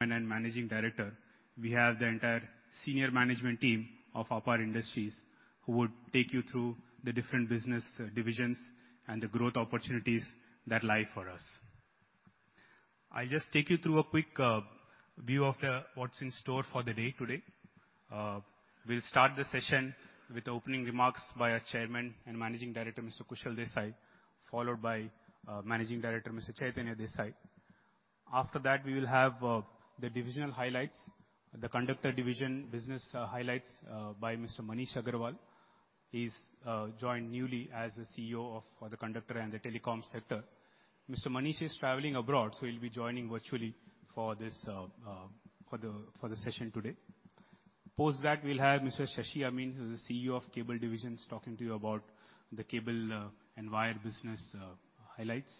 And then Managing Director. We have the entire senior management team of APAR Industries, who will take you through the different business divisions and the growth opportunities that lie for us. I'll just take you through a quick view of the what's in store for the day today. We'll start the session with opening remarks by our Chairman and Managing Director, Mr. Kushal Desai, followed by Managing Director, Mr. Chaitanya Desai. After that, we will have the divisional highlights, the Conductor Division business highlights by Mr. Manish Agarwal. He's joined newly as the CEO of for the Conductor and the Telecom sector. Mr. Manish is traveling abroad, so he'll be joining virtually for this for the session today. Post that, we'll have Mr. Shashi Amin, who's the CEO of Cable Divisions, talking to you about the cable and wire business highlights.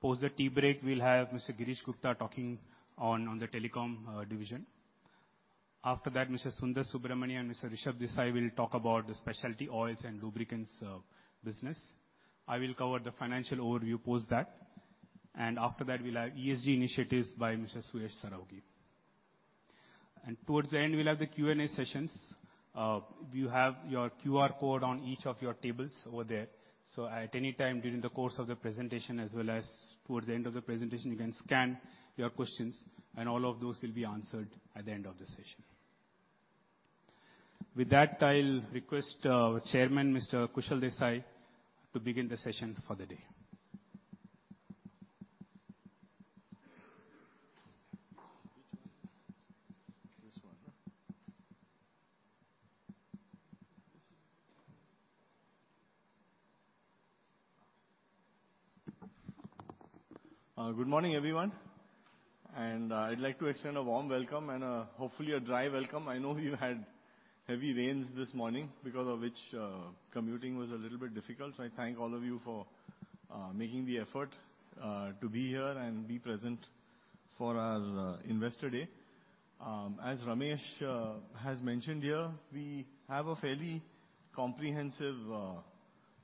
Post the tea break, we'll have Mr. Girish Gupta talking on the Telecom division. After that, Mr. Sundar Subramanian and Mr. Rishabh Desai will talk about the specialty oils and lubricants business. I will cover the financial overview post that, and after that, we'll have ESG initiatives by Mr. Suyash Saraogi. Towards the end, we'll have the Q&A sessions. You have your QR code on each of your tables over there, so at any time during the course of the presentation, as well as towards the end of the presentation, you can scan your questions, and all of those will be answered at the end of the session. With that, I'll request our Chairman, Mr. Kushal Desai, to begin the session for the day. Good morning, everyone, and I'd like to extend a warm welcome and hopefully a dry welcome. I know you had heavy rains this morning, because of which commuting was a little bit difficult, so I thank all of you for making the effort to be here and be present for our Investor Day. As Ramesh has mentioned here, we have a fairly comprehensive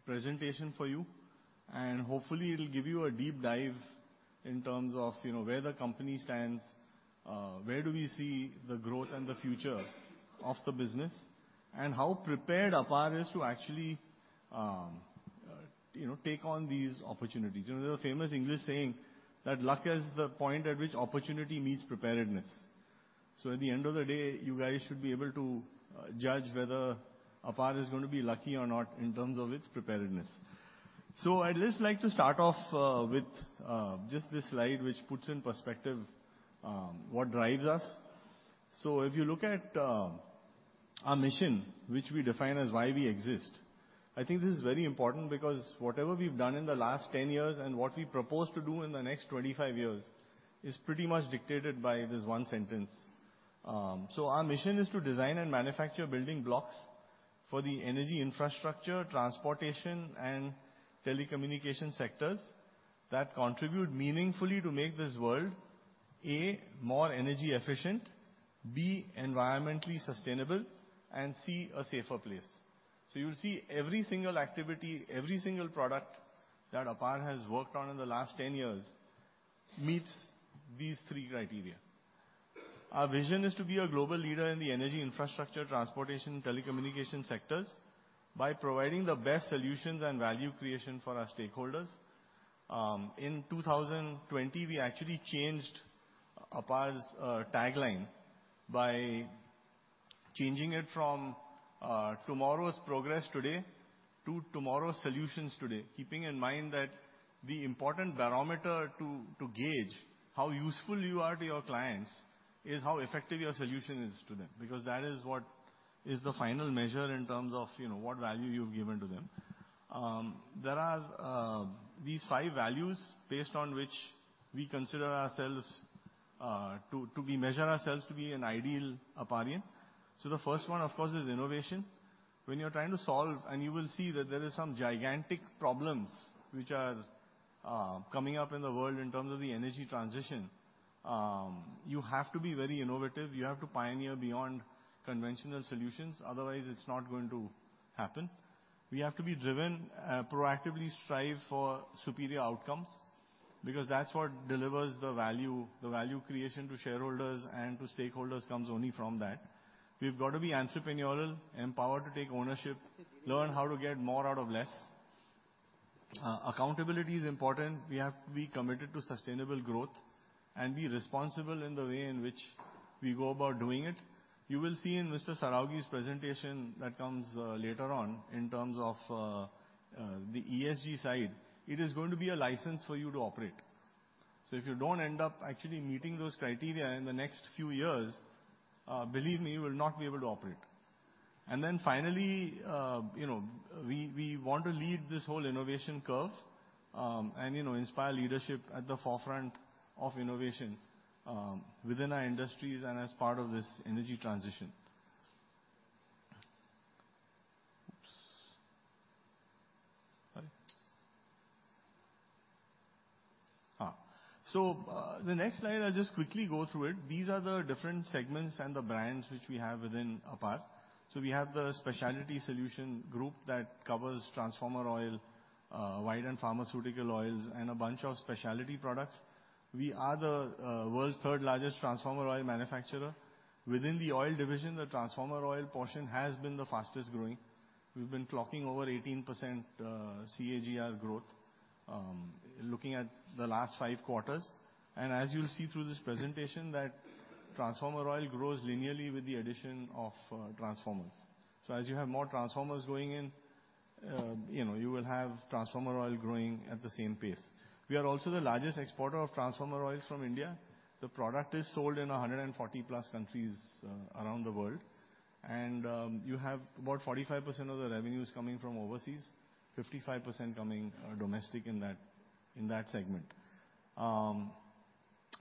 presentation for you, and hopefully it'll give you a deep dive in terms of, you know, where the company stands, where do we see the growth and the future of the business, and how prepared APAR is to actually, you know, take on these opportunities. You know, there's a famous English saying that, "Luck is the point at which opportunity meets preparedness." So at the end of the day, you guys should be able to judge whether APAR is going to be lucky or not in terms of its preparedness. So I'd just like to start off with just this slide, which puts in perspective what drives us. So if you look at our mission, which we define as why we exist, I think this is very important, because whatever we've done in the last ten years, and what we propose to do in the next 25 years, is pretty much dictated by this one sentence. So our mission is to design and manufacture building blocks for the energy, infrastructure, transportation, and telecommunication sectors that contribute meaningfully to make this world, A, more energy efficient, B, environmentally sustainable, and, C, a safer place. So you'll see every single activity, every single product that APAR has worked on in the last ten years, meets these three criteria. Our vision is to be a global leader in the energy, infrastructure, transportation, and telecommunication sectors by providing the best solutions and value creation for our stakeholders. In 2020, we actually changed APAR's tagline by changing it from Tomorrow's Progress Today to Tomorrow's Solutions Today. Keeping in mind that the important barometer to gauge how useful you are to your clients is how effective your solution is to them, because that is what is the final measure in terms of, you know, what value you've given to them. There are these five values, based on which we consider ourselves to measure ourselves to be an ideal APARian, so the first one, of course, is innovation. When you're trying to solve... and you will see that there is some gigantic problems which are coming up in the world in terms of the energy transition, you have to be very innovative. You have to pioneer beyond conventional solutions, otherwise, it's not going to happen. We have to be driven, proactively strive for superior outcomes, because that's what delivers the value. The value creation to shareholders and to stakeholders comes only from that. We've got to be entrepreneurial, empowered to take ownership, learn how to get more out of less. Accountability is important. We have to be committed to sustainable growth and be responsible in the way in which we go about doing it. You will see in Mr. Saraogi's presentation that comes later on, in terms of the ESG side. It is going to be a license for you to operate. So if you don't end up actually meeting those criteria in the next few years, believe me, you will not be able to operate. And then finally, you know, we want to lead this whole innovation curve, and you know, inspire leadership at the forefront of innovation within our industries and as part of this energy transition. Oops! So, the next slide, I'll just quickly go through it. These are the different segments and the brands which we have within APAR. So we have the Specialty Solution group that covers transformer oil, white and pharmaceutical oils, and a bunch of specialty products. We are the world's third largest transformer oil manufacturer. Within the oil division, the transformer oil portion has been the fastest growing. We've been clocking over 18% CAGR growth, looking at the last five quarters. And as you'll see through this presentation, that transformer oil grows linearly with the addition of transformers. So as you have more transformers going in, you know, you will have transformer oil growing at the same pace. We are also the largest exporter of transformer oils from India. The product is sold in a 140 plus countries around the world, and you have about 45% of the revenues coming from overseas, 55% coming domestic in that, in that segment.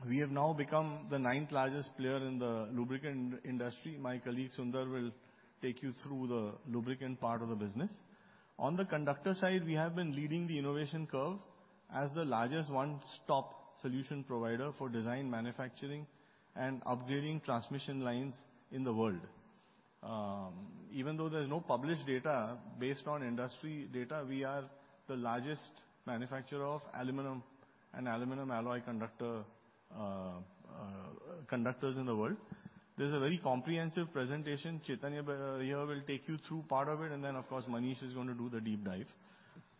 We have now become the ninth largest player in the lubricant industry. My colleague, Sundar, will take you through the lubricant part of the business. On the conductor side, we have been leading the innovation curve as the largest one-stop solution provider for design, manufacturing, and upgrading transmission lines in the world. Even though there's no published data, based on industry data, we are the largest manufacturer of aluminum and aluminum alloy conductor, conductors in the world. There's a very comprehensive presentation. Chaitanya here will take you through part of it, and then, of course, Manish is going to do the deep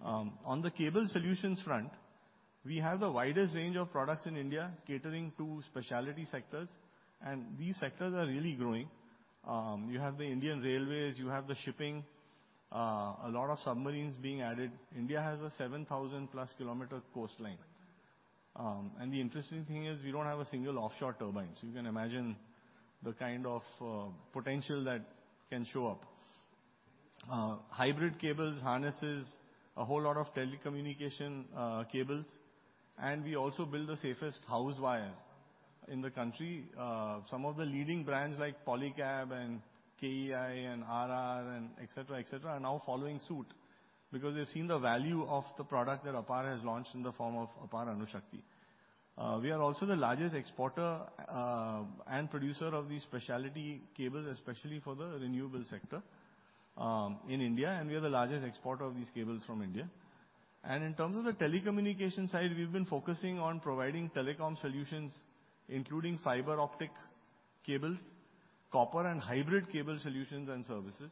dive. On the cable solutions front, we have the widest range of products in India, catering to specialty sectors, and these sectors are really growing. You have the Indian Railways, you have the shipping, a lot of submarines being added. India has a 7,000-plus kilometer coastline, and the interesting thing is we don't have a single offshore turbine. So you can imagine the kind of potential that can show up. Hybrid cables, harnesses, a whole lot of telecommunication cables, and we also build the safest house wire in the country. Some of the leading brands like Polycab and KEI and RR and et cetera, et cetera, are now following suit, because they've seen the value of the product that APAR has launched in the form of APAR Anushakti. We are also the largest exporter and producer of these specialty cables, especially for the renewable sector, in India, and we are the largest exporter of these cables from India. In terms of the telecommunications side, we've been focusing on providing telecom solutions, including fiber optic cables, copper and hybrid cable solutions and services.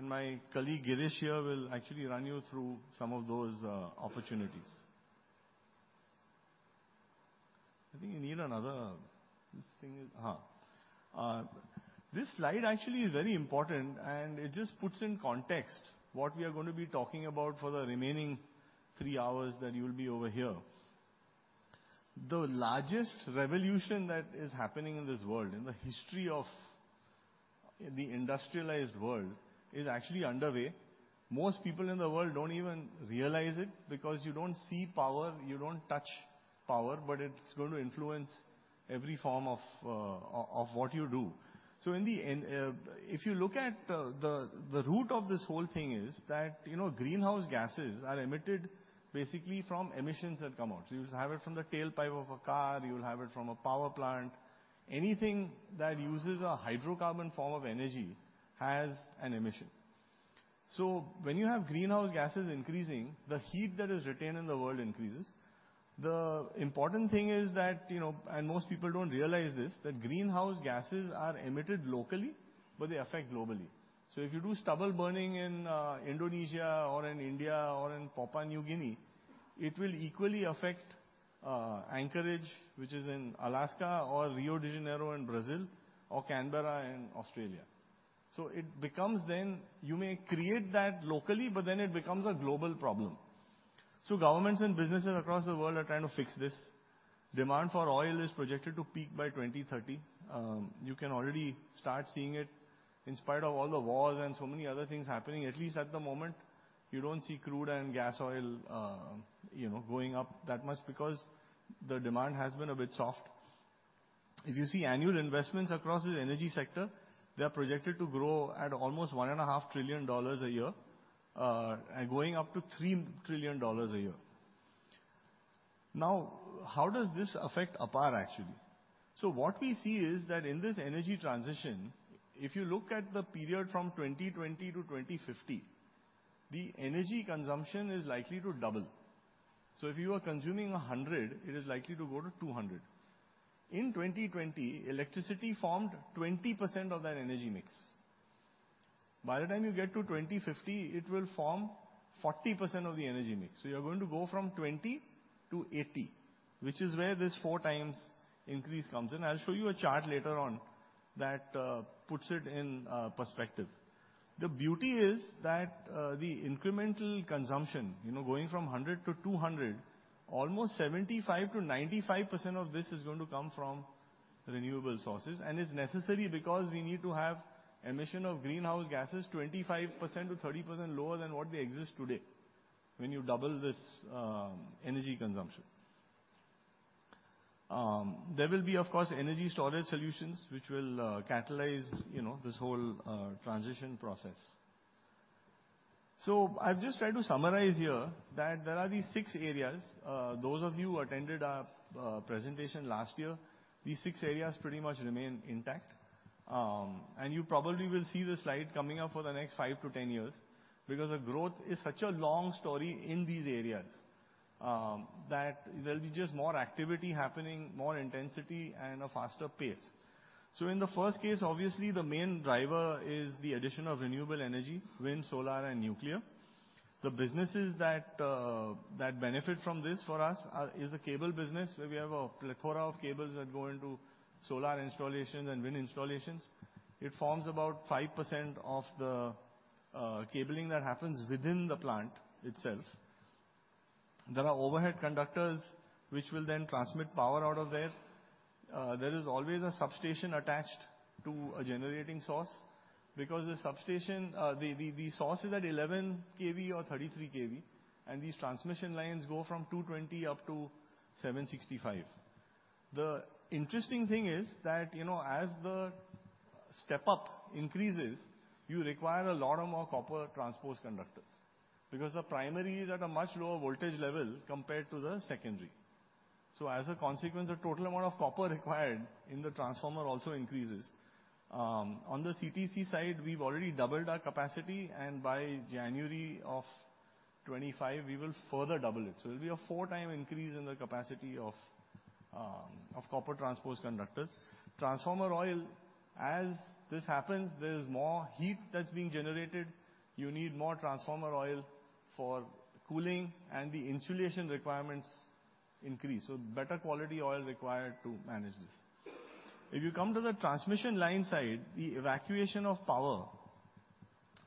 My colleague, Girish here, will actually run you through some of those opportunities. This slide actually is very important, and it just puts in context what we are going to be talking about for the remaining three hours that you'll be over here. The largest revolution that is happening in this world, in the history of the industrialized world, is actually underway. Most people in the world don't even realize it, because you don't see power, you don't touch power, but it's going to influence every form of what you do. So in the end, if you look at the root of this whole thing is that, you know, greenhouse gases are emitted basically from emissions that come out. So you have it from the tailpipe of a car, you will have it from a power plant. Anything that uses a hydrocarbon form of energy has an emission. So when you have greenhouse gases increasing, the heat that is retained in the world increases. The important thing is that, you know, and most people don't realize this, that greenhouse gases are emitted locally, but they affect globally. So if you do stubble burning in Indonesia or in India or in Papua New Guinea, it will equally affect Anchorage, which is in Alaska, or Rio de Janeiro in Brazil, or Canberra in Australia. So it becomes then, you may create that locally, but then it becomes a global problem. So governments and businesses across the world are trying to fix this. Demand for oil is projected to peak by 2030. You can already start seeing it. In spite of all the wars and so many other things happening, at least at the moment, you don't see crude and gas oil you know going up that much because the demand has been a bit soft. If you see annual investments across the energy sector, they are projected to grow at almost $1.5 trillion a year, and going up to $3 trillion a year. Now, how does this affect APAR, actually? So what we see is that in this energy transition, if you look at the period from 2020-2050, the energy consumption is likely to double. So if you are consuming 100, it is likely to go to 200. In 2020, electricity formed 20% of that energy mix. By the time you get to 2050, it will form 40% of the energy mix. So you're going to go from 20-80, which is where this four times increase comes in. I'll show you a chart later on that puts it in perspective. The beauty is that, the incremental consumption, you know, going from 100-200, almost 75%-95% of this is going to come from renewable sources and it's necessary because we need to have emission of greenhouse gases 25%-30% lower than what they exist today, when you double this, energy consumption. There will be, of course, energy storage solutions, which will, catalyze, you know, this whole, transition process, so I've just tried to summarize here that there are these six areas. Those of you who attended our, presentation last year, these six areas pretty much remain intact.... And you probably will see this slide coming up for the next five to ten years, because the growth is such a long story in these areas, that there'll be just more activity happening, more intensity, and a faster pace. So in the first case, obviously, the main driver is the addition of renewable energy: wind, solar, and nuclear. The businesses that benefit from this for us are the cable business, where we have a plethora of cables that go into solar installations and wind installations. It forms about 5% of the cabling that happens within the plant itself. There are overhead conductors, which will then transmit power out of there. There is always a substation attached to a generating source, because the substation. The source is at 11 kV or 33 kV, and these transmission lines go from 220 up to 765. The interesting thing is that, you know, as the step-up increases, you require a lot of more copper transposed conductors, because the primary is at a much lower voltage level compared to the secondary. So as a consequence, the total amount of copper required in the transformer also increases. On the CTC side, we've already doubled our capacity, and by January of 2025, we will further double it. So it'll be a four-time increase in the capacity of copper transpose conductors. Transformer oil, as this happens, there's more heat that's being generated. You need more transformer oil for cooling, and the insulation requirements increase, so better quality oil required to manage this. If you come to the transmission line side, the evacuation of power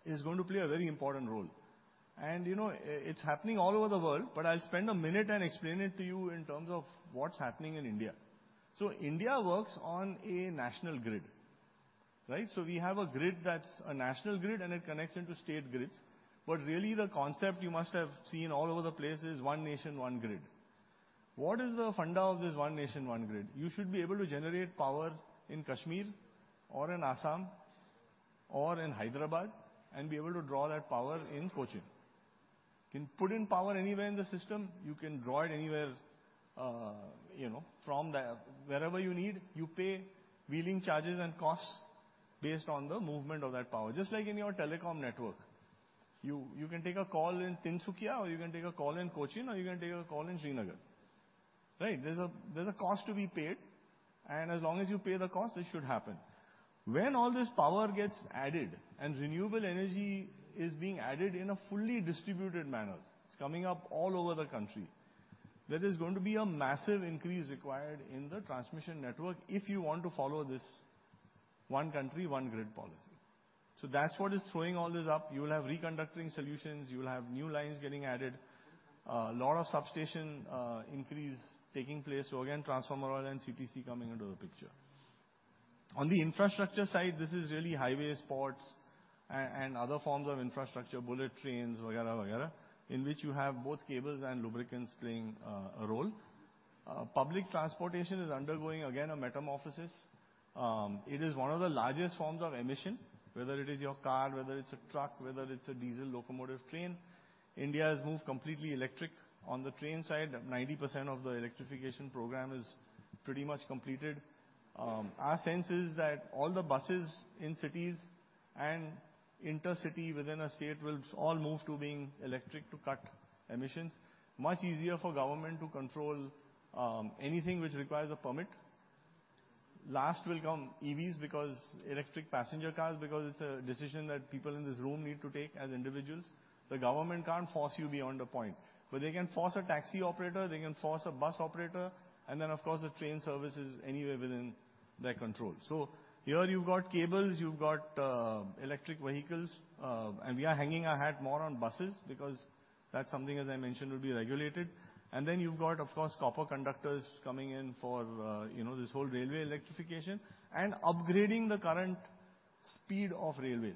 is going to play a very important role. And, you know, it's happening all over the world, but I'll spend a minute and explain it to you in terms of what's happening in India. So India works on a national grid, right? So we have a grid that's a national grid, and it connects into state grids. But really, the concept you must have seen all over the place is One Nation, One Grid. What is the funda of this One Nation, One Grid? You should be able to generate power in Kashmir or in Assam or in Hyderabad and be able to draw that power in Cochin. You can put in power anywhere in the system, you can draw it anywhere, you know, from wherever you need, you pay wheeling charges and costs based on the movement of that power. Just like in your telecom network, you can take a call in Tinsukia, or you can take a call in Cochin, or you can take a call in Srinagar, right? There's a cost to be paid, and as long as you pay the cost, it should happen. When all this power gets added, and renewable energy is being added in a fully distributed manner, it's coming up all over the country, there is going to be a massive increase required in the transmission network if you want to follow this one country, one grid policy. So that's what is throwing all this up. You will have re-conductoring solutions, you will have new lines getting added, a lot of substation increase taking place. So again, transformer oil and CTC coming into the picture. On the infrastructure side, this is really highways, ports, and other forms of infrastructure, bullet trains, et cetera, et cetera, in which you have both cables and lubricants playing a role. Public transportation is undergoing, again, a metamorphosis. It is one of the largest forms of emission, whether it is your car, whether it's a truck, whether it's a diesel locomotive train. India has moved completely electric. On the train side, 90% of the electrification program is pretty much completed. Our sense is that all the buses in cities and intercity within a state will all move to being electric to cut emissions. Much easier for government to control anything which requires a permit. Last will come EVs, because electric passenger cars, because it's a decision that people in this room need to take as individuals. The government can't force you beyond a point, but they can force a taxi operator, they can force a bus operator, and then, of course, the train service is anywhere within their control. So here you've got cables, you've got electric vehicles, and we are hanging our hat more on buses because that's something, as I mentioned, will be regulated. And then you've got, of course, copper conductors coming in for you know, this whole railway electrification and upgrading the current speed of railways.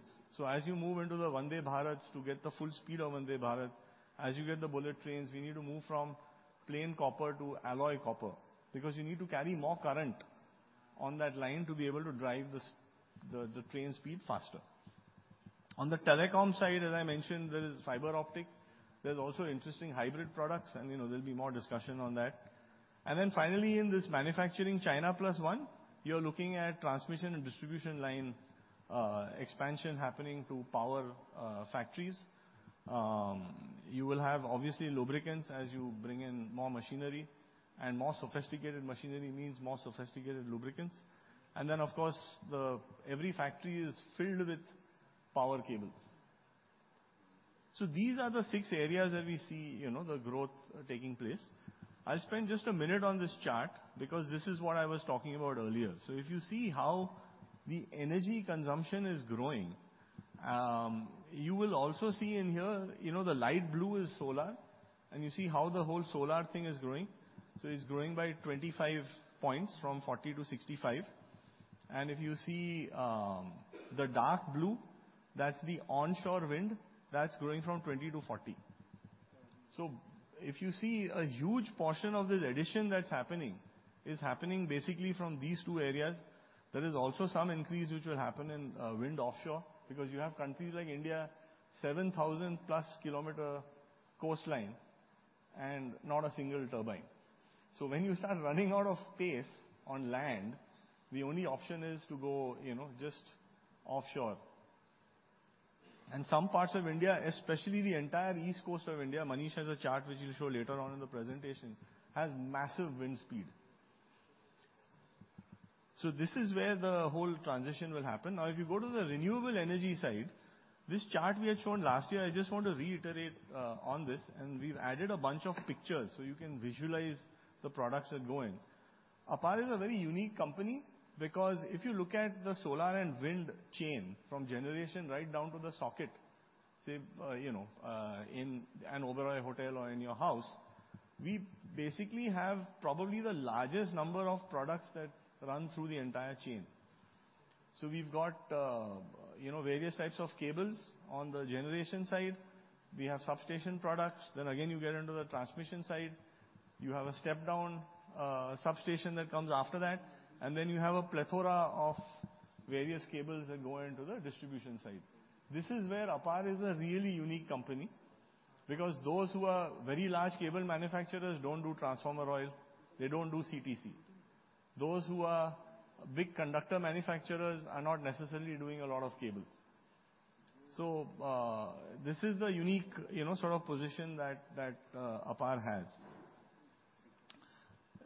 As you move into the Vande Bharats, to get the full speed of Vande Bharat, as you get the bullet trains, we need to move from plain copper to alloy copper, because you need to carry more current on that line to be able to drive the train speed faster. On the telecom side, as I mentioned, there is fiber optic. There's also interesting hybrid products, and, you know, there'll be more discussion on that. And then finally, in this manufacturing China Plus One, you're looking at transmission and distribution line expansion happening to power factories. You will have obviously lubricants as you bring in more machinery, and more sophisticated machinery means more sophisticated lubricants. And then, of course, every factory is filled with power cables. So these are the six areas that we see, you know, the growth taking place. I'll spend just a minute on this chart because this is what I was talking about earlier. So if you see how the energy consumption is growing, you will also see in here, you know, the light blue is solar, and you see how the whole solar thing is growing. So it's growing by 25 points, from 40-65. And if you see, the dark blue, that's the onshore wind. That's growing from 20-40. So if you see a huge portion of this addition that's happening is happening basically from these two areas. There is also some increase which will happen in offshore wind, because you have countries like India, 7,000-plus kilometer coastline, and not a single turbine. So when you start running out of space on land, the only option is to go, you know, just offshore. Some parts of India, especially the entire east coast of India, Manish has a chart which he'll show later on in the presentation, has massive wind speed. This is where the whole transition will happen. Now, if you go to the renewable energy side, this chart we had shown last year, I just want to reiterate on this, and we've added a bunch of pictures so you can visualize the products that go in. APAR is a very unique company, because if you look at the solar and wind chain, from generation right down to the socket, say, you know, in an Oberoi hotel or in your house, we basically have probably the largest number of products that run through the entire chain. We've got, you know, various types of cables on the generation side. We have substation products. Then again, you get into the transmission side. You have a step-down substation that comes after that, and then you have a plethora of various cables that go into the distribution side. This is where APAR is a really unique company, because those who are very large cable manufacturers don't do transformer oil, they don't do CTC. Those who are big conductor manufacturers are not necessarily doing a lot of cables. So, this is the unique, you know, sort of position that APAR has.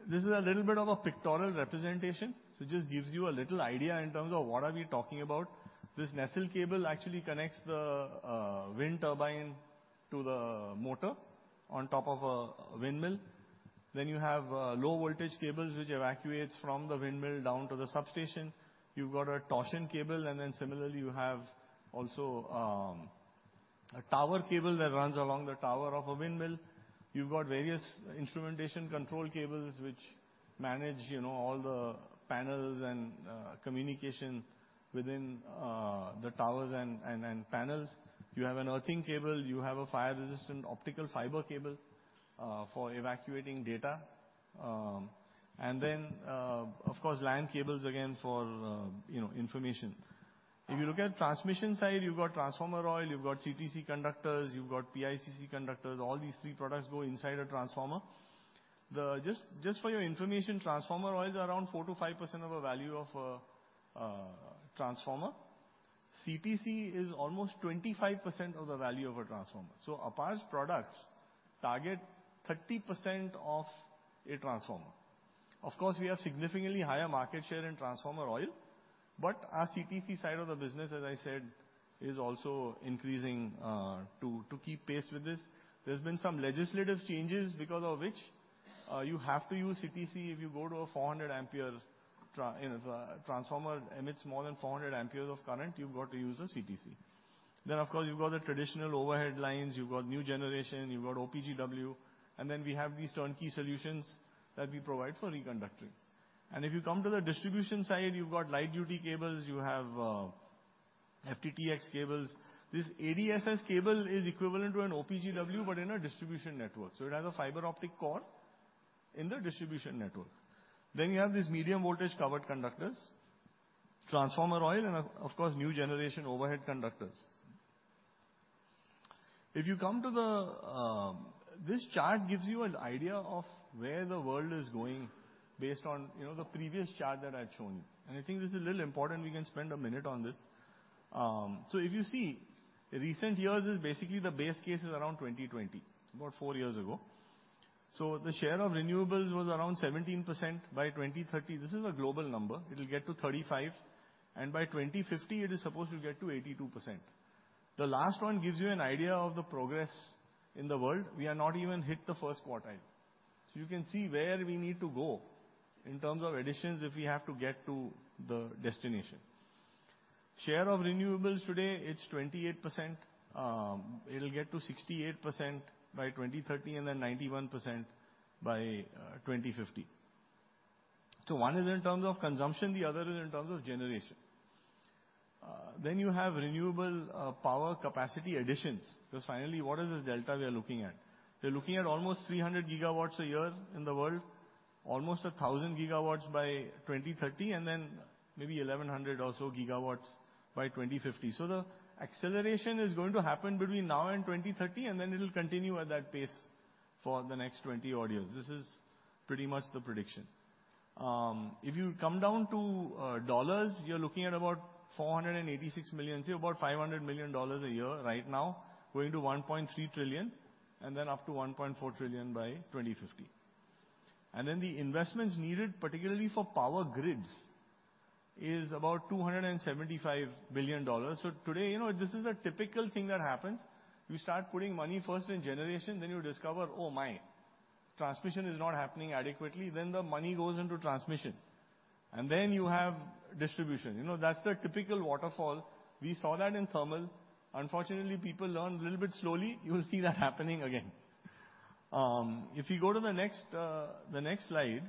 This is a little bit of a pictorial representation, so it just gives you a little idea in terms of what are we talking about. This nacelle cable actually connects the wind turbine to the motor on top of a windmill. Then you have low voltage cables, which evacuates from the windmill down to the substation. You've got a torsion cable, and then similarly, you have also a tower cable that runs along the tower of a windmill. You've got various instrumentation control cables, which manage, you know, all the panels and communication within the towers and panels. You have an earthing cable, you have a fire-resistant optical fiber cable for evacuating data. And then, of course, LAN cables again for, you know, information. If you look at transmission side, you've got transformer oil, you've got CTC conductors, you've got PICC conductors. All these three products go inside a transformer. Just for your information, transformer oil is around 4%-5% of the value of a transformer. CTC is almost 25% of the value of a transformer. So APAR's products target 30% of a transformer. Of course, we have significantly higher market share in transformer oil, but our CTC side of the business, as I said, is also increasing to keep pace with this. There's been some legislative changes because of which you have to use CTC if you go to a 400 amperes transformer emits more than 400 amperes of current, you've got to use a CTC. Then, of course, you've got the traditional overhead lines, you've got new generation, you've got OPGW, and then we have these turnkey solutions that we provide for reconductoring. And if you come to the distribution side, you've got light-duty cables, you have FTTx cables. This ADSS cable is equivalent to an OPGW, but in a distribution network, so it has a fiber optic core in the distribution network. Then you have these medium voltage covered conductors, transformer oil, and of course, new generation overhead conductors. If you come to this chart, it gives you an idea of where the world is going based on, you know, the previous chart that I'd shown you. And I think this is a little important. We can spend a minute on this. So if you see, recent years is basically the base case is around 2020, about four years ago. So the share of renewables was around 17%. By 2030, this is a global number, it will get to 35%, and by 2050, it is supposed to get to 82%. The last one gives you an idea of the progress in the world. We are not even hit the first quartile. You can see where we need to go in terms of additions if we have to get to the destination. Share of renewables today, it's 28%. It'll get to 68% by 2030, and then 91% by 2050. One is in terms of consumption, the other is in terms of generation. Then you have renewable power capacity additions, because finally, what is this delta we are looking at? We're looking at almost 300 gigawatts a year in the world, almost 1,000 gigawatts by 2030, and then maybe 1,100 or so gigawatts by 2050. The acceleration is going to happen between now and 2030, and then it'll continue at that pace for the next 20-odd years. This is pretty much the prediction. If you come down to dollars, you're looking at about $486 million, say about $500 million a year right now, going to $1.3 trillion, and then up to $1.4 trillion by 2050. And then the investments needed, particularly for power grids, is about $275 billion. So today, you know, this is a typical thing that happens. You start putting money first in generation, then you discover, "Oh, my! Transmission is not happening adequately." Then the money goes into transmission, and then you have distribution. You know, that's the typical waterfall. We saw that in thermal. Unfortunately, people learn a little bit slowly. You will see that happening again. If you go to the next slide,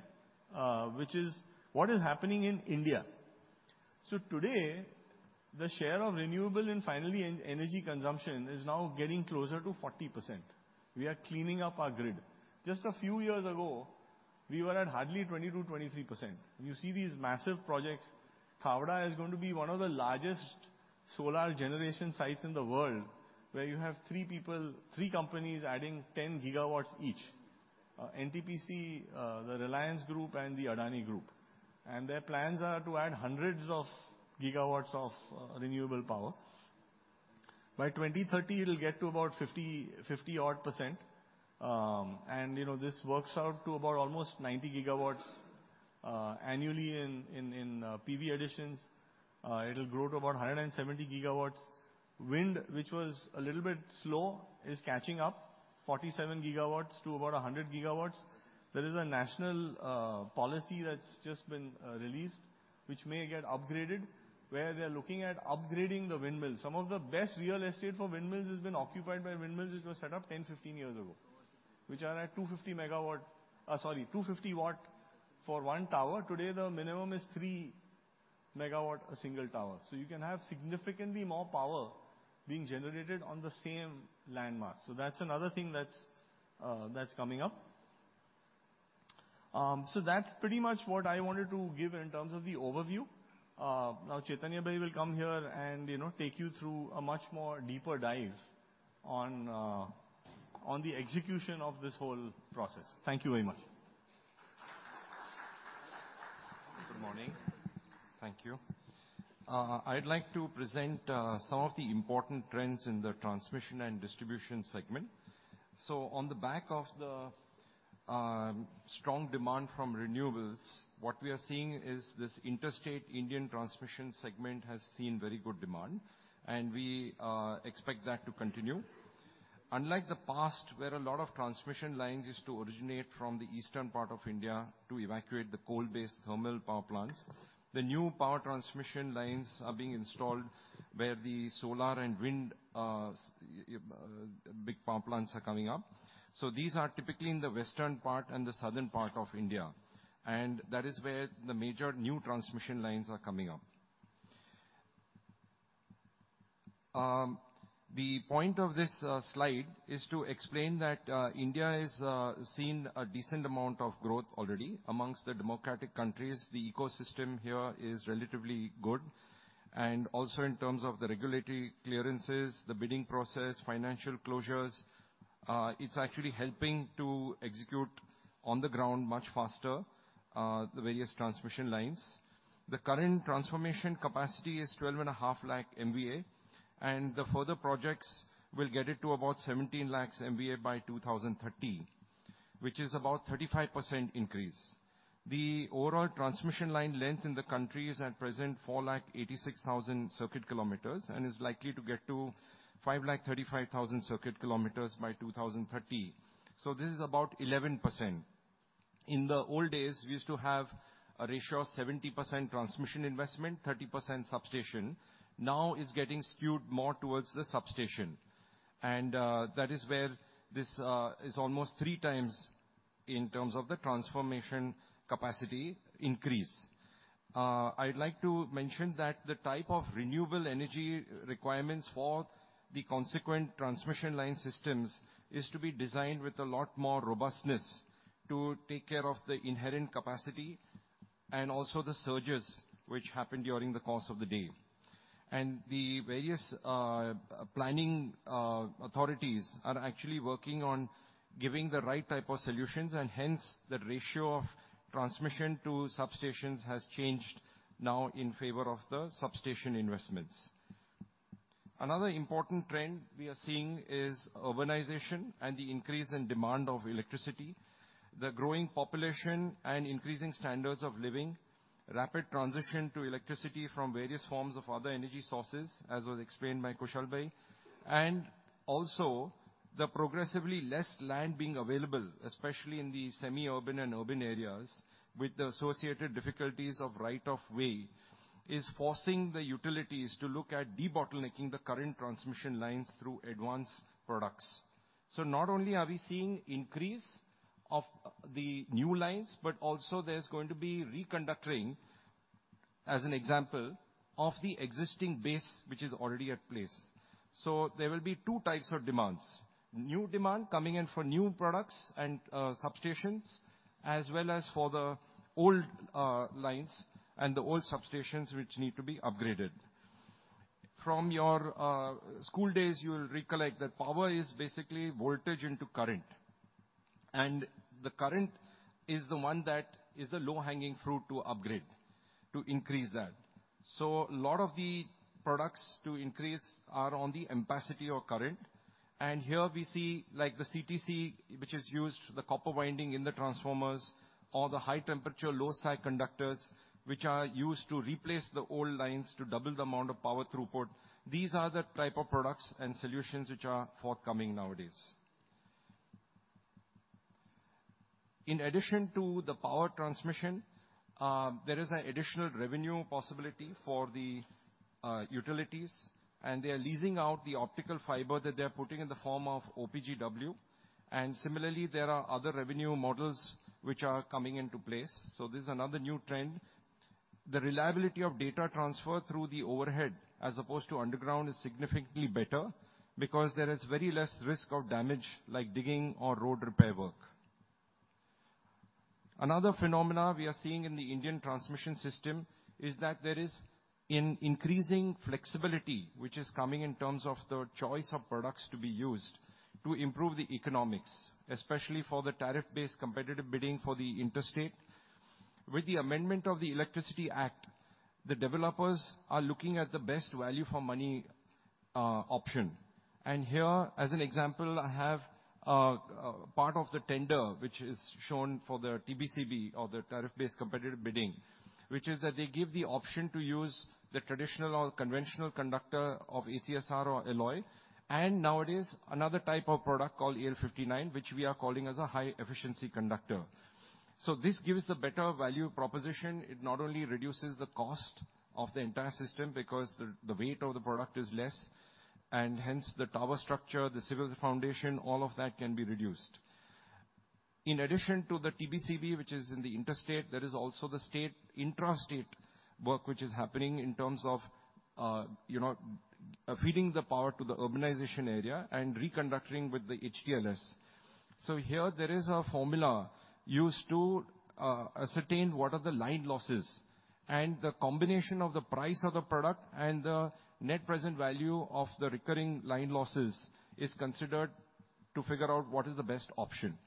which is what is happening in India. Today, the share of renewable energy consumption is now getting closer to 40%. We are cleaning up our grid. Just a few years ago, we were at hardly 20%-23%. You see these massive projects. Khavda is going to be one of the largest solar generation sites in the world, where you have three companies adding 10 gigawatts each. NTPC, the Reliance Group, and the Adani Group. And their plans are to add 100s of gigawatts of renewable power. By 2030, it'll get to about 50, 50-odd%. You know, this works out to about almost 90 gigawatts annually in PV additions. It'll grow to about 170 gigawatts. Wind, which was a little bit slow, is catching up, 47 gigawatts to about 100 gigawatts. There is a national policy that's just been released, which may get upgraded, where they're looking at upgrading the windmills. Some of the best real estate for windmills has been occupied by windmills, which were set up 10-15 years ago, which are at 250 megawatt, sorry, 250 watt for one tower. Today, the minimum is 3 megawatt a single tower. So you can have significantly more power being generated on the same landmark. So that's another thing that's coming up. So that's pretty much what I wanted to give in terms of the overview. Now, Chaitanya Bhai will come here and, you know, take you through a much more deeper dive on, on the execution of this whole process. Thank you very much. Good morning. Thank you. I'd like to present some of the important trends in the transmission and distribution segment. So on the back of the strong demand from renewables, what we are seeing is this interstate Indian transmission segment has seen very good demand, and we expect that to continue. Unlike the past, where a lot of transmission lines used to originate from the eastern part of India to evacuate the coal-based thermal power plants, the new power transmission lines are being installed where the solar and wind big power plants are coming up. So these are typically in the western part and the southern part of India, and that is where the major new transmission lines are coming up. The point of this slide is to explain that India is seeing a decent amount of growth already. Among the democratic countries, the ecosystem here is relatively good, and also, in terms of the regulatory clearances, the bidding process, financial closures, it's actually helping to execute on the ground much faster, the various transmission lines. The current transmission capacity is 12.5 lakh MVA, and the further projects will get it to about 17 lakh MVA by 2030, which is about 35% increase. The overall transmission line length in the country is at present 4.86 lakh circuit kilometers, and is likely to get to 5.35 lakh circuit kilometers by 2030, so this is about 11%. In the old days, we used to have a ratio of 70% transmission investment, 30% substation. Now, it's getting skewed more towards the substation, and that is where this is almost three times in terms of the transformer capacity increase. I'd like to mention that the type of renewable energy requirements for the consequent transmission line systems is to be designed with a lot more robustness to take care of the inherent capacity, and also the surges which happen during the course of the day. The various planning authorities are actually working on giving the right type of solutions, and hence, the ratio of transmission to substations has changed now in favor of the substation investments. Another important trend we are seeing is urbanization and the increase in demand of electricity, the growing population and increasing standards of living, rapid transition to electricity from various forms of other energy sources, as was explained by Kushal Bhai, and also the progressively less land being available, especially in the semi-urban and urban areas, with the associated difficulties of right of way, is forcing the utilities to look at debottlenecking the current transmission lines through advanced products. So not only are we seeing increase of the new lines, but also there's going to be reconductoring, as an example, of the existing base, which is already at place. So there will be two types of demands: new demand coming in for new products and substations, as well as for the old lines and the old substations, which need to be upgraded. From your school days, you will recollect that power is basically voltage into current, and the current is the one that is the low-hanging fruit to upgrade, to increase that. So a lot of the products to increase are on the ampacity or current. And here we see, like the CTC, which is used, the copper winding in the transformers, or the high temperature, low sag conductors, which are used to replace the old lines to double the amount of power throughput. These are the type of products and solutions which are forthcoming nowadays. In addition to the power transmission, there is an additional revenue possibility for the utilities, and they are leasing out the optical fiber that they are putting in the form of OPGW. And similarly, there are other revenue models which are coming into place. So this is another new trend. The reliability of data transfer through the overhead, as opposed to underground, is significantly better because there is very less risk of damage, like digging or road repair work. Another phenomenon we are seeing in the Indian transmission system is that there is an increasing flexibility, which is coming in terms of the choice of products to be used to improve the economics, especially for the tariff-based competitive bidding for the interstate. With the amendment of the Electricity Act, the developers are looking at the best value for money, option. And here, as an example, I have, part of the tender, which is shown for the TBCB, or the tariff-based competitive bidding, which is that they give the option to use the traditional or conventional conductor of ACSR or alloy, and nowadays, another type of product called AL-59, which we are calling as a high-efficiency conductor. So this gives a better value proposition. It not only reduces the cost of the entire system, because the weight of the product is less, and hence, the tower structure, the civil foundation, all of that can be reduced. In addition to the TBCB, which is in the interstate, there is also the state intrastate work, which is happening in terms of, you know, feeding the power to the urbanization area and reconductoring with the HTLS. So here there is a formula used to ascertain what are the line losses, and the combination of the price of the product and the net present value of the recurring line losses is considered to figure out what is the best option.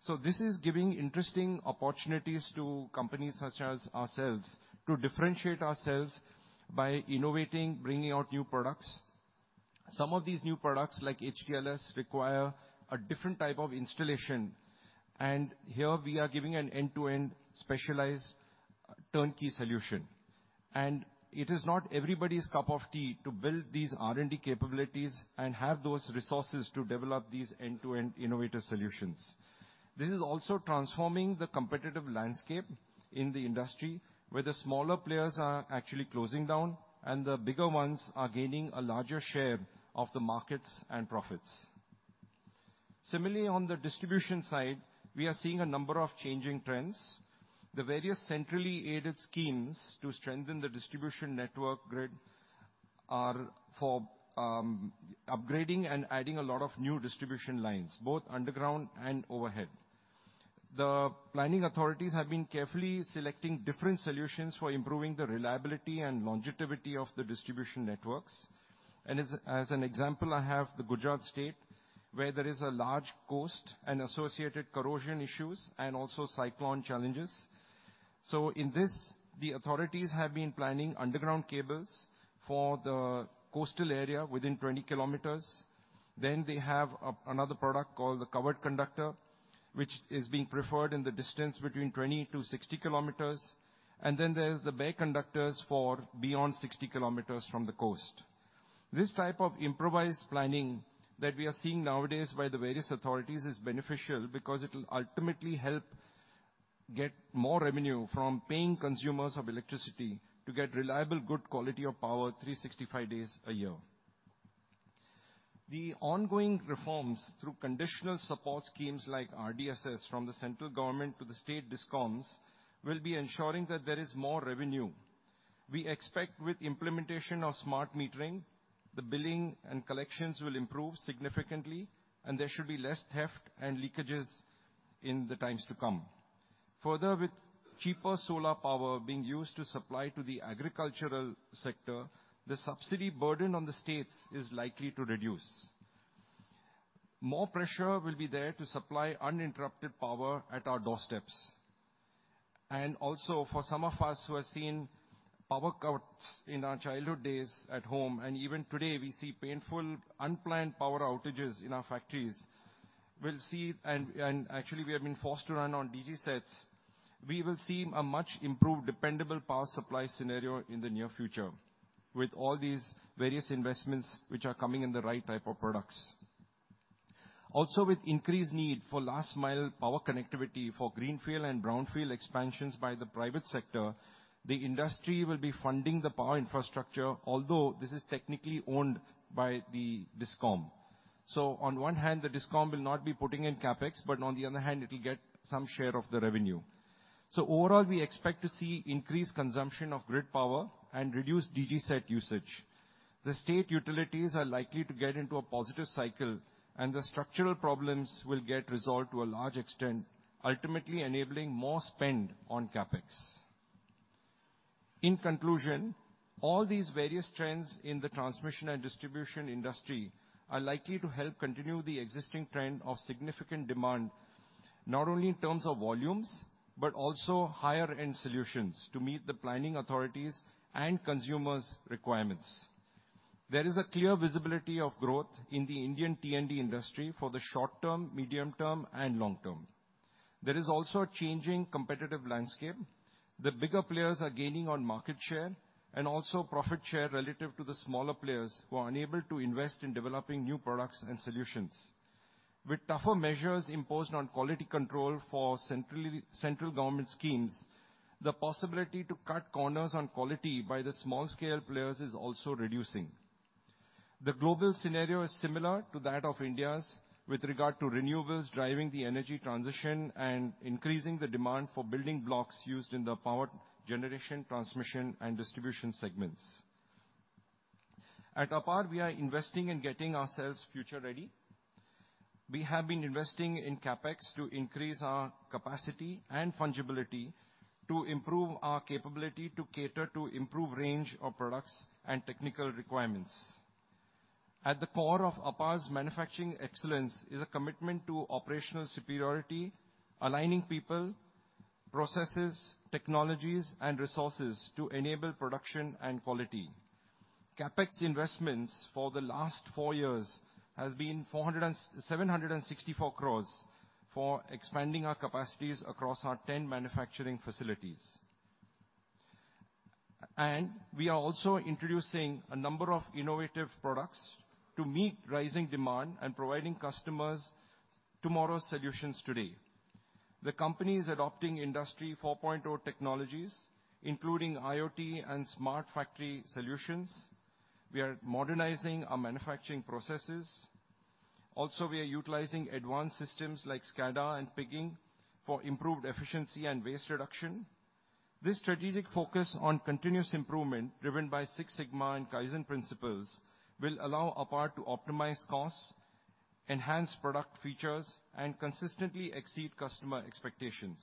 So this is giving interesting opportunities to companies such as ourselves to differentiate ourselves by innovating, bringing out new products. Some of these new products, like HTLS, require a different type of installation, and here we are giving an end-to-end, specialized turnkey solution. It is not everybody's cup of tea to build these R&D capabilities and have those resources to develop these end-to-end innovative solutions. This is also transforming the competitive landscape in the industry, where the smaller players are actually closing down, and the bigger ones are gaining a larger share of the markets and profits. Similarly, on the distribution side, we are seeing a number of changing trends. The various centrally aided schemes to strengthen the distribution network grid are for upgrading and adding a lot of new distribution lines, both underground and overhead. The planning authorities have been carefully selecting different solutions for improving the reliability and longevity of the distribution networks. As an example, I have the Gujarat state, where there is a large coast and associated corrosion issues and also cyclone challenges. In this, the authorities have been planning underground cables for the coastal area within 20 kilometers. Then they have another product called the covered conductor, which is being preferred in the distance between 20-60 kilometers. And then there's the bare conductors for beyond 60 kilometers from the coast. This type of improvised planning that we are seeing nowadays by the various authorities is beneficial because it will ultimately help get more revenue from paying consumers of electricity to get reliable, good quality of power 365 days a year. The ongoing reforms through conditional support schemes like RDSS, from the central government to the state DISCOMs, will be ensuring that there is more revenue. We expect with implementation of smart metering, the billing and collections will improve significantly, and there should be less theft and leakages in the times to come. Further, with cheaper solar power being used to supply to the agricultural sector, the subsidy burden on the states is likely to reduce. More pressure will be there to supply uninterrupted power at our doorsteps. And also, for some of us who have seen power cuts in our childhood days at home, and even today, we see painful, unplanned power outages in our factories. We'll see. And actually, we have been forced to run on DG sets. We will see a much improved, dependable power supply scenario in the near future with all these various investments, which are coming in the right type of products. Also, with increased need for last-mile power connectivity for greenfield and brownfield expansions by the private sector, the industry will be funding the power infrastructure, although this is technically owned by the DISCOM. So on one hand, the DISCOM will not be putting in CapEx, but on the other hand, it will get some share of the revenue. So overall, we expect to see increased consumption of grid power and reduced DG set usage. The state utilities are likely to get into a positive cycle, and the structural problems will get resolved to a large extent, ultimately enabling more spend on CapEx. In conclusion, all these various trends in the transmission and distribution industry are likely to help continue the existing trend of significant demand, not only in terms of volumes, but also higher-end solutions to meet the planning authorities' and consumers' requirements. There is a clear visibility of growth in the Indian T&D industry for the short term, medium term, and long term. There is also a changing competitive landscape. The bigger players are gaining on market share and also profit share relative to the smaller players, who are unable to invest in developing new products and solutions. With tougher measures imposed on quality control for central government schemes, the possibility to cut corners on quality by the small-scale players is also reducing. The global scenario is similar to that of India's, with regard to renewables driving the energy transition and increasing the demand for building blocks used in the power generation, transmission, and distribution segments.... At APAR, we are investing in getting ourselves future ready. We have been investing in CapEx to increase our capacity and fungibility, to improve our capability to cater to improved range of products and technical requirements. At the core of APAR's manufacturing excellence is a commitment to operational superiority, aligning people, processes, technologies, and resources to enable production and quality. CapEx investments for the last four years has been 764 crore for expanding our capacities across our 10 manufacturing facilities. We are also introducing a number of innovative products to meet rising demand and providing customers tomorrow's solutions today. The company is adopting Industry 4.0 technologies, including IoT and smart factory solutions. We are modernizing our manufacturing processes. Also, we are utilizing advanced systems like SCADA and pigging for improved efficiency and waste reduction. This strategic focus on continuous improvement, driven by Six Sigma and Kaizen principles, will allow APAR to optimize costs, enhance product features, and consistently exceed customer expectations.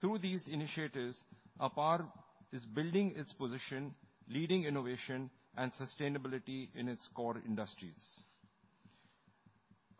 Through these initiatives, APAR is building its position, leading innovation and sustainability in its core industries.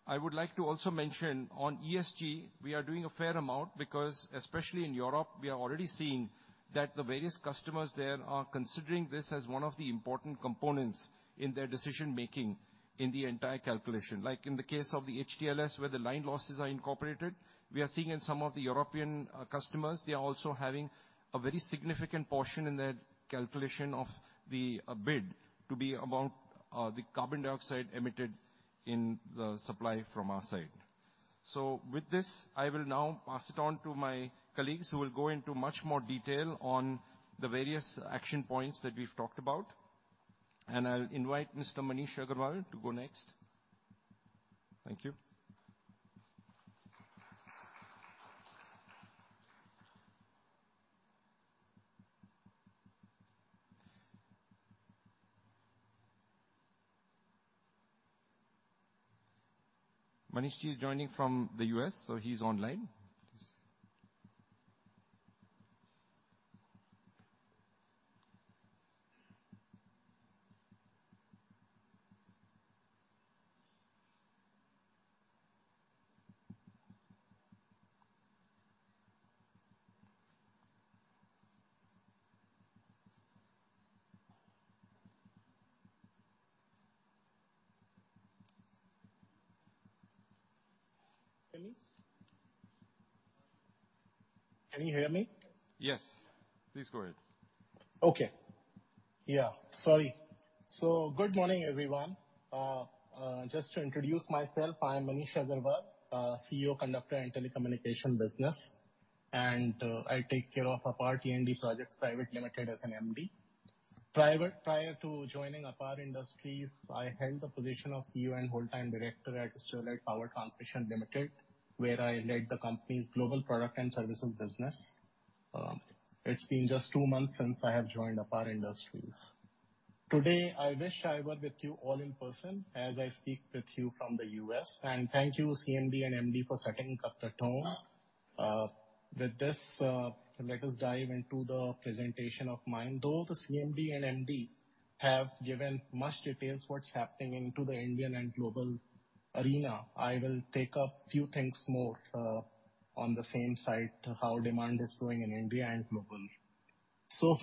I would like to also mention on ESG, we are doing a fair amount because, especially in Europe, we are already seeing that the various customers there are considering this as one of the important components in their decision making in the entire calculation. Like in the case of the HTLS, where the line losses are incorporated, we are seeing in some of the European customers, they are also having a very significant portion in their calculation of the bid to be about the carbon dioxide emitted in the supply from our side. With this, I will now pass it on to my colleagues, who will go into much more detail on the various action points that we've talked about. And I'll invite Mr. Manish Agarwal to go next. Thank you. Manishji is joining from the U.S., so he's online. Can you... Can you hear me? Yes, please go ahead. Okay. Yeah, sorry. Good morning, everyone. Just to introduce myself, I am Manish Agarwal, CEO, Conductor and Telecommunication Business, and I take care of APAR T&D Projects Private Limited as an MD. Prior to joining APAR Industries, I held the position of CEO and Whole Time Director at Sterlite Power Transmission Limited, where I led the company's global product and services business. It's been just two months since I have joined APAR Industries. Today, I wish I were with you all in person, as I speak with you from the U.S., and thank you, CMD and MD, for setting up the tone. With this, let us dive into the presentation of mine. Though the CMD and MD have given much details what's happening into the Indian and global arena, I will take up few things more, on the same side, how demand is growing in India and globally.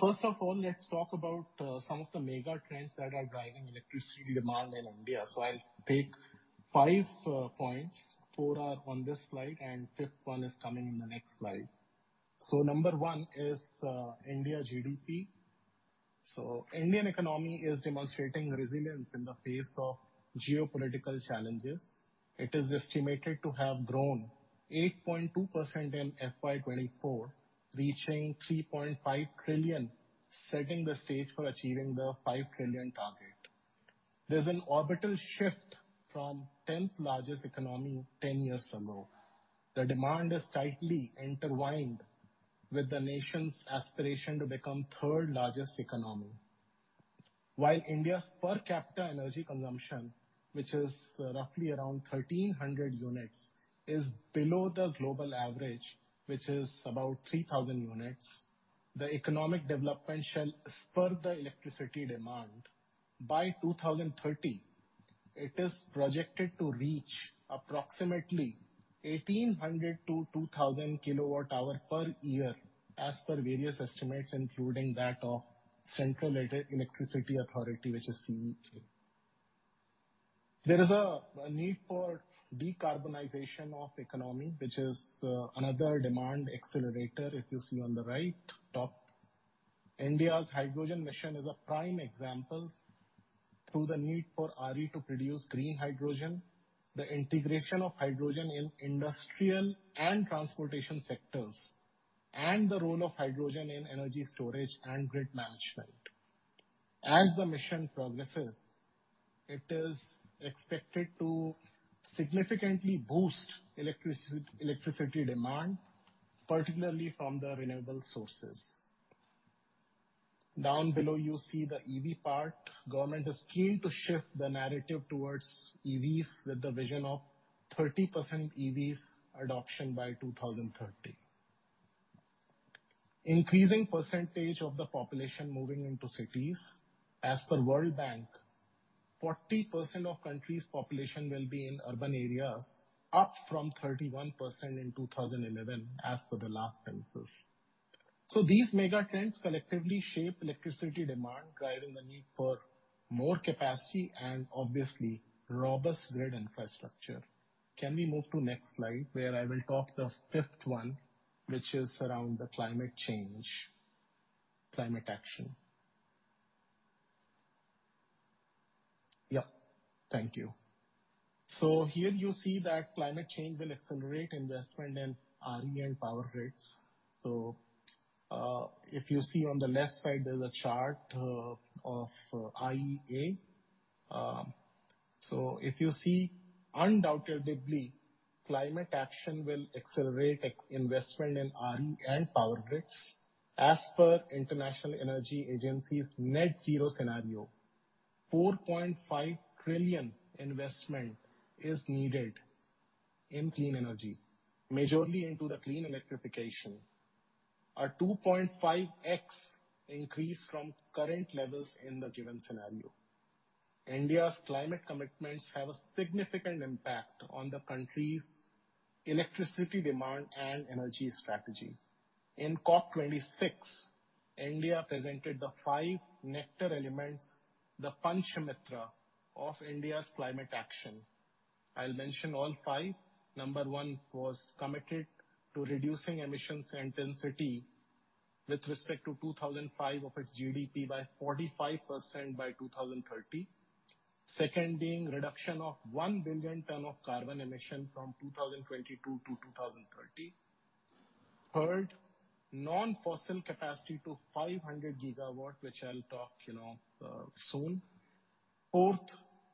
First of all, let's talk about some of the mega trends that are driving electricity demand in India. I'll take five points. Four are on this slide, and fifth one is coming in the next slide. Number one is India GDP. The Indian economy is demonstrating resilience in the face of geopolitical challenges. It is estimated to have grown 8.2% in FY 2024, reaching $3.5 trillion, setting the stage for achieving the $5 trillion target. There's an orbital shift from 10th largest economy 10 years ago. The demand is tightly intertwined with the nation's aspiration to become third largest economy. While India's per capita energy consumption, which is roughly around 1300 units, is below the global average, which is about 3,000 units, the economic development shall spur the electricity demand. By 2030, it is projected to reach approximately 1,800 kilowatt-2,000 kilowatt hour per year, as per various estimates, including that of Central Electricity Authority, which is CEA. There is a need for decarbonization of economy, which is another demand accelerator, if you see on the right top. India's hydrogen mission is a prime example through the need for RE to produce green hydrogen, the integration of hydrogen in industrial and transportation sectors, and the role of hydrogen in energy storage and grid management. As the mission progresses, it is expected to significantly boost electricity demand, particularly from the renewable sources. Down below, you see the EV part. Government is keen to shift the narrative towards EVs, with the vision of 30% EVs adoption by 2030. Increasing percentage of the population moving into cities. As per World Bank, 40% of country's population will be in urban areas, up from 31% in 2011, as per the last census. So these mega trends collectively shape electricity demand, driving the need for more capacity and obviously, robust grid infrastructure. Can we move to next slide, where I will talk the fifth one, which is around the climate change, climate action? Yeah, thank you. So here you see that climate change will accelerate investment in RE and power grids. So, if you see on the left side, there's a chart of IEA. So if you see, undoubtedly, climate action will accelerate investment in RE and power grids. As per International Energy Agency's net zero scenario, $4.5 trillion investment is needed in clean energy, majorly into the clean electrification. A 2.5x increase from current levels in the given scenario. India's climate commitments have a significant impact on the country's electricity demand and energy strategy. In COP26, India presented the five nectar elements, the Panchamrit, of India's climate action. I'll mention all five. Number one was committed to reducing emissions intensity with respect to 2005 of its GDP by 45% by 2030. Second being reduction of 1 billion ton of carbon emission from 2022-2030. Third, non-fossil capacity to 500 gigawatt, which I'll talk, you know, soon. Fourth,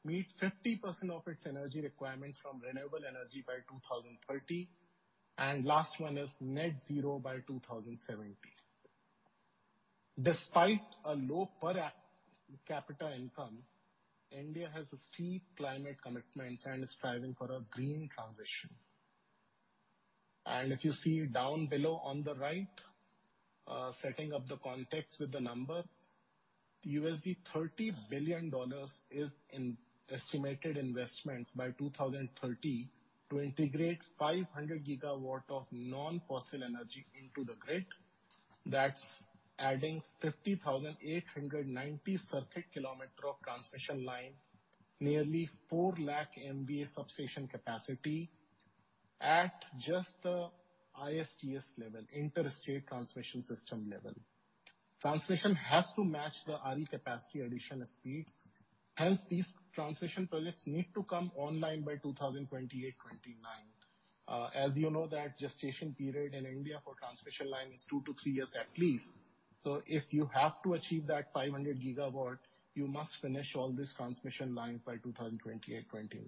meet 50% of its energy requirements from renewable energy by 2030, and last one is net zero by 2070. Despite a low per capita income, India has deep climate commitments and is striving for a green transition. If you see down below on the right, setting up the context with the number, $30 billion is an estimated investments by 2030 to integrate 500 GW of non-fossil energy into the grid. That's adding 50,890 circuit kilometer of transmission line, nearly 400,000 MVA substation capacity at just the ISTS level, Interstate Transmission System level. Transmission has to match the RE capacity addition speeds. Hence, these transmission projects need to come online by 2028-2029. As you know, that gestation period in India for transmission line is two to three years at least. So if you have to achieve that 500 gigawatt, you must finish all these transmission lines by 2028, 2029.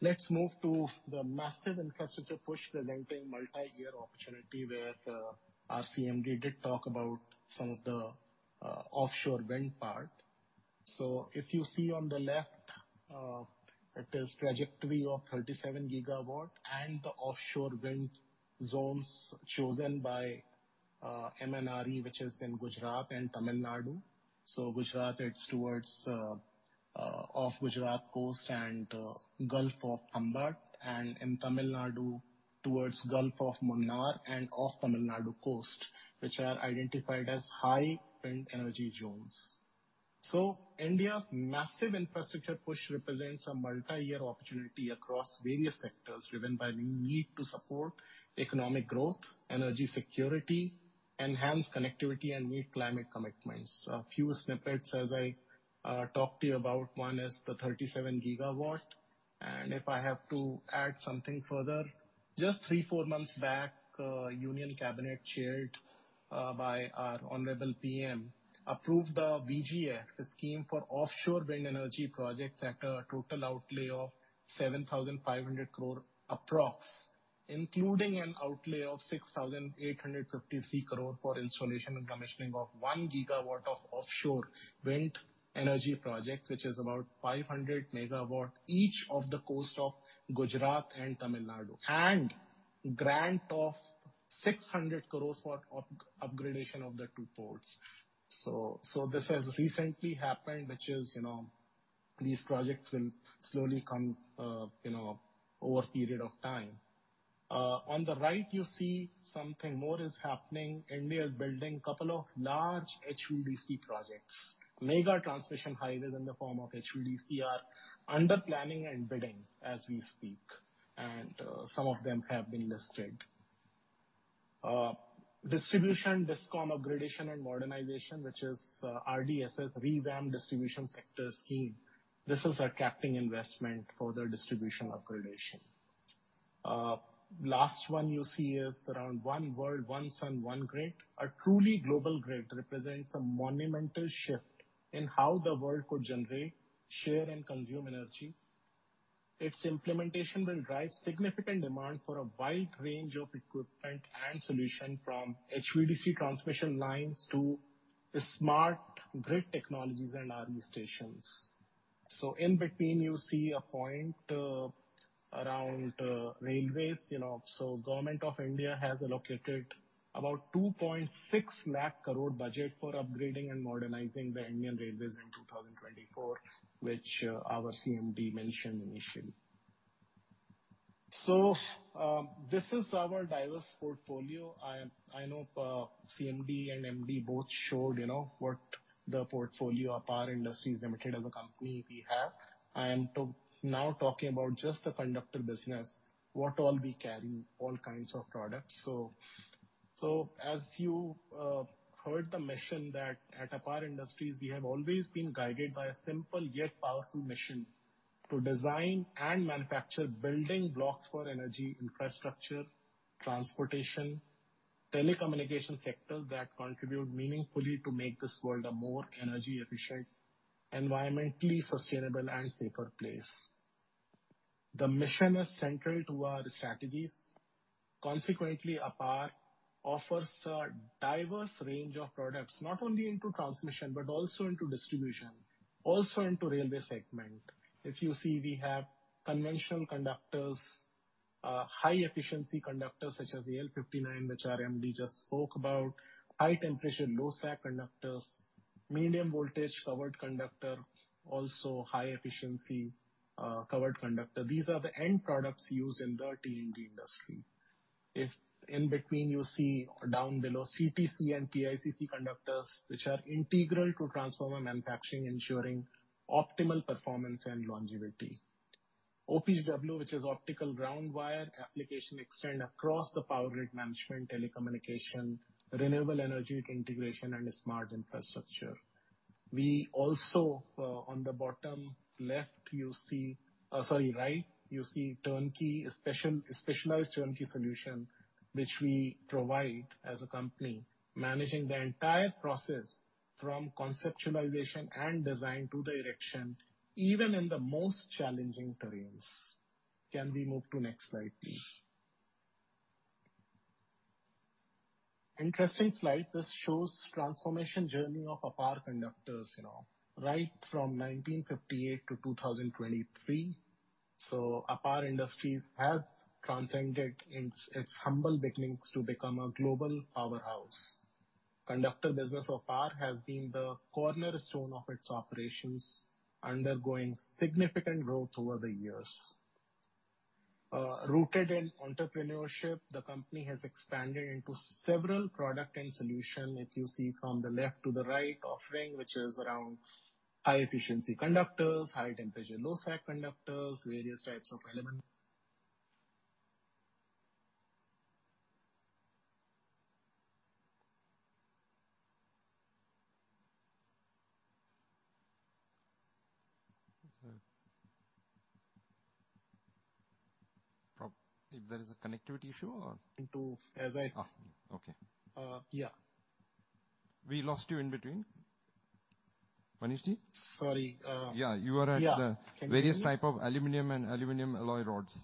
Let's move to the massive infrastructure push presenting multi-year opportunity, where our CMD did talk about some of the offshore wind part. So if you see on the left, it is trajectory of 37 gigawatt and the offshore wind zones chosen by MNRE, which is in Gujarat and Tamil Nadu. So Gujarat, it's towards off Gujarat coast and Gulf of Khambhat, and in Tamil Nadu, towards Gulf of Mannar and off Tamil Nadu coast, which are identified as high wind energy zones. India's massive infrastructure push represents a multi-year opportunity across various sectors, driven by the need to support economic growth, energy security, enhance connectivity and meet climate commitments. A few snippets, as I talked to you about, one is the 37 gigawatt. And if I have to add something further, just three, four months back, Union Cabinet, chaired by our Honorable PM, approved the VGF scheme, the scheme for offshore wind energy projects, at a total outlay of 7,500 crore approx, including an outlay of 6,853 crore for installation and commissioning of 1 gigawatt of offshore wind energy projects, which is about 500 megawatt, each off the coast of Gujarat and Tamil Nadu, and grant of 600 crores for upgradation of the two ports. So, so this has recently happened, which is, you know, these projects will slowly come, you know, over a period of time. On the right, you see something more is happening. India is building a couple of large HVDC projects. Mega transmission highways in the form of HVDC are under planning and bidding as we speak, and some of them have been listed. Distribution, DISCOM upgradation and modernization, which is, RDSS, Revamped Distribution Sector Scheme. This is our capex investment for the distribution upgradation. Last one you see is around one world, one sun, one grid. A truly global grid represents a monumental shift in how the world could generate, share, and consume energy. Its implementation will drive significant demand for a wide range of equipment and solution, from HVDC transmission lines to the smart grid technologies and EV stations. In between, you see a point around railways, you know. The Government of India has allocated about 2.6 lakh crore budget for upgrading and modernizing the Indian Railways in 2024, which our CMD mentioned initially. This is our diverse portfolio. I know CMD and MD both showed, you know, what the portfolio of APAR Industries Limited as a company we have, and now talking about just the conductor business, what all we carry, all kinds of products. As you heard the mission that at APAR Industries, we have always been guided by a simple yet powerful mission: to design and manufacture building blocks for energy, infrastructure, transportation, telecommunication sector that contribute meaningfully to make this world a more energy efficient, environmentally sustainable and safer place. The mission is central to our strategies. Consequently, APAR offers a diverse range of products, not only into transmission, but also into distribution, also into railway segment. If you see, we have conventional conductors, high efficiency conductors, such as AL-59, which our MD just spoke about, high temperature low sag conductors, medium voltage covered conductor, also high efficiency covered conductor. These are the end products used in the T&D industry. If in between, you see down below CTC and PICC conductors, which are integral to transformer manufacturing, ensuring optimal performance and longevity. OPGW, which is optical ground wire, applications extend across the power grid management, telecommunication, renewable energy integration, and smart infrastructure. We also, on the bottom right, you see specialized turnkey solution, which we provide as a company, managing the entire process from conceptualization and design to the erection, even in the most challenging terrains. Can we move to next slide, please? Interesting slide. This shows transformation journey of APAR conductors, you know, right from 1958-2023. So APAR Industries has transcended its humble beginnings to become a global powerhouse. Conductor business of APAR has been the cornerstone of its operations, undergoing significant growth over the years. Rooted in entrepreneurship, the company has expanded into several product and solution. If you see from the left to the right, offering, which is around high efficiency conductors, high temperature, low sag conductors, various types of element. If there is a connectivity issue or? Into... As I- Ah, okay. Uh, yeah. We lost you in between. Manishji? Sorry, uh- Yeah, you were at the- Yeah. Various types of aluminum and aluminum alloy rods.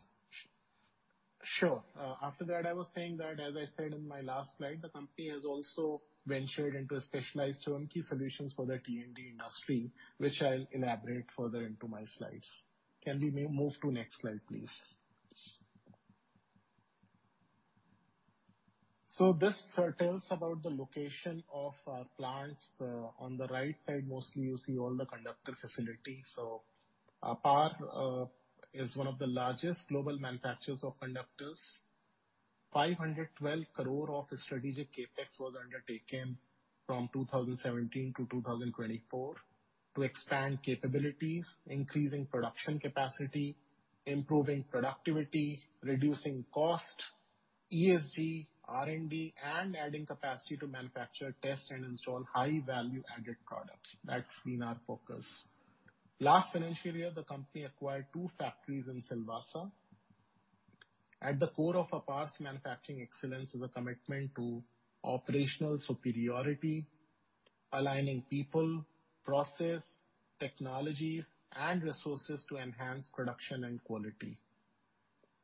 Sure. After that, I was saying that, as I said in my last slide, the company has also ventured into a specialized turnkey solutions for the T&D industry, which I'll elaborate further into my slides. Can we move to next slide, please? So this tells about the location of our plants. On the right side, mostly you see all the conductor facilities. So APAR is one of the largest global manufacturers of conductors. 512 crore of strategic CapEx was undertaken from 2017-2024 to expand capabilities, increasing production capacity, improving productivity, reducing cost, ESG, R&D, and adding capacity to manufacture, test, and install high-value added products. That's been our focus. Last financial year, the company acquired two factories in Silvassa. At the core of APAR's manufacturing excellence is a commitment to operational superiority, aligning people, process, technologies, and resources to enhance production and quality.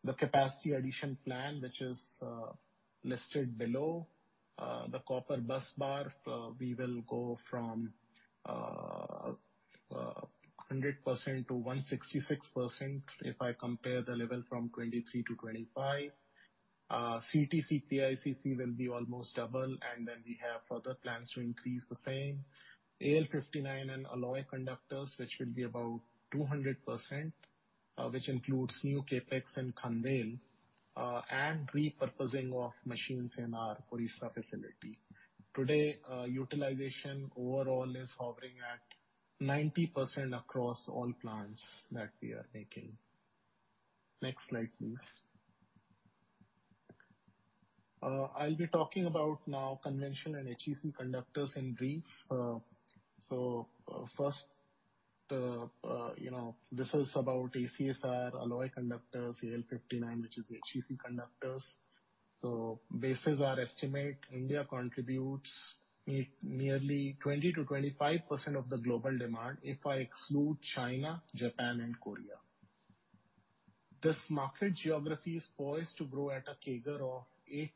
The capacity addition plan, which is listed below, the copper busbar, we will go from 100%-166% if I compare the level from 2023-2025. CTC, PICC will be almost double, and then we have further plans to increase the same. AL-59 and alloy conductors, which will be about 200%, which includes new CapEx in Khandvel, and repurposing of machines in our Odisha facility. Today, utilization overall is hovering at 90% across all plants that we are making. Next slide, please. I'll be talking about now conventional and HEC conductors in brief. So, first, you know, this is about ACSR alloy conductors, AL-59, which is HEC conductors. Based on our estimate, India contributes nearly 20%-25% of the global demand if I exclude China, Japan, and Korea. This market geography is poised to grow at a CAGR of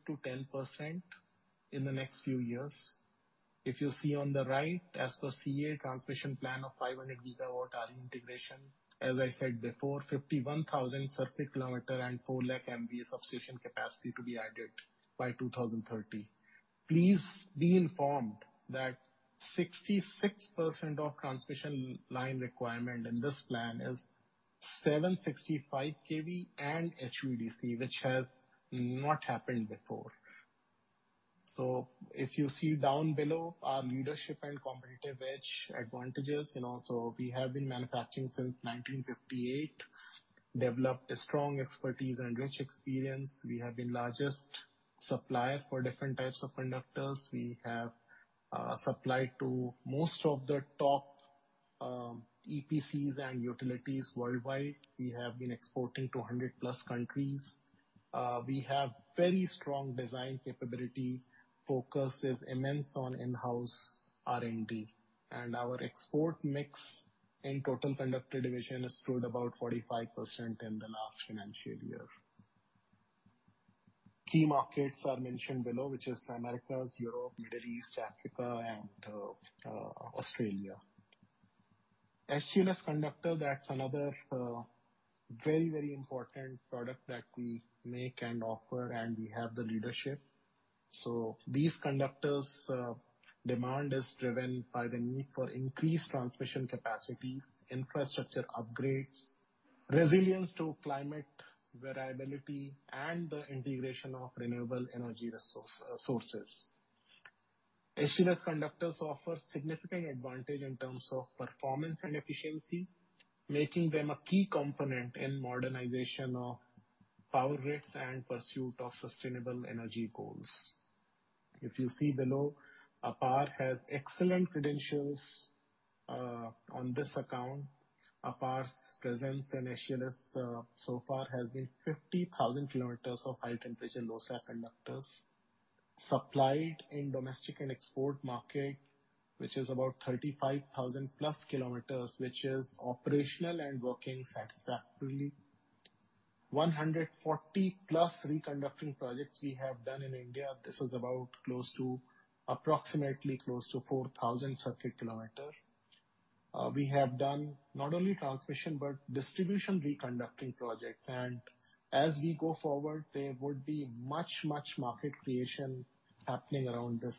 8%-10% in the next few years. If you see on the right, as per CEA transmission plan of 500 gigawatt-hour integration, as I said before, 51,000 circuit kilometer and 4 lakh MV substation capacity to be added by 2030. Please be informed that 66% of transmission line requirement in this plan is 765 kV and HVDC, which has not happened before. If you see down below, our leadership and competitive edge advantages, you know, we have been manufacturing since 1958, developed a strong expertise and rich experience. We have been largest supplier for different types of conductors. We have supplied to most of the top EPCs and utilities worldwide. We have been exporting to 100+ countries. We have very strong design capability, focus is immense on in-house R&D, and our export mix in total conductor division is still about 45% in the last financial year. Key markets are mentioned below, which is Americas, Europe, Middle East, Africa, and Australia. AL-59 conductor, that's another very, very important product that we make and offer, and we have the leadership. These conductors, demand is driven by the need for increased transmission capacities, infrastructure upgrades, resilience to climate variability, and the integration of renewable energy resources. HTLS conductors offer significant advantage in terms of performance and efficiency, making them a key component in modernization of power grids and pursuit of sustainable energy goals. If you see below, APAR has excellent credentials on this account. APAR's presence in HTLS so far has been 50,000 kilometers of high temperature, low sag conductors, supplied in domestic and export market, which is about 35,000-plus kilometers, which is operational and working satisfactorily. 140-plus reconductoring projects we have done in India. This is about approximately close to 4,000 circuit kilometers. We have done not only transmission, but distribution reconductoring projects, and as we go forward, there would be much, much market creation happening around this,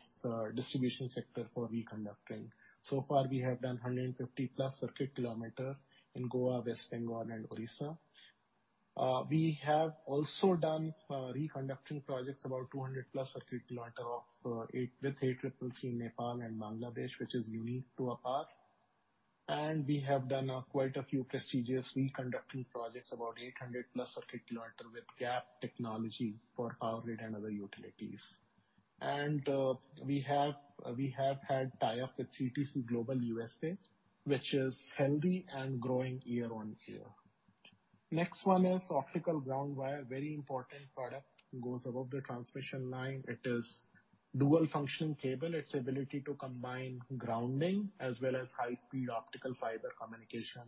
distribution sector for reconductoring. So far, we have done 150-plus circuit kilometer in Goa, West Bengal, and Odisha. We have also done, reconductoring projects, about 200-plus circuit kilometer of, eight, with ACCC in Nepal and Bangladesh, which is unique to APAR. And we have done, quite a few prestigious reconductoring projects, about 800-plus circuit kilometer with Gap technology for Power Grid and other utilities. And, we have had tie-up with CTC Global USA, which is healthy and growing year-on-year. Next one is optical ground wire. Very important product, goes above the transmission line. It is dual function cable. Its ability to combine grounding as well as high-speed optical fiber communication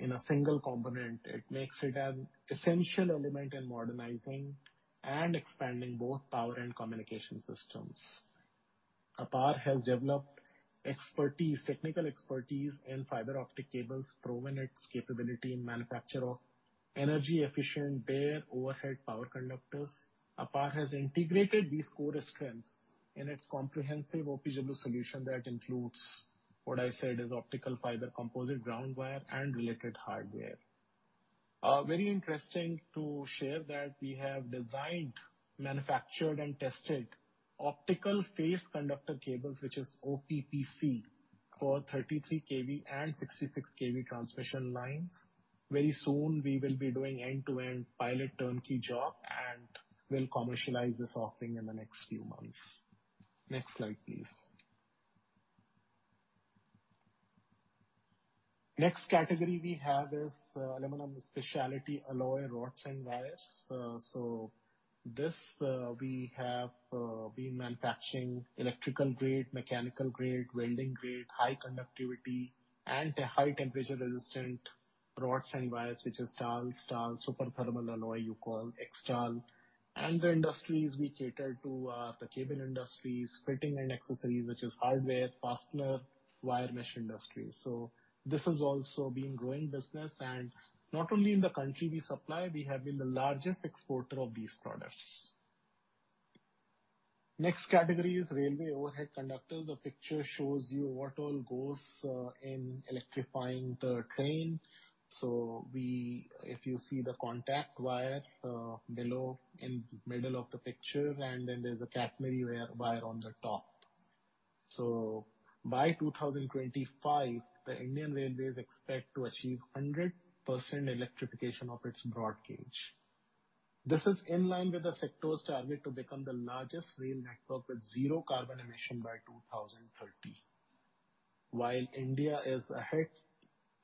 in a single component. It makes it an essential element in modernizing and expanding both power and communication systems. APAR has developed expertise, technical expertise in fiber optic cables, proven its capability in manufacture of energy efficient bare overhead power conductors. APAR has integrated these core strengths in its comprehensive OPGW solution that includes, what I said, is optical fiber composite ground wire and related hardware. Very interesting to share that we have designed, manufactured, and tested optical phase conductor cables, which is OPPC, for 33 kV and 66 kV transmission lines. Very soon, we will be doing end-to-end pilot turnkey job, and we'll commercialize this offering in the next few months. Next slide, please. Next category we have is aluminum specialty alloy rods and wires. So we have been manufacturing electrical grade, mechanical grade, welding grade, high conductivity, and a high temperature resistant rods and wires, which is TAL super thermal alloy, you call ZTAL. And the industries we cater to, the cable industries, fitting and accessories, which is hardware, fastener, wire mesh industry. So this is also been growing business, and not only in the country we supply, we have been the largest exporter of these products. Next category is railway overhead conductor. The picture shows you what all goes in electrifying the train. If you see the contact wire below in middle of the picture, and then there's a catenary wire on the top. By 2025, the Indian Railways expect to achieve 100% electrification of its broad gauge. This is in line with the sector's target to become the largest rail network with zero carbon emission by 2030. While India is ahead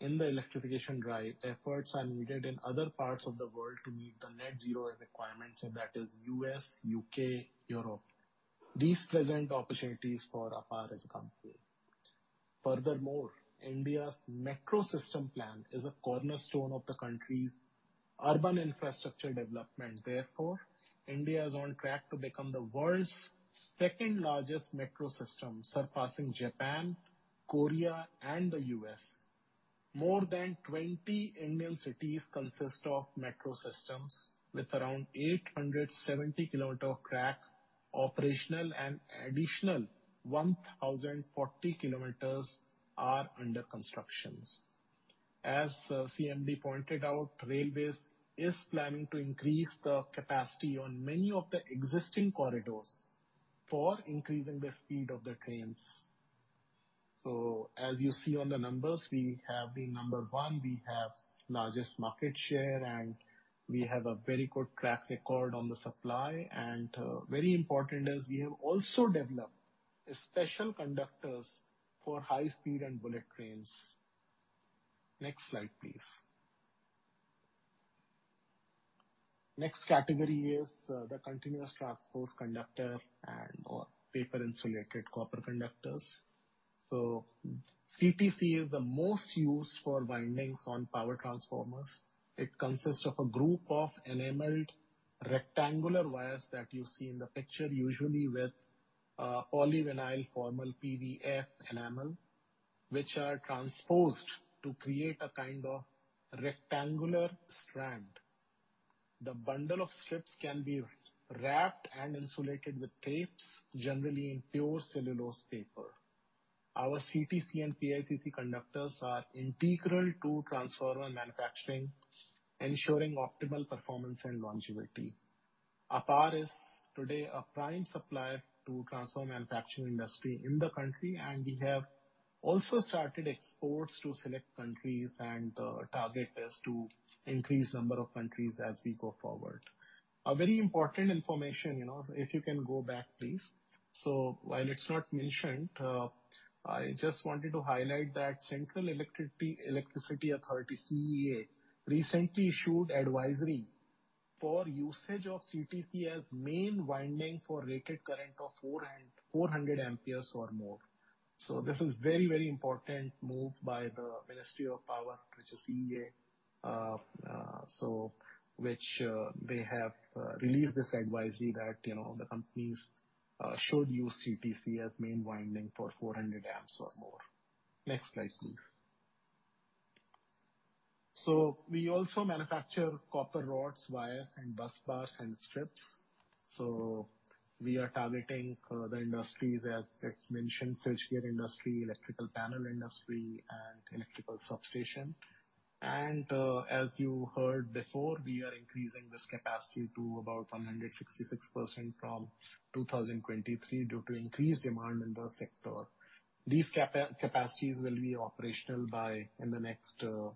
in the electrification drive, efforts are needed in other parts of the world to meet the net zero requirements, and that is U.S., UK, Europe. These present opportunities for APAR as a company. Furthermore, India's metro system plan is a cornerstone of the country's urban infrastructure development. Therefore, India is on track to become the world's second-largest metro system, surpassing Japan, Korea, and the U.S. More than 20 Indian cities consist of metro systems with around 870 kilometers of track operational, and additional 1,040 kilometers are under construction. As CMD pointed out, Railways is planning to increase the capacity on many of the existing corridors for increasing the speed of the trains. As you see on the numbers, we have been number one. We have largest market share, and we have a very good track record on the supply. Very important is we have also developed special conductors for high speed and bullet trains. Next slide, please. Next category is the continuously transposed conductor and/or paper insulated copper conductors. CTC is the most used for windings on power transformers. It consists of a group of enameled rectangular wires that you see in the picture, usually with polyvinyl formal PVF enamel, which are transposed to create a kind of rectangular strand. The bundle of strips can be wrapped and insulated with tapes, generally in pure cellulose paper. Our CTC and PICC conductors are integral to transformer manufacturing, ensuring optimal performance and longevity. APAR is today a prime supplier to transformer manufacturing industry in the country, and we have also started exports to select countries, and the target is to increase number of countries as we go forward. A very important information, you know, if you can go back, please. So while it's not mentioned, I just wanted to highlight that Central Electricity Authority, CEA, recently issued advisory for usage of CTC as main winding for rated current of 400 amperes or more. So this is very, very important move by the Ministry of Power, which is CEA. So which, they have, released this advisory that, you know, the companies, should use CTC as main winding for 400 amps or more. Next slide, please. So we also manufacture copper rods, wires, and bus bars, and strips. We are targeting the industries, as it's mentioned, switchgear industry, electrical panel industry, and electrical substation. As you heard before, we are increasing this capacity to about 166% from 2023 due to increased demand in the sector. These capacities will be operational in the next two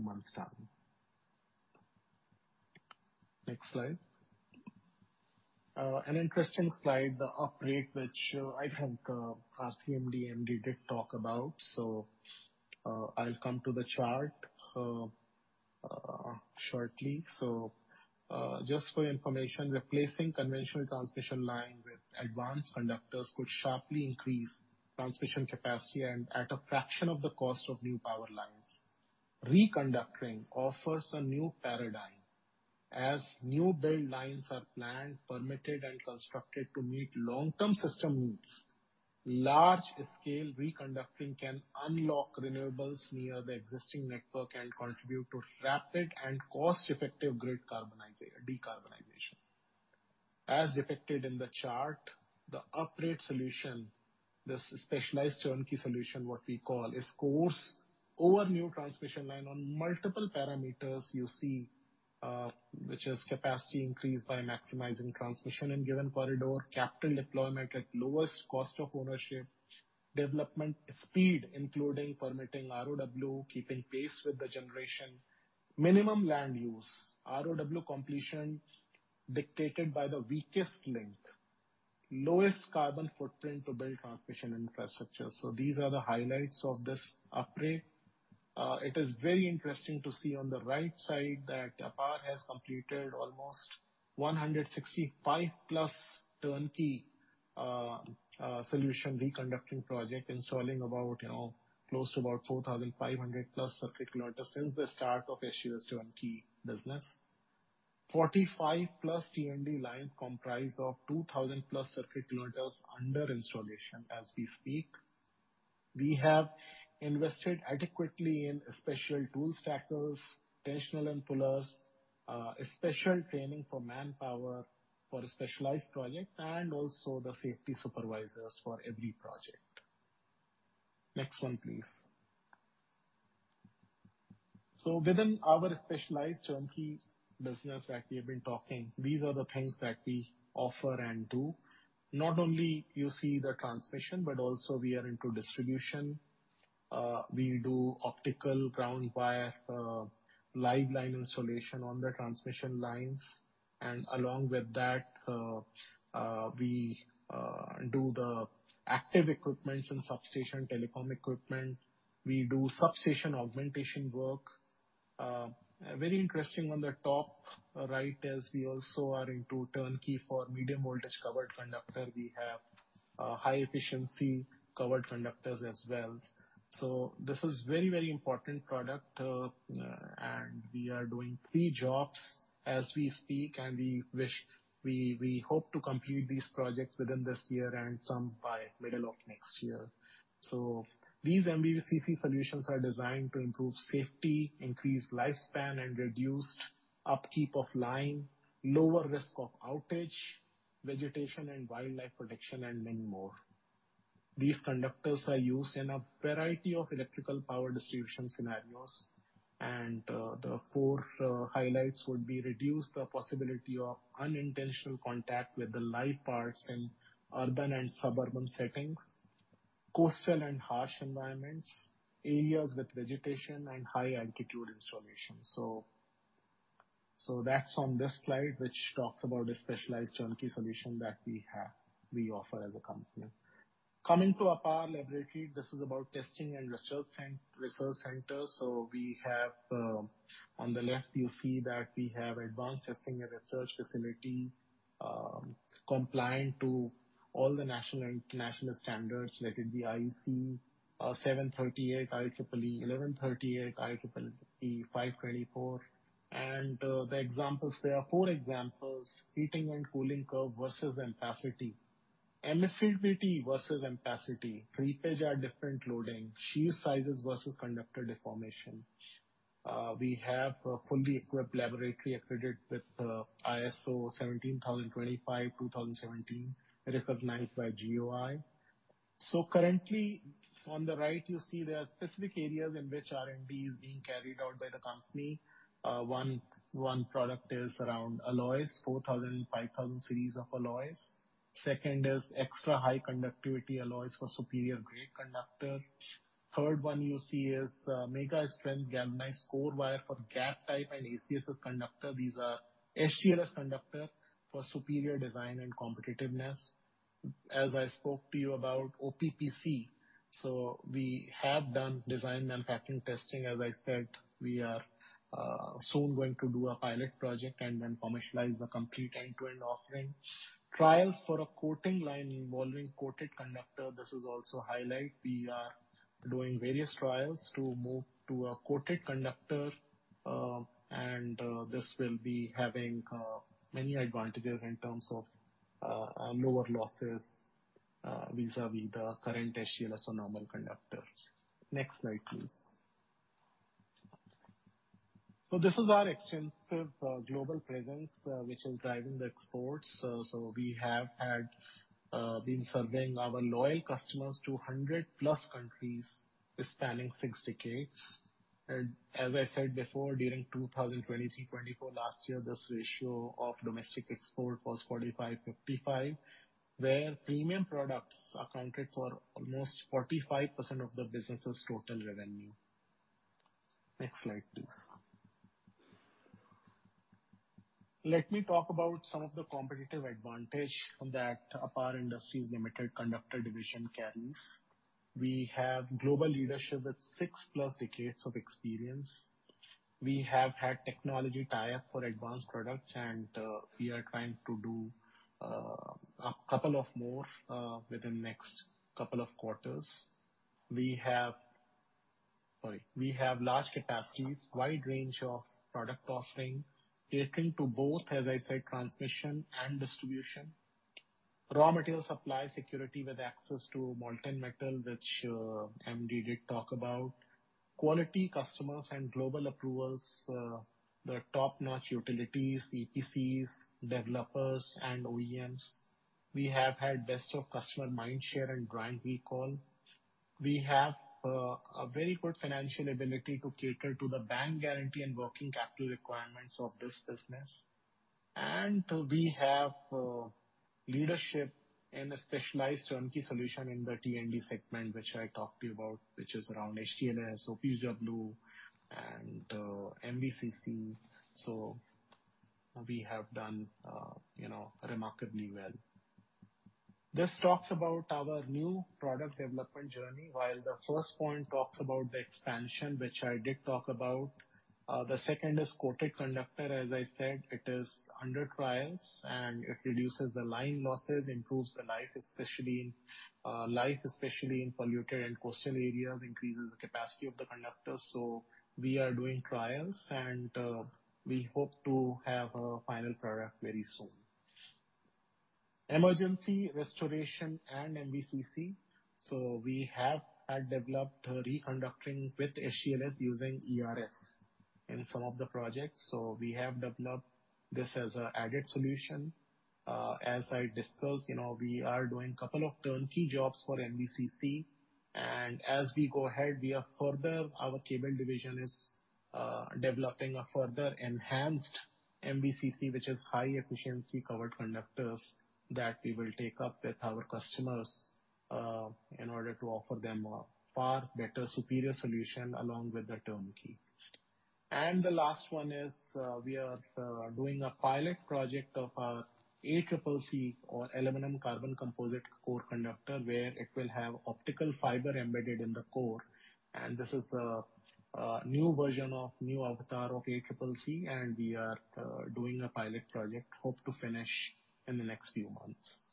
months' time. Next slide. An interesting slide, the upgrade, which I think our CMD, MD did talk about, so I'll come to the chart shortly. Just for your information, replacing conventional transmission line with advanced conductors could sharply increase transmission capacity and at a fraction of the cost of new power lines. Reconductoring offers a new paradigm. As new build lines are planned, permitted, and constructed to meet long-term system needs, large-scale reconductoring can unlock renewables near the existing network and contribute to rapid and cost-effective grid decarbonization. As depicted in the chart, the upgrade solution, this specialized turnkey solution, what we call, scores over new transmission line on multiple parameters you see, which is capacity increased by maximizing transmission in given corridor, capital deployment at lowest cost of ownership, development speed, including permitting ROW, keeping pace with the generation, minimum land use, ROW completion dictated by the weakest link, lowest carbon footprint to build transmission infrastructure. So these are the highlights of this upgrade. It is very interesting to see on the right side that APAR has completed almost 165-plus turnkey solution reconductoring project, installing about, you know, close to about 4,500-plus circuit kilometers since the start of HEC turnkey business. 45-plus T&D line comprise of 2,000-plus circuit kilometers under installation as we speak. We have invested adequately in special tool stackers, tensioners and pullers, special training for manpower for a specialized project, and also the safety supervisors for every project. Next one, please. So within our specialized turnkey business that we have been talking, these are the things that we offer and do. Not only you see the transmission, but also we are into distribution. We do optical ground wire, live line installation on the transmission lines, and along with that, we do the active equipments and substation telecom equipment. We do substation augmentation work. Very interesting on the top right, as we also are into turnkey for medium voltage covered conductor. We have high efficiency covered conductors as well. So this is very, very important product, and we are doing three jobs as we speak, and we hope to complete these projects within this year and some by middle of next year. So these MVCC solutions are designed to improve safety, increase lifespan, and reduced upkeep of line, lower risk of outage, vegetation and wildlife protection, and many more. These conductors are used in a variety of electrical power distribution scenarios, and the four highlights would be reduce the possibility of unintentional contact with the live parts in urban and suburban settings, coastal and harsh environments, areas with vegetation and high altitude installations. So that's on this slide, which talks about the specialized turnkey solution that we have, we offer as a company. Coming to APAR Laboratory, this is about testing and research research center. So we have on the left, you see that we have advanced testing and research facility, compliant to all the national and international standards, like IEC 738, IEEE 1,138, IEEE 524. And the examples, there are four examples: heating and cooling curve versus ampacity, ampacity versus ampacity, three-phase at different loading, various sizes versus conductor deformation. We have a fully equipped laboratory accredited with ISO 17025:2017, recognized by GOI. So currently, on the right, you see there are specific areas in which R&D is being carried out by the company. One product is around alloys, 4000, 5000 series of alloys. Second is extra high conductivity alloys for superior grade conductor. Third one you see is mega strength galvanized core wire for gap type and ACSS conductor. These are HTLS conductor for superior design and competitiveness. As I spoke to you about OPPC, so we have done design and pattern testing. As I said, we are soon going to do a pilot project and then commercialize the complete end-to-end offering. Trials for a coating line involving coated conductor, this is also highlight. We are doing various trials to move to a coated conductor, and this will be having many advantages in terms of lower losses vis-a-vis the current HTLS or normal conductor. Next slide, please. This is our extensive global presence which is driving the exports. We have been serving our loyal customers in 100-plus countries spanning six decades. And as I said before, during 2023-2024 last year, this ratio of domestic export was 45-55, where premium products accounted for almost 45% of the business's total revenue. Next slide, please. Let me talk about some of the competitive advantage that APAR Industries Limited Conductor Division carries. We have global leadership with six-plus decades of experience. We have had technology tie-up for advanced products, and we are trying to do a couple of more within the next couple of quarters. We have large capacities, wide range of product offering, catering to both, as I said, transmission and distribution. Raw material supply security with access to molten metal, which MD did talk about. Quality customers and global approvals, the top-notch utilities, EPCs, developers, and OEMs. We have had best of customer mindshare and brand recall. We have a very good financial ability to cater to the bank guarantee and working capital requirements of this business. We have leadership in a specialized turnkey solution in the T&D segment, which I talked to you about, which is around HTLS, OPGW, and MVCC. So we have done, you know, remarkably well. This talks about our new product development journey, while the first point talks about the expansion, which I did talk about. The second is coated conductor. As I said, it is under trials, and it reduces the line losses, improves the life, especially in polluted and coastal areas, increases the capacity of the conductor. So we are doing trials, and we hope to have a final product very soon. Emergency restoration and MVCC. So we have had developed reconductoring with HTLS using ERS in some of the projects, so we have developed this as an added solution. As I discussed, you know, we are doing couple of turnkey jobs for MVCC, and as we go ahead, we are further, our cable division is developing a further enhanced MVCC, which is high efficiency covered conductors, that we will take up with our customers in order to offer them a far better, superior solution along with the turnkey. The last one is we are doing a pilot project of ACCC or aluminum conductor composite core conductor, where it will have optical fiber embedded in the core, and this is a new version of new avatar of ACCC, and we are doing a pilot project, hope to finish in the next few months.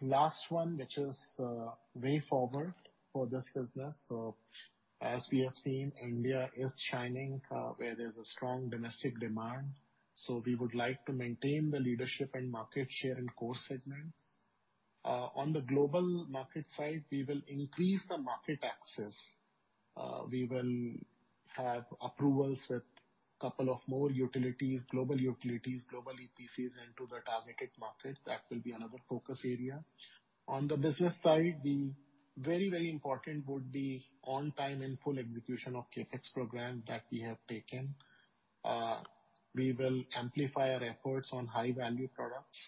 Last one, which is way forward for this business. So as we have seen, India is shining, where there's a strong domestic demand, so we would like to maintain the leadership and market share in core segments. On the global market side, we will increase the market access. We will have approvals with couple of more utilities, global utilities, global EPCs into the targeted market. That will be another focus area. On the business side, the very, very important would be on time and full execution of CapEx program that we have taken. We will amplify our efforts on high value products.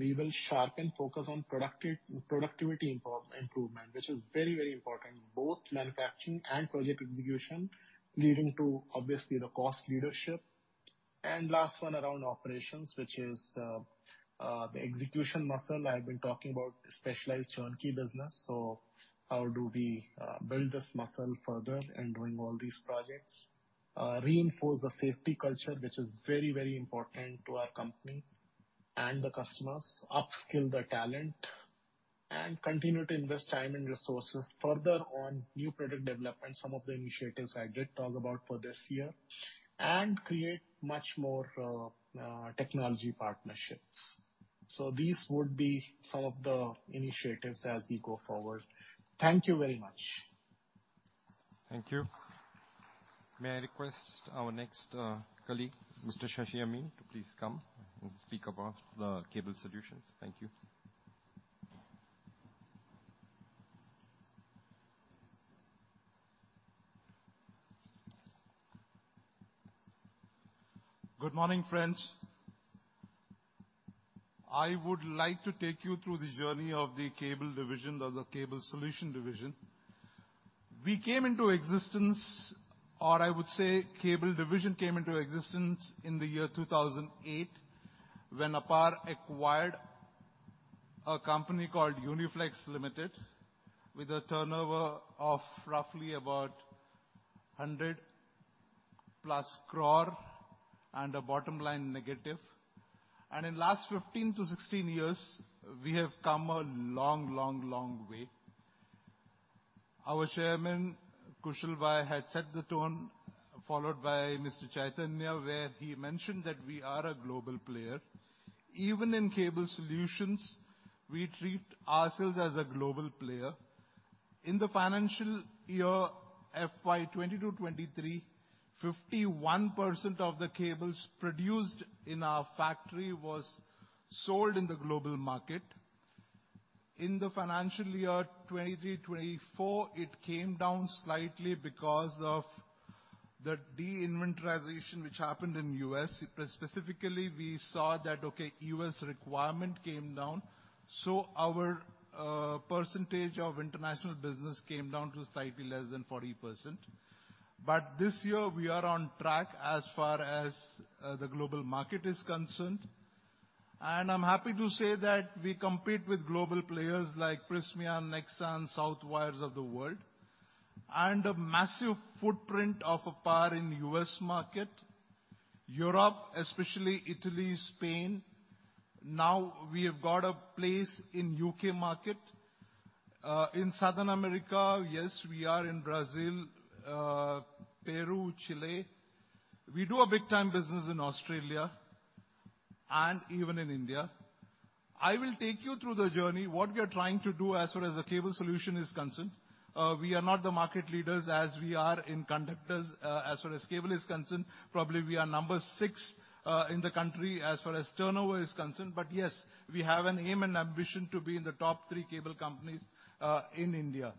We will sharpen focus on productivity improvement, which is very, very important, both manufacturing and project execution, leading to, obviously, the cost leadership. And last one, around operations, which is the execution muscle. I've been talking about specialized tunkey business, so how do we build this muscle further in doing all these projects? Reinforce the safety culture, which is very, very important to our company and the customers. Upskill the talent, and continue to invest time and resources further on new product development, some of the initiatives I did talk about for this year, and create much more technology partnerships. So these would be some of the initiatives as we go forward. Thank you very much. Thank you. May I request our next, colleague, Mr. Shashi Amin, to come and speak about the cable solutions. Thank you. Good morning, friends. I would like to take you through the journey of the cable division or the cable solution division. We came into existence, or I would say, cable division came into existence in the year 2008, when APAR acquired a company called Uniflex Limited, with a turnover of roughly about 100+ crore and a bottom line negative. In the last 15-16 years, we have come a long, long, long way. Our Chairman, Kushalbhai, had set the tone, followed by Mr. Chaitanya, where he mentioned that we are a global player. Even in cable solutions, we treat ourselves as a global player. In the financial year FY 2022, FY 2023, 51% of the cables produced in our factory was sold in the global market. In the financial year 2023, 2024, it came down slightly because of the de-inventorization, which happened in the U.S. Specifically, we saw that U.S. requirement came down, so our percentage of international business came down to slightly less than 40%. But this year, we are on track as far as the global market is concerned. And I'm happy to say that we compete with global players like Prysmian, Nexans, Southwire of the world, and a massive footprint of APAR in U.S. market, Europe, especially Italy, Spain. Now we have got a place in UK market. In Southern America, yes, we are in Brazil, Peru, Chile. We do a big time business in Australia and even in India. I will take you through the journey, what we are trying to do as far as the cable solution is concerned. We are not the market leaders as we are in conductors. As far as cable is concerned, probably we are number six in the country, as far as turnover is concerned. But yes, we have an aim and ambition to be in the top three cable companies in India.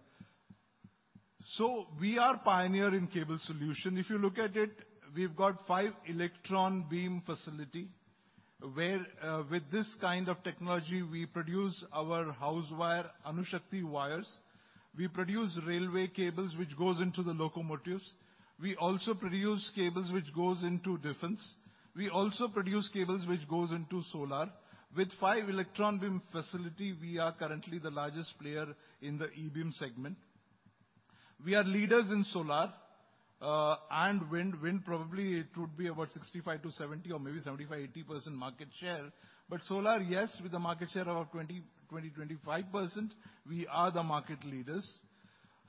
So we are pioneer in cable solution. If you look at it, we've got five electron beam facility, where with this kind of technology, we produce our house wire, Anushakti wires. We produce railway cables, which goes into the locomotives. We also produce cables, which goes into defense. We also produce cables, which goes into solar. With five electron beam facility, we are currently the largest player in the E-beam segment. We are leaders in solar and wind. Wind, probably, it would be about 65%-70%, or maybe 75%-80% market share. But solar, yes, with a market share of 20%-25%, we are the market leaders.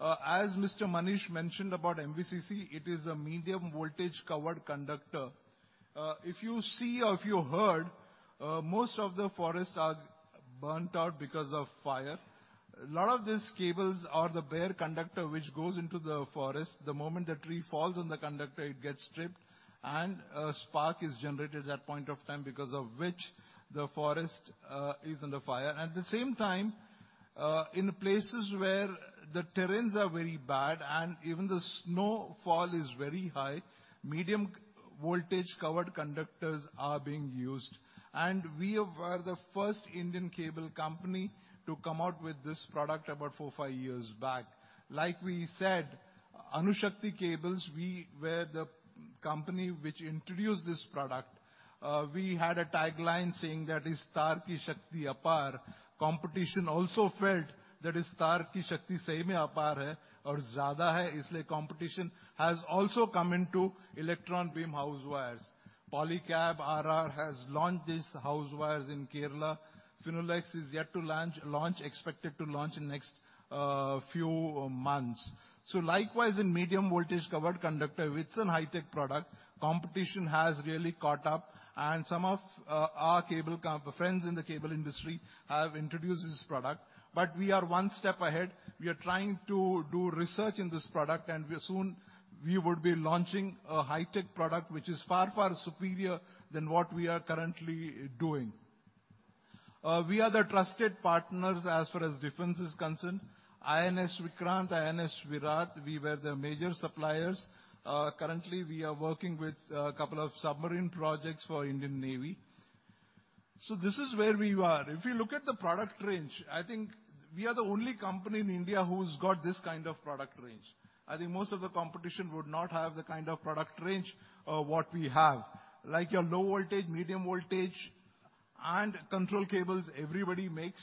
As Mr. Manish mentioned about MVCC, it is a medium voltage covered conductor. If you see or if you heard, most of the forests are burnt out because of fire. A lot of these cables are the bare conductor, which goes into the forest. The moment the tree falls on the conductor, it gets stripped, and a spark is generated at that point of time, because of which the forest is under fire. At the same time, in places where the terrains are very bad and even the snowfall is very high, medium voltage covered conductors are being used. And we were the first Indian cable company to come out with this product about 4-5 years back. Like we said, Anushakti Cables, we were the company which introduced this product. We had a tagline saying that is, "Taar ki Shakti APAR." Competition also felt that is Taar ki Shakti, APAR, or Jada. Competition has also come into electron beam house wires. Polycab, RR, has launched this house wires in Kerala. Finolex is yet to launch, expected to launch in next few months. So likewise, in medium voltage covered conductor, it's a high-tech product. Competition has really caught up, and some of our cable friends in the cable industry have introduced this product. But we are one step ahead. We are trying to do research in this product, and we soon would be launching a high-tech product, which is far, far superior than what we are currently doing. We are the trusted partners as far as defense is concerned. INS Vikrant, INS Viraat, we were the major suppliers. Currently, we are working with a couple of submarine projects for Indian Navy. So this is where we are. If you look at the product range, I think we are the only company in India who's got this kind of product range. I think most of the competition would not have the kind of product range, what we have. Like your low voltage, medium voltage, and control cables, everybody makes.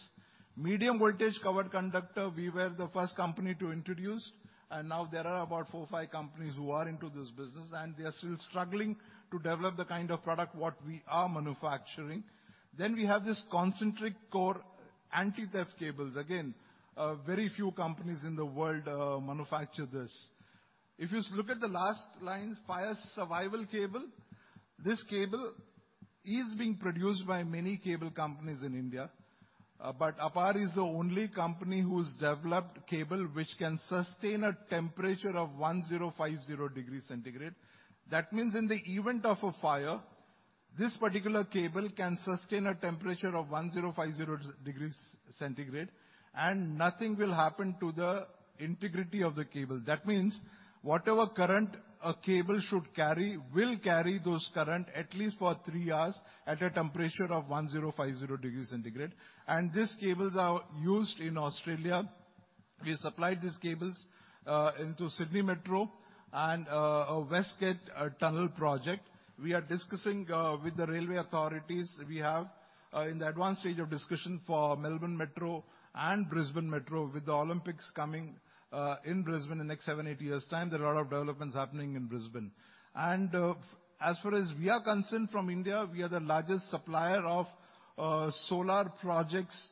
Medium voltage covered conductor, we were the first company to introduce, and now there are about four or five companies who are into this business, and they are still struggling to develop the kind of product what we are manufacturing. Then we have this concentric core anti-theft cables. Again, a very few companies in the world, manufacture this. If you look at the last line, fire survival cable, this cable is being produced by many cable companies in India, but APAR is the only company who's developed cable which can sustain a temperature of 1050 degrees Celsius. That means, in the event of a fire, this particular cable can sustain a temperature of 1050 degrees Celsius, and nothing will happen to the integrity of the cable. That means whatever current a cable should carry, will carry those current at least for three hours at a temperature of 1050 degrees Celsius, and these cables are used in Australia. We supplied these cables into Sydney Metro and a West Gate Tunnel project. We are discussing with the railway authorities. We have in the advanced stage of discussion for Melbourne Metro and Brisbane Metro. With the Olympics coming in Brisbane in the next seven, eight years' time, there are a lot of developments happening in Brisbane. And as far as we are concerned, from India, we are the largest supplier of solar projects